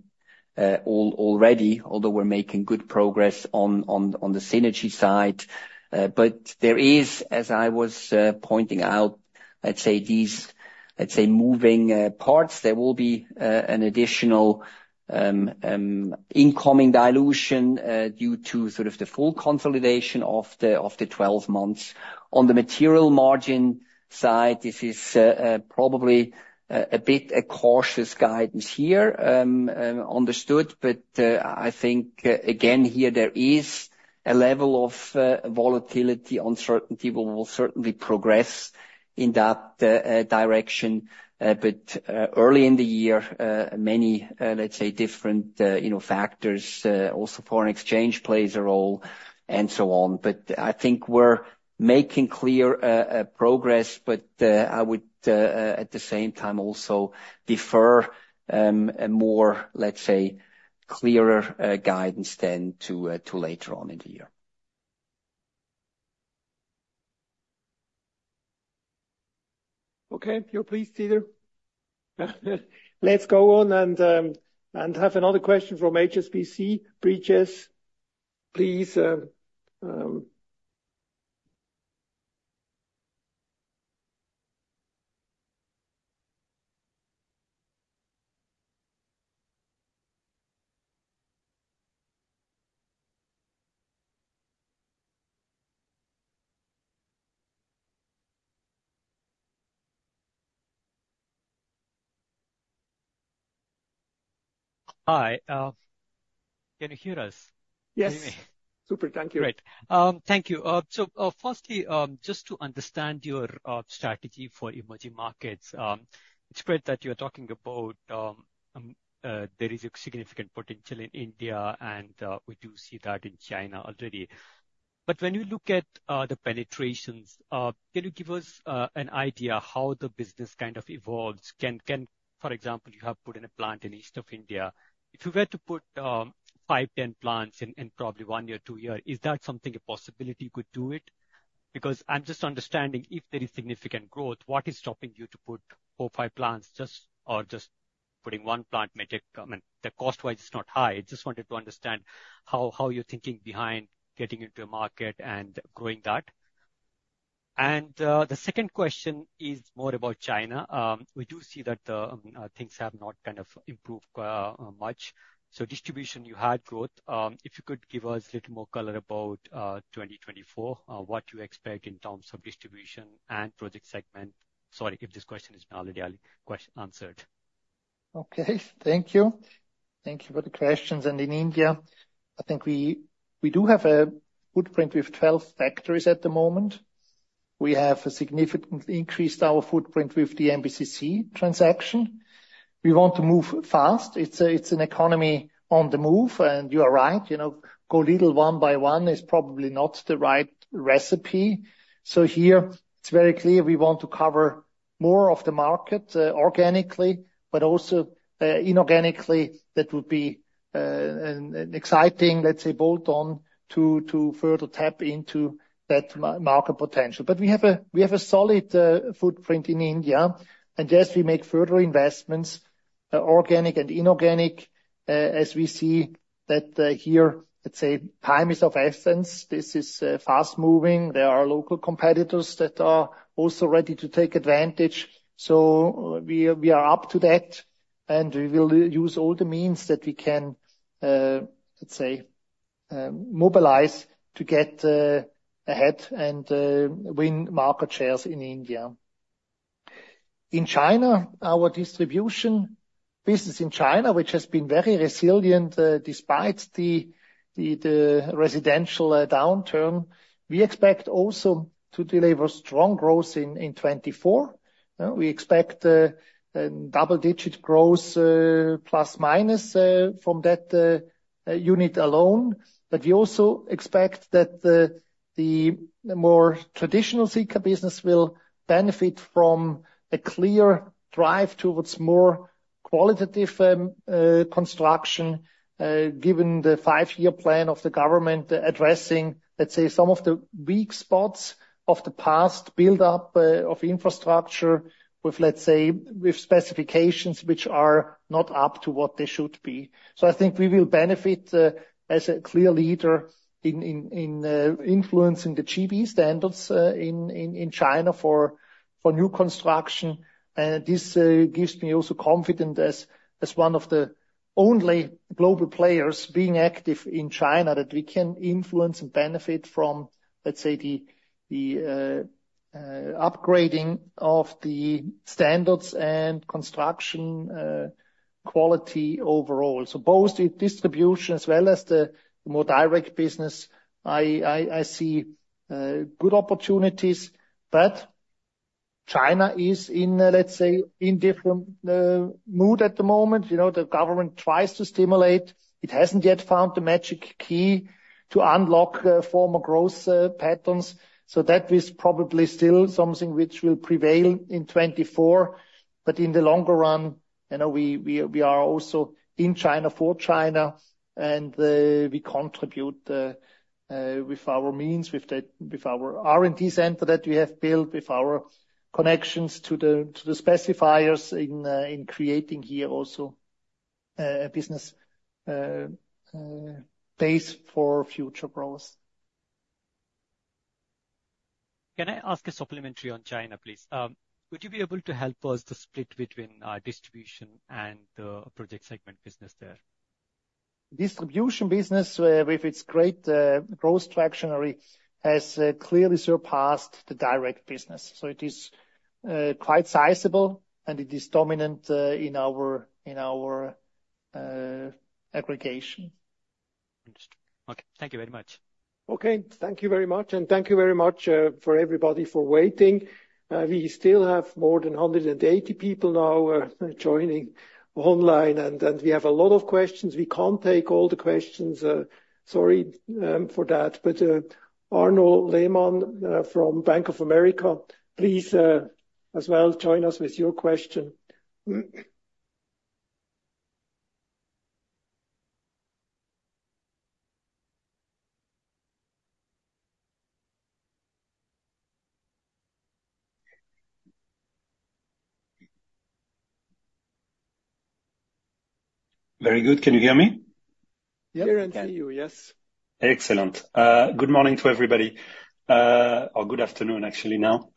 Speaker 2: already, although we're making good progress on the synergy side. But there is, as I was pointing out, let's say, these let's say moving parts. There will be an additional incoming dilution due to sort of the full consolidation of the 12 months. On the material margin side, this is probably a bit a cautious guidance here, understood. But I think, again, here, there is a level of volatility. Uncertainty will certainly progress in that direction. But early in the year, many, let's say, different factors, also foreign exchange plays a role, and so on. But I think we're making clear progress, but I would, at the same time, also defer a more, let's say, clearer guidance then to later on in the year.
Speaker 15: Okay. You're pleased, Cedar. Let's go on and have another question from HSBC, Brijesh, please.
Speaker 18: Hi. Can you hear us?
Speaker 15: Yes. Super. Thank you.
Speaker 18: Great. Thank you. So firstly, just to understand your strategy for emerging markets, it's great that you're talking about there is a significant potential in India, and we do see that in China already. But when you look at the penetrations, can you give us an idea how the business kind of evolves? For example, you have put in a plant in east of India. If you were to put five, 10 plants in probably one year, two years, is that something, a possibility you could do it? Because I'm just understanding if there is significant growth, what is stopping you to put four, five plants just or just putting one plant may take I mean, the cost-wise, it's not high. I just wanted to understand how you're thinking behind getting into a market and growing that. And the second question is more about China. We do see that things have not kind of improved much. So distribution, you had growth. If you could give us a little more color about 2024, what you expect in terms of distribution and project segment. Sorry if this question is not already answered. Okay. Thank you.
Speaker 1: Thank you for the questions. And in India, I think we do have a footprint with 12 factories at the moment. We have significantly increased our footprint with the MBCC transaction. We want to move fast. It's an economy on the move. And you are right. Go little one by one is probably not the right recipe. So here, it's very clear we want to cover more of the market organically, but also inorganically. That would be an exciting, let's say, bolt-on to further tap into that market potential. But we have a solid footprint in India. And yes, we make further investments, organic and inorganic, as we see that here, let's say, time is of essence. This is fast-moving. There are local competitors that are also ready to take advantage. So we are up to that. And we will use all the means that we can, let's say, mobilize to get ahead and win market shares in India. In China, our distribution business in China, which has been very resilient despite the residential downturn, we expect also to deliver strong growth in 2024. We expect double-digit growth ± from that unit alone. But we also expect that the more traditional Sika business will benefit from a clear drive towards more qualitative construction, given the five-year plan of the government addressing, let's say, some of the weak spots of the past buildup of infrastructure with, let's say, with specifications which are not up to what they should be. So I think we will benefit as a clear leader in influencing the GB standards in China for new construction. And this gives me also confidence as one of the only global players being active in China that we can influence and benefit from, let's say, the upgrading of the standards and construction quality overall. So both the distribution as well as the more direct business, I see good opportunities. But China is in, let's say, in different mood at the moment. The government tries to stimulate. It hasn't yet found the magic key to unlock former growth patents. So that is probably still something which will prevail in 2024. But in the longer run, we are also in China for China. And we contribute with our means, with our R&D center that we have built, with our connections to the specifiers in creating here also a business base for future growth.
Speaker 18: Can I ask a supplementary on China, please? Would you be able to help us to split between distribution and the project segment business there? Distribution business, with its great growth traction, has clearly surpassed the direct business.
Speaker 1: So it is quite sizable, and it is dominant in our aggregation.
Speaker 18: Understood. Okay. Thank you very much.
Speaker 15: Okay. Thank you very much. And thank you very much for everybody for waiting. We still have more than 180 people now joining online. And we have a lot of questions. We can't take all the questions. Sorry for that. But Arnaud Lehmann from Bank of America, please as well join us with your question.
Speaker 19: Very good. Can you hear me?
Speaker 2: Yes.
Speaker 15: Hear and see you. Yes.
Speaker 19: Excellent. Good morning to everybody. Or good afternoon, actually, now.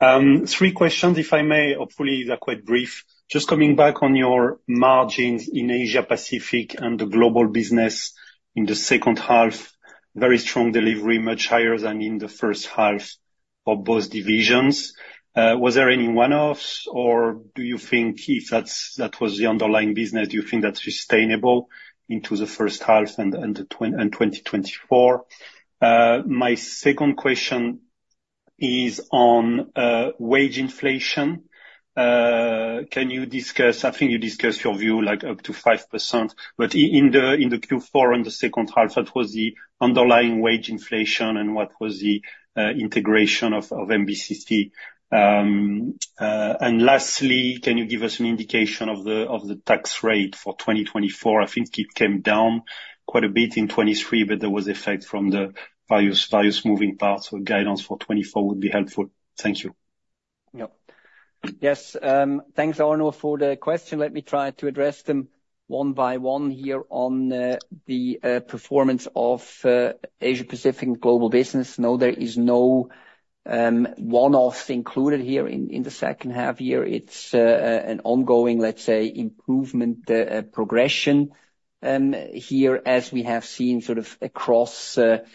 Speaker 19: Three questions, if I may. Hopefully, they're quite brief. Just coming back on your margins in Asia-Pacific and the Global Business in the second half, very strong delivery, much higher than in the first half of both divisions. Was there any one-offs, or do you think if that was the underlying business, do you think that's sustainable into the first half and 2024? My second question is on wage inflation. Can you discuss I think you discussed your view up to 5%. But in the Q4 and the second half, what was the underlying wage inflation, and what was the integration of MBCC? And lastly, can you give us an indication of the tax rate for 2024? I think it came down quite a bit in 2023, but there was effect from the various moving parts. So guidance for 2024 would be helpful. Thank you.
Speaker 2: Yeah. Yes. Thanks, Arnaud, for the question. Let me try to address them one by one here on the performance of Asia-Pacific Global Business. No, there is no one-offs included here in the second half here. It's an ongoing, let's say, improvement progression here as we have seen sort of across the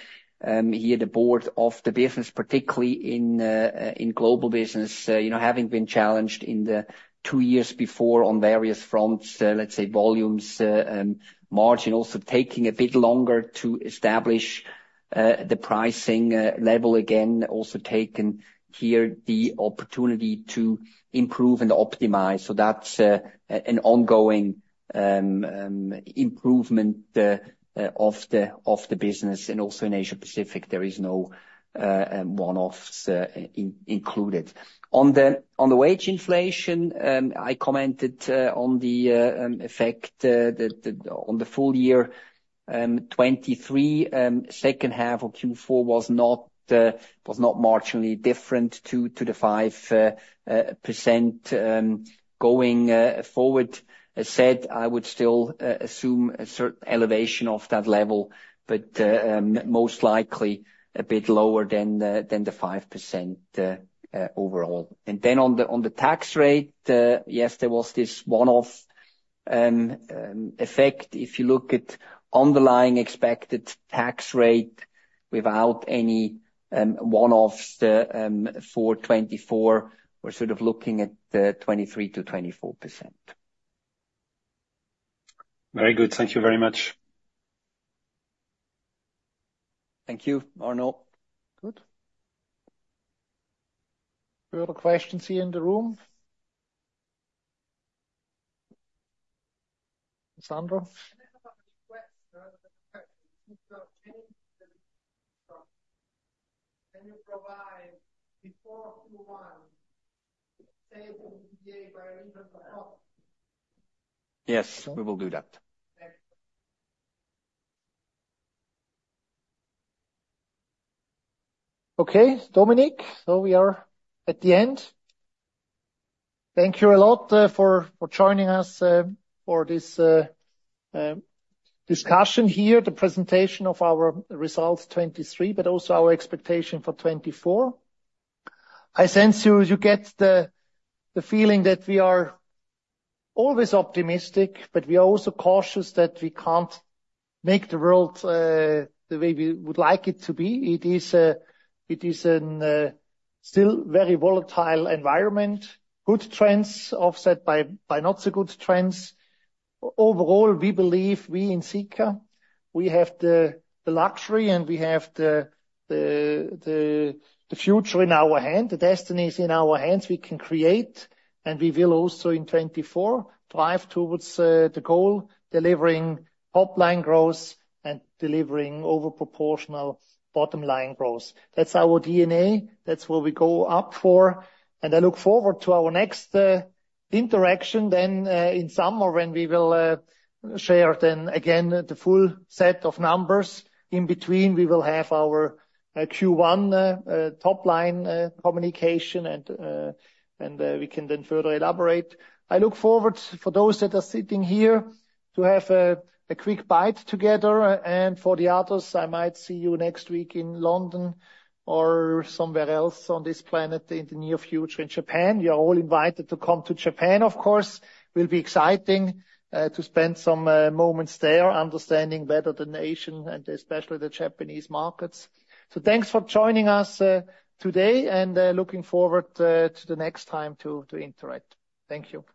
Speaker 2: board of the business, particularly in Global Business, having been challenged in the two years before on various fronts, let's say, volumes, margin, also taking a bit longer to establish the pricing level again, also taken here the opportunity to improve and optimize. So that's an ongoing improvement of the business. And also in Asia-Pacific, there is no one-offs included. On the wage inflation, I commented on the effect on the full year 2023. Second half of Q4 was not marginally different to the 5% going forward. As said, I would still assume a certain elevation of that level, but most likely a bit lower than the 5% overall. And then on the tax rate, yes, there was this one-off effect. If you look at underlying expected tax rate without any one-offs for 2024, we're sort of looking at 23%-24%.
Speaker 19: Very good. Thank you very much.
Speaker 2: Thank you, Arnaud.
Speaker 1: Good. Further questions here in the room? Cassandra?
Speaker 20: *audio distortion* can you provide, before Q1 *audio distortion*
Speaker 2: Yes. We will do that.
Speaker 1: Okay. Dominik, so we are at the end. Thank you a lot for joining us for this discussion here, the presentation of our results 2023, but also our expectation for 2024. I sense you get the feeling that we are always optimistic, but we are also cautious that we can't make the world the way we would like it to be. It is still a very volatile environment, good trends offset by not-so-good trends. Overall, we believe, we in Sika, we have the luxury, and we have the future in our hands, the destinies in our hands we can create. And we will also in 2024 drive towards the goal, delivering top-line growth and delivering overproportional bottom-line growth. That's our DNA. That's where we go up for. And I look forward to our next interaction then in summer when we will share then again the full set of numbers. In between, we will have our Q1 top-line communication, and we can then further elaborate. I look forward for those that are sitting here to have a quick bite together. And for the others, I might see you next week in London or somewhere else on this planet in the near future in Japan. You are all invited to come to Japan, of course. It will be exciting to spend some moments there, understanding better the nation and especially the Japanese markets. So thanks for joining us today, and looking forward to the next time to interact. Thank you.
Speaker 2: Yeah.